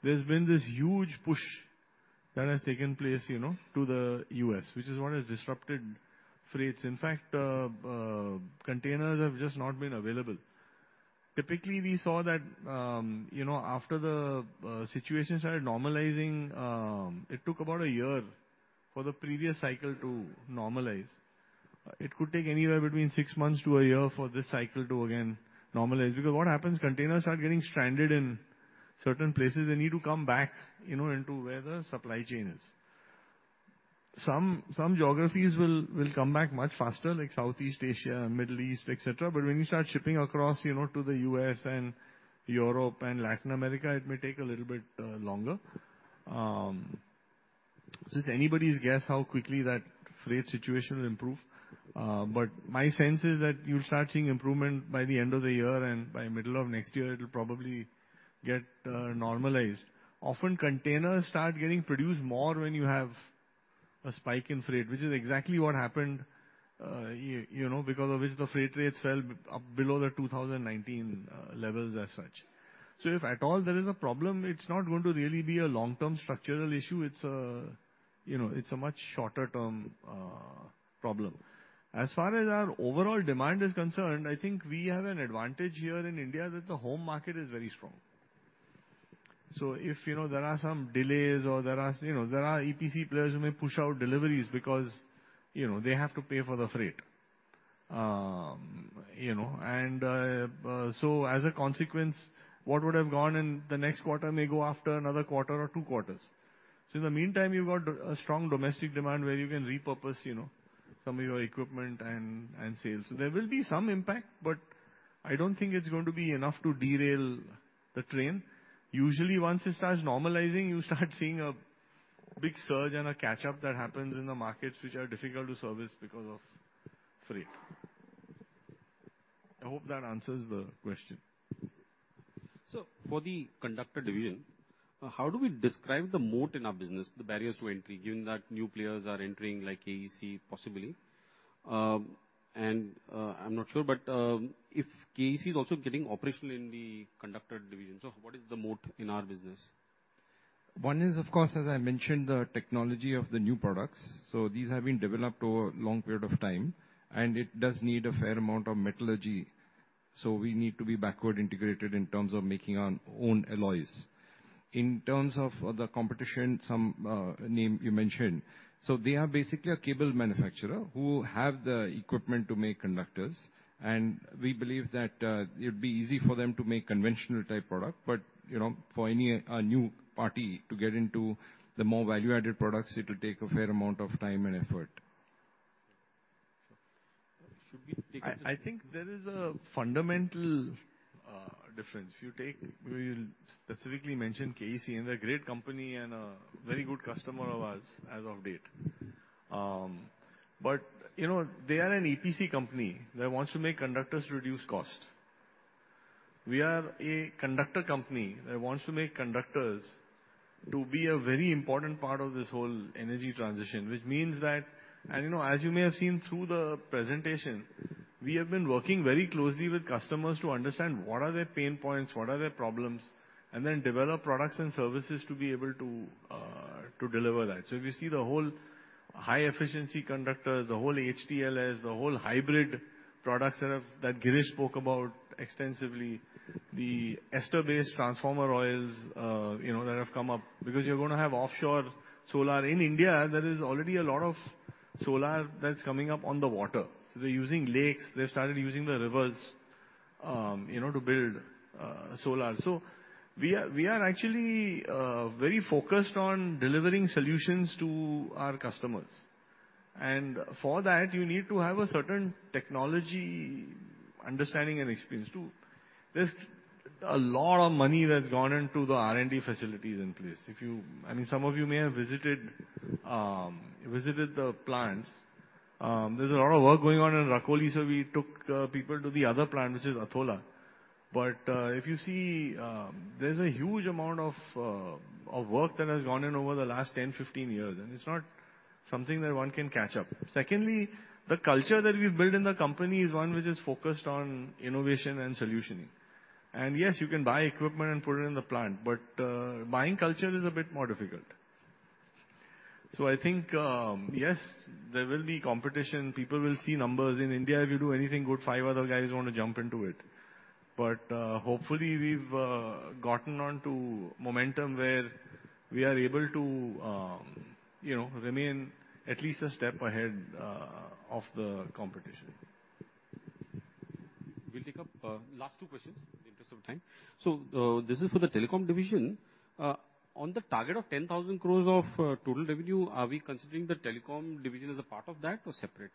there's been this huge push that has taken place, you know, to the U.S., which is what has disrupted freights. In fact, containers have just not been available. Typically, we saw that, you know, after the situation started normalizing, it took about a year for the previous cycle to normalize. It could take anywhere between six months to a year for this cycle to again normalize. Because what happens, containers are getting stranded in certain places. They need to come back, you know, into where the supply chain is. Some geographies will come back much faster, like Southeast Asia, Middle East, et cetera, but when you start shipping across, you know, to the U.S. and Europe and Latin America, it may take a little bit longer, so it's anybody's guess how quickly that freight situation will improve, but my sense is that you'll start seeing improvement by the end of the year, and by middle of next year, it'll probably get normalized. Often, containers start getting produced more when you have a spike in freight, which is exactly what happened, you know, because of which the freight rates fell up below the 2019 levels as such, so if at all there is a problem, it's not going to really be a long-term structural issue. It's a, you know, it's a much shorter term problem. As far as our overall demand is concerned, I think we have an advantage here in India, that the home market is very strong. So if, you know, there are some delays or there are, you know, there are EPC players who may push out deliveries because, you know, they have to pay for the freight. You know, and so as a consequence, what would have gone in the next quarter may go after another quarter or two quarters. So in the meantime, you've got a strong domestic demand where you can repurpose, you know, some of your equipment and sales. There will be some impact, but I don't think it's going to be enough to derail the train. Usually, once it starts normalizing, you start seeing a big surge and a catch-up that happens in the markets, which are difficult to service because of freight. I hope that answers the question. So for the conductor division, how do we describe the moat in our business, the barriers to entry, given that new players are entering like KEC, possibly? And, I'm not sure, but if KEC is also getting operational in the conductor division. So what is the moat in our business? One is, of course, as I mentioned, the technology of the new products. So these have been developed over a long period of time, and it does need a fair amount of metallurgy, so we need to be backward integrated in terms of making our own alloys. In terms of the competition, some name you mentioned, so they are basically a cable manufacturer who have the equipment to make conductors, and we believe that it would be easy for them to make conventional type product, but, you know, for any new party to get into the more value-added products, it will take a fair amount of time and effort. Should we take- I think there is a fundamental difference. If you take, we specifically mentioned KEC, and they're a great company and a very good customer of ours as of date. But, you know, they are an EPC company that wants to make conductors to reduce cost. We are a conductor company that wants to make conductors to be a very important part of this whole energy transition, which means that, and, you know, as you may have seen through the presentation, we have been working very closely with customers to understand what are their pain points, what are their problems, and then develop products and services to be able to, to deliver that. So if you see the whole high efficiency conductors, the whole HTLS, the whole hybrid products that Girish spoke about extensively, you know, the ester-based transformer oils that have come up because you're going to have offshore solar. In India, there is already a lot of solar that's coming up on the water. So they're using lakes, they've started using the rivers, you know, to build solar. So we are, we are actually very focused on delivering solutions to our customers, and for that, you need to have a certain technology understanding and experience, too. There's a lot of money that's gone into the R&D facilities in place. If you I mean, some of you may have visited visited the plants. There's a lot of work going on in Rakholi, so we took people to the other plant, which is Athola. But, if you see, there's a huge amount of work that has gone in over the last 10-15 years, and it's not something that one can catch up. Secondly, the culture that we've built in the company is one which is focused on innovation and solutioning. And yes, you can buy equipment and put it in the plant, but, buying culture is a bit more difficult. So I think, yes, there will be competition. People will see numbers. In India, if you do anything good, five other guys want to jump into it. But, hopefully, we've gotten on to momentum where we are able to, you know, remain at least a step ahead, of the competition. We'll take up last two questions in the interest of time. So, this is for the telecom division. On the target of 10,000 crores of total revenue, are we considering the telecom division as a part of that or separate?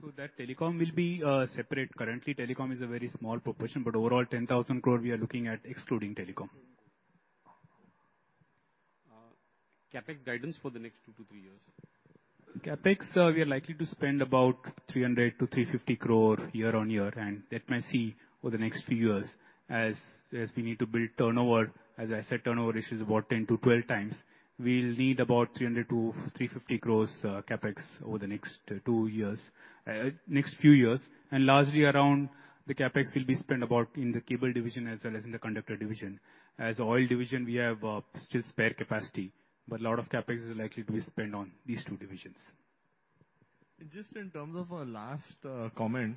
So that telecom will be separate. Currently, telecom is a very small proportion, but overall, 10,000 crore, we are looking at excluding telecom. CapEx guidance for the next two to three years. CapEx, we are likely to spend about 300 crore-350 crore year-on-year, and that may see over the next few years as we need to build turnover. As I said, turnover, this is about 10-12 times. We'll need about 300-350 crores CapEx over the next two years, next few years. And largely around the CapEx will be spent about in the cable division as well as in the conductor division. As oil division, we have still spare capacity, but a lot of CapEx is likely to be spent on these two divisions. Just in terms of a last comment,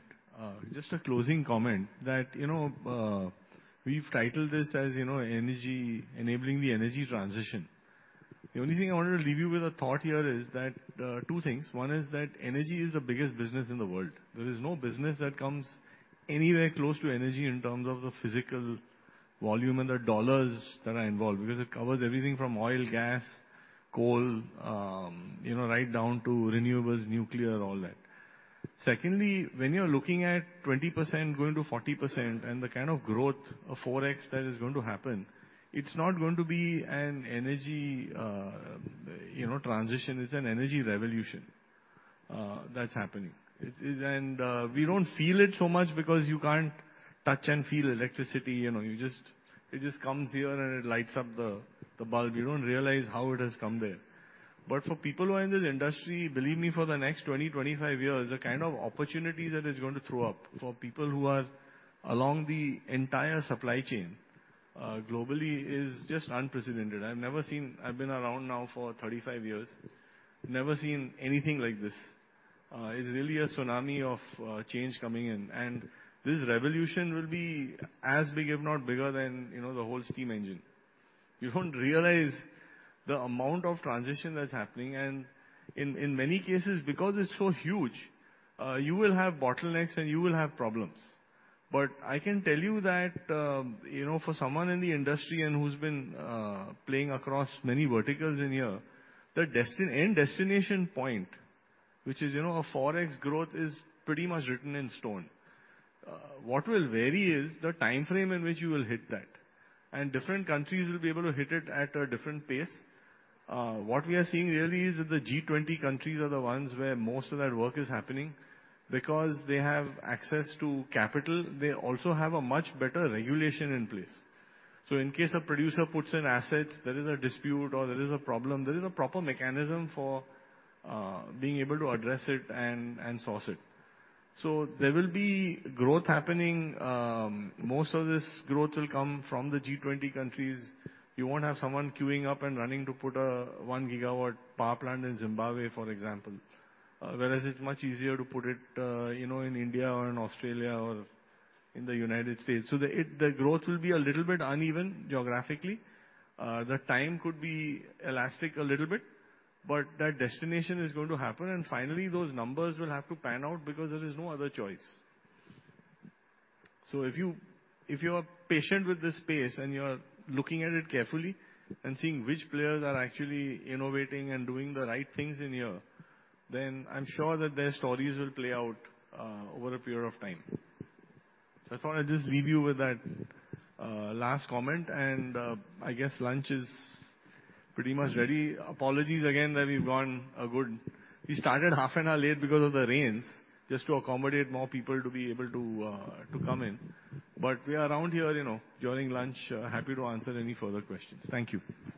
just a closing comment, that, you know, we've titled this as, you know, energy, enabling the energy transition. The only thing I wanted to leave you with a thought here is that, two things. One is that energy is the biggest business in the world. There is no business that comes anywhere close to energy in terms of the physical volume and the dollars that are involved, because it covers everything from oil, gas, coal, you know, right down to renewables, nuclear, all that. Secondly, when you're looking at 20% going to 40% and the kind of growth of 4X that is going to happen, it's not going to be an energy, you know, transition, it's an energy revolution, that's happening. We don't feel it so much because you can't touch and feel electricity, you know, you just-- it just comes here, and it lights up the bulb. You don't realize how it has come there. But for people who are in this industry, believe me, for the next 20-25 years, the kind of opportunities that it's going to throw up for people who are along the entire supply chain, globally, is just unprecedented. I've never seen... I've been around now for 35 years, never seen anything like this. It's really a tsunami of change coming in, and this revolution will be as big, if not bigger than, you know, the whole steam engine. You don't realize the amount of transition that's happening, and in many cases, because it's so huge, you will have bottlenecks and you will have problems. But I can tell you that, you know, for someone in the industry and who's been playing across many verticals in here, the destination point, which is, you know, a four X growth, is pretty much written in stone. What will vary is the time frame in which you will hit that, and different countries will be able to hit it at a different pace. What we are seeing really is that the G20 countries are the ones where most of that work is happening because they have access to capital. They also have a much better regulation in place. So in case a producer puts in assets, there is a dispute or there is a problem, there is a proper mechanism for being able to address it and source it. So there will be growth happening. Most of this growth will come from the G20 countries. You won't have someone queuing up and running to put a one gigawatt power plant in Zimbabwe, for example. Whereas it's much easier to put it, you know, in India or in Australia or in the United States. So the growth will be a little bit uneven geographically. The time could be elastic a little bit, but that destination is going to happen, and finally, those numbers will have to pan out because there is no other choice. So if you, if you're patient with this space and you're looking at it carefully and seeing which players are actually innovating and doing the right things in here, then I'm sure that their stories will play out over a period of time. So I thought I'd just leave you with that, last comment, and, I guess lunch is pretty much ready. Apologies again that we've gone a good... We started half an hour late because of the rains, just to accommodate more people to be able to, to come in. But we are around here, you know, during lunch. Happy to answer any further questions. Thank you.